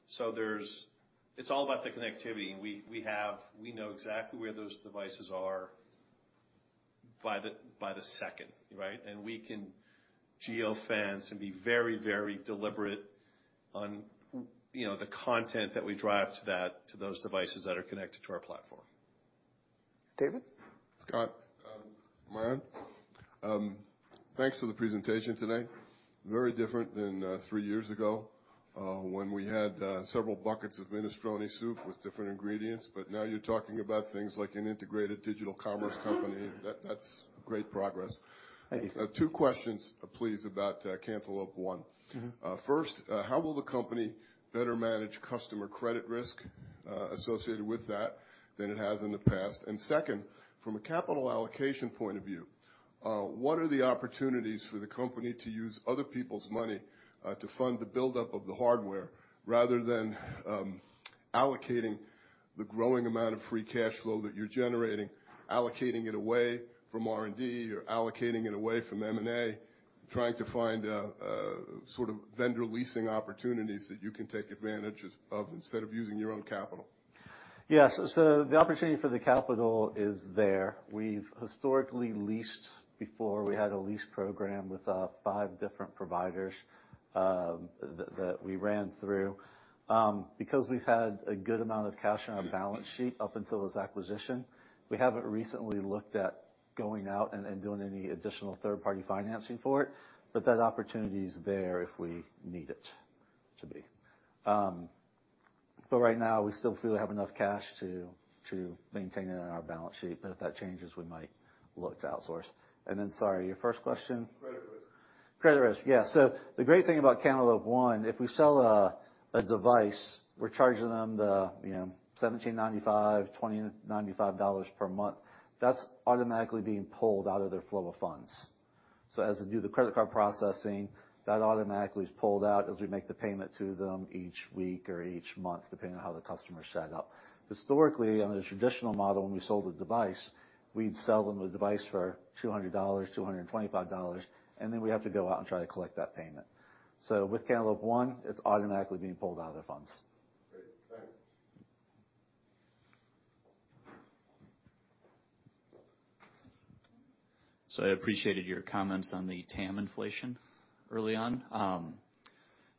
It's all about the connectivity. We know exactly where those devices are by the second, right? We can geo-fence and be very, very deliberate on, you know, the content that we drive to that, to those devices that are connected to our platform. David? Scott, thanks for the presentation today. Very different than 3 years ago, when we had several buckets of minestrone soup with different ingredients, but now you're talking about things like an integrated digital commerce company. That's great progress. Thank you. 2 questions, please, about Cantaloupe ONE. Mm-hmm. First, how will the company better manage customer credit risk associated with that than it has in the past? Second, from a capital allocation point of view, what are the opportunities for the company to use other people's money to fund the buildup of the hardware rather than allocating the growing amount of free cash flow that you're generating, allocating it away from R&D or allocating it away from M&A, trying to find out sort of vendor leasing opportunities that you can take advantage of instead of using your own capital? The opportunity for the capital is there. We've historically leased before. We had a lease program with five different providers that we ran through. Because we've had a good amount of cash on our balance sheet up until this acquisition, we haven't recently looked at going out and doing any additional third-party financing for it. That opportunity is there if we need it to be. Right now, we still feel we have enough cash to maintain it on our balance sheet. If that changes, we might look to outsource. Sorry, your first question? Credit risk. Credit risk. Yeah. The great thing about Cantaloupe ONE, if we sell a device, we're charging them the, you know, $17.95-$20.95 per month. That's automatically being pulled out of their flow of funds. As they do the credit card processing, that automatically is pulled out as we make the payment to them each week or each month, depending on how the customer is set up. Historically, on the traditional model, when we sold a device, we'd sell them the device for $200-$225, and then we have to go out and try to collect that payment. With Cantaloupe ONE, it's automatically being pulled out of their funds. Great. Thanks. I appreciated your comments on the TAM inflation early on.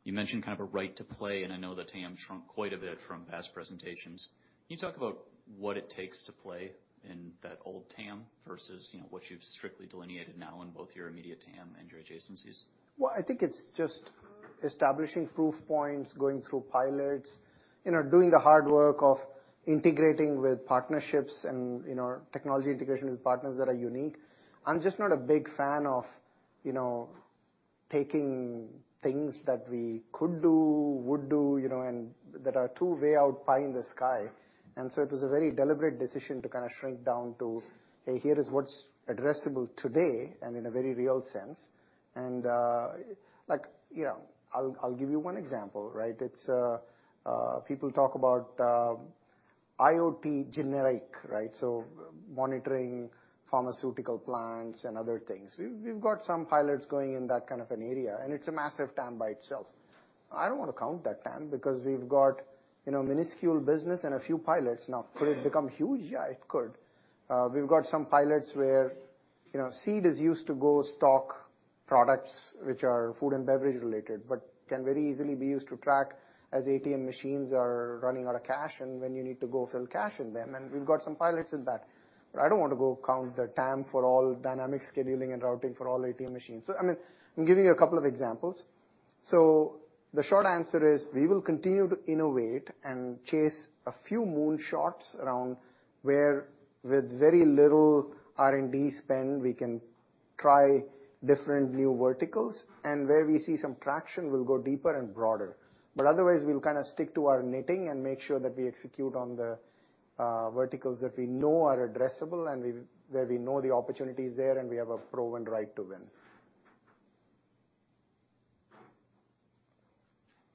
You mentioned kind of a right to play, and I know the TAM shrunk quite a bit from past presentations. Can you talk about what it takes to play in that old TAM versus, you know, what you've strictly delineated now in both your immediate TAM and your adjacencies? I think it's just establishing proof points, going through pilots, you know, doing the hard work of integrating with partnerships and, you know, technology integration with partners that are unique. I'm just not a big fan of, you know, taking things that we could do, would do, you know, and that are too way out pie in the sky. It was a very deliberate decision to kind of shrink down to, "Hey, here is what's addressable today and in a very real sense." Like, you know, I'll give you one example, right? It's people talk about IoT generic, right? Monitoring pharmaceutical plants and other things. We've, we've got some pilots going in that kind of an area, and it's a massive TAM by itself. I don't want to count that TAM because we've got, you know, minuscule business and a few pilots. Now, could it become huge? Yeah, it could. We've got some pilots where, you know, Seed is used to go stock products which are food and beverage related, but can very easily be used to track as ATM machines are running out of cash and when you need to go fill cash in them. We've got some pilots in that. I don't want to go count the TAM for all dynamic scheduling and routing for all ATM machines. I mean, I'm giving you a couple of examples. The short answer is we will continue to innovate and chase a few moon shots around where with very little R&D spend, we can try different new verticals. Where we see some traction, we'll go deeper and broader. Otherwise, we'll kind of stick to our knitting and make sure that we execute on the verticals that we know are addressable and where we know the opportunity is there and we have a proven right to win.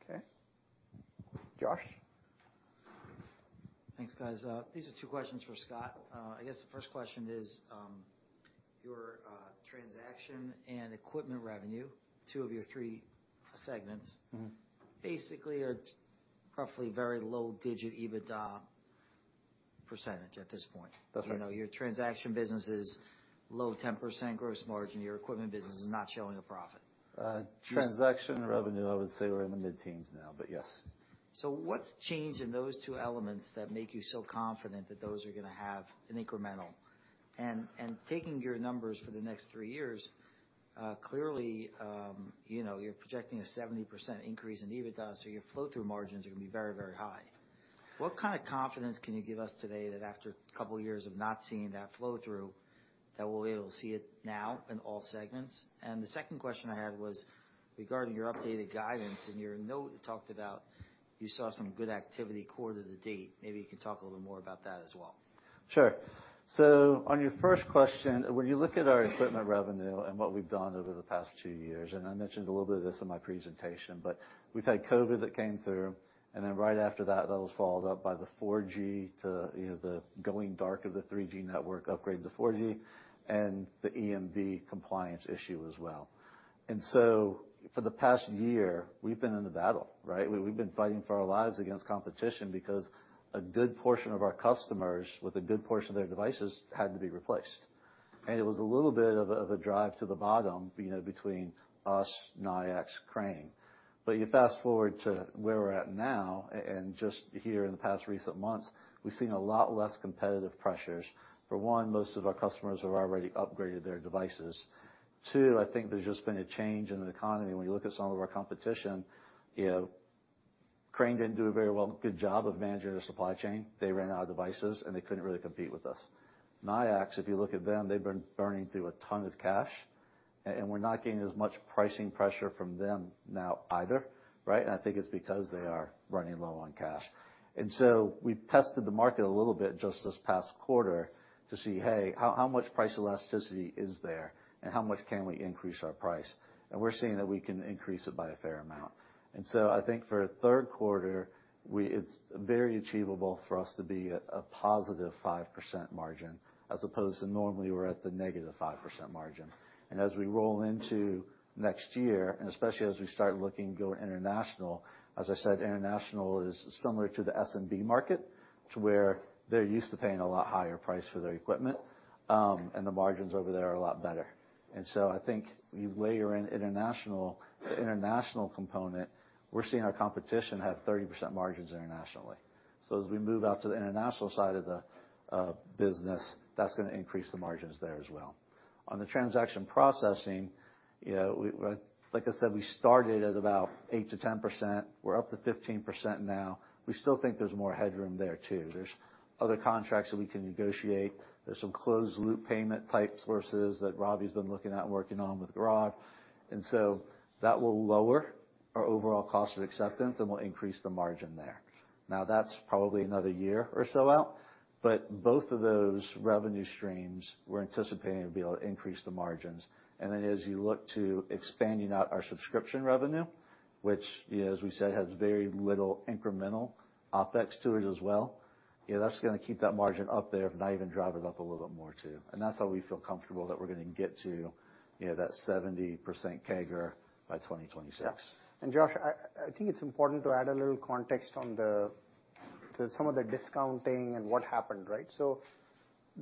Okay. Josh? Thanks, guys. These are two questions for Scott. I guess the first question is, your transaction and equipment revenue, two of your three segments. Mm-hmm... basically are roughly very low digit EBITDA % at this point. Okay. You know, your transaction business is low 10% gross margin. Your equipment business is not showing a profit. Transaction revenue, I would say we're in the mid-teens now, but yes. What's changed in those two elements that make you so confident that those are gonna have an incremental? Taking your numbers for the next three years, clearly, you know, you're projecting a 70% increase in EBITDA, so your flow-through margins are gonna be very, very high. What kind of confidence can you give us today that after a couple of years of not seeing that flow-through, that we'll be able to see it now in all segments? The second question I had was regarding your updated guidance, in your note, you talked about. You saw some good activity quarter to date. Maybe you can talk a little more about that as well. Sure. On your first question, when you look at our equipment revenue and what we've done over the past two years, I mentioned a little bit of this in my presentation, we've had COVID that came through, then right after that was followed up by the 4G to, you know, the going dark of the 3G network upgrade to 4G and the EMV compliance issue as well. For the past year, we've been in a battle, right? We've been fighting for our lives against competition because a good portion of our customers with a good portion of their devices had to be replaced. It was a little bit of a drive to the bottom, you know, between us, Nayax, Crane. You fast-forward to where we're at now and just here in the past recent months, we've seen a lot less competitive pressures. For 1, most of our customers have already upgraded their devices. 2, I think there's just been a change in the economy. When you look at some of our competition, you know, Crane didn't do a very good job of managing their supply chain. They ran out of devices, and they couldn't really compete with us. Nayax, if you look at them, they've been burning through a ton of cash, and we're not getting as much pricing pressure from them now either, right? I think it's because they are running low on cash. We've tested the market a little bit just this past quarter to see, hey, how much price elasticity is there and how much can we increase our price? We're seeing that we can increase it by a fair amount. I think for the third quarter, it's very achievable for us to be at a positive 5% margin as opposed to normally we're at the negative 5% margin. As we roll into next year, and especially as we start looking to go international, as I said, international is similar to the SMB market to where they're used to paying a lot higher price for their equipment, and the margins over there are a lot better. I think you layer in the international component, we're seeing our competition have 30% margins internationally. As we move out to the international side of the business, that's gonna increase the margins there as well. On the transaction processing, you know, like I said, we started at about 8%-10%. We're up to 15% now. We still think there's more headroom there too. There's other contracts that we can negotiate. There's some closed loop payment type sources that Robbie's been looking at working on with Gaurav. That will lower our overall cost of acceptance and will increase the margin there. That's probably another year or so out, but both of those revenue streams, we're anticipating to be able to increase the margins. As you look to expanding out our subscription revenue, which, you know, as we said, has very little incremental OpEx to it as well, you know, that's gonna keep that margin up there, if not even drive it up a little bit more too. That's how we feel comfortable that we're gonna get to, you know, that 70% CAGR by 2026. Yeah. Josh, I think it's important to add a little context on the some of the discounting and what happened, right?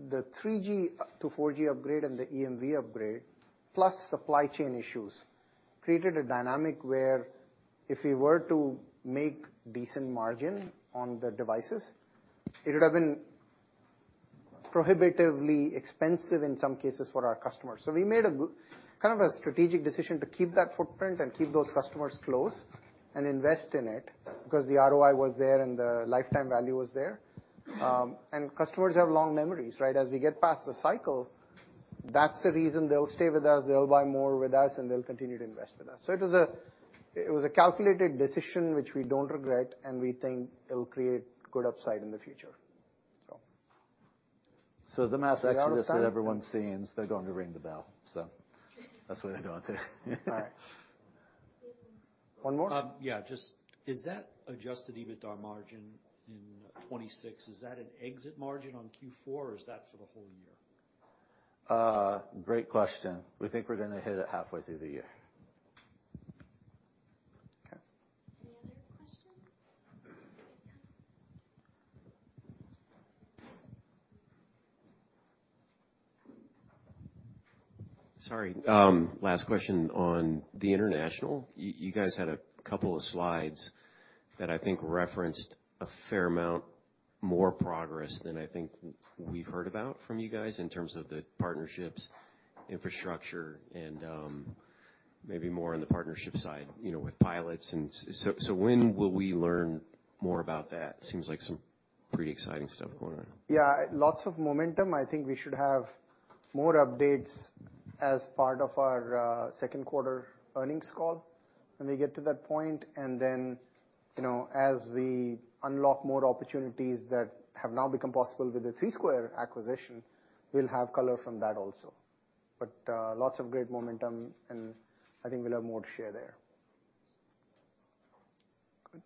The 3G to 4G upgrade and the EMV upgrade, plus supply chain issues, created a dynamic where if we were to make decent margin on the devices, it would've been prohibitively expensive in some cases for our customers. We made a kind of a strategic decision to keep that footprint and keep those customers close and invest in it, because the ROI was there and the lifetime value was there. Customers have long memories, right? As we get past the cycle, that's the reason they'll stay with us, they'll buy more with us, and they'll continue to invest with us. It was a calculated decision which we don't regret, and we think it'll create good upside in the future. The mass exodus that everyone's seeing... Are we out of time? They're going to ring the bell. That's what they're doing today. All right. One more? Just is that adjusted EBITDA margin in 2026, is that an exit margin on Q4 or is that for the whole year? Great question. We think we're gonna hit it halfway through the year. Okay. Any other questions? Okay. Sorry. Last question on the international. You guys had a couple of slides that I think referenced a fair amount more progress than I think we've heard about from you guys in terms of the partnerships, infrastructure, and maybe more on the partnership side, you know, with pilots. When will we learn more about that? Seems like some pretty exciting stuff going on. Yeah, lots of momentum. I think we should have more updates as part of our second quarter earnings call when we get to that point. You know, as we unlock more opportunities that have now become possible with the Gimme acquisition, we'll have color from that also. Lots of great momentum, and I think we'll have more to share there. Good.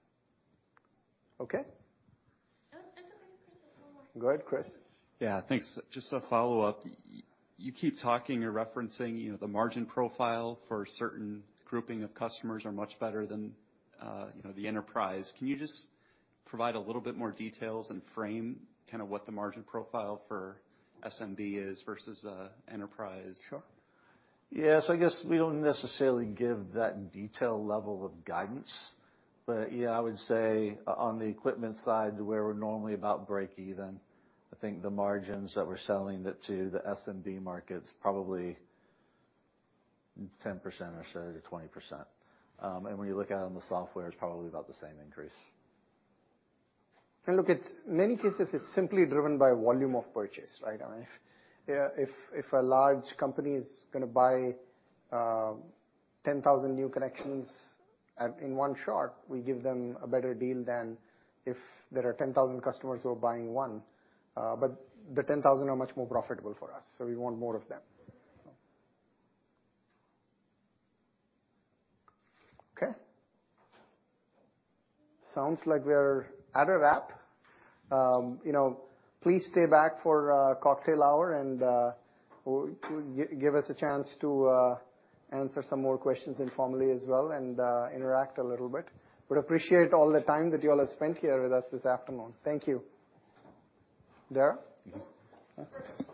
Okay. It's okay, Chris. There's one more. Go ahead, Chris. Yeah. Thanks. Just a follow-up. You keep talking or referencing, you know, the margin profile for a certain grouping of customers are much better than, you know, the enterprise. Can you just provide a little bit more details and frame kinda what the margin profile for SMB is versus enterprise? Sure. Yeah. I guess we don't necessarily give that detailed level of guidance. Yeah, I would say on the equipment side where we're normally about breakeven, I think the margins that we're selling it to the SMB market's probably 10% or so to 20%. When you look at it on the software, it's probably about the same increase. Look, it's many cases, it's simply driven by volume of purchase, right? I mean, if a large company is gonna buy 10,000 new connections in one shot, we give them a better deal than if there are 10,000 customers who are buying one. The 10,000 are much more profitable for us, so we want more of them. Okay. Sounds like we're at a wrap. You know, please stay back for a cocktail hour and give us a chance to answer some more questions informally as well and interact a little bit. Would appreciate all the time that you all have spent here with us this afternoon. Thank you. Dara? Mm-hmm. Thanks.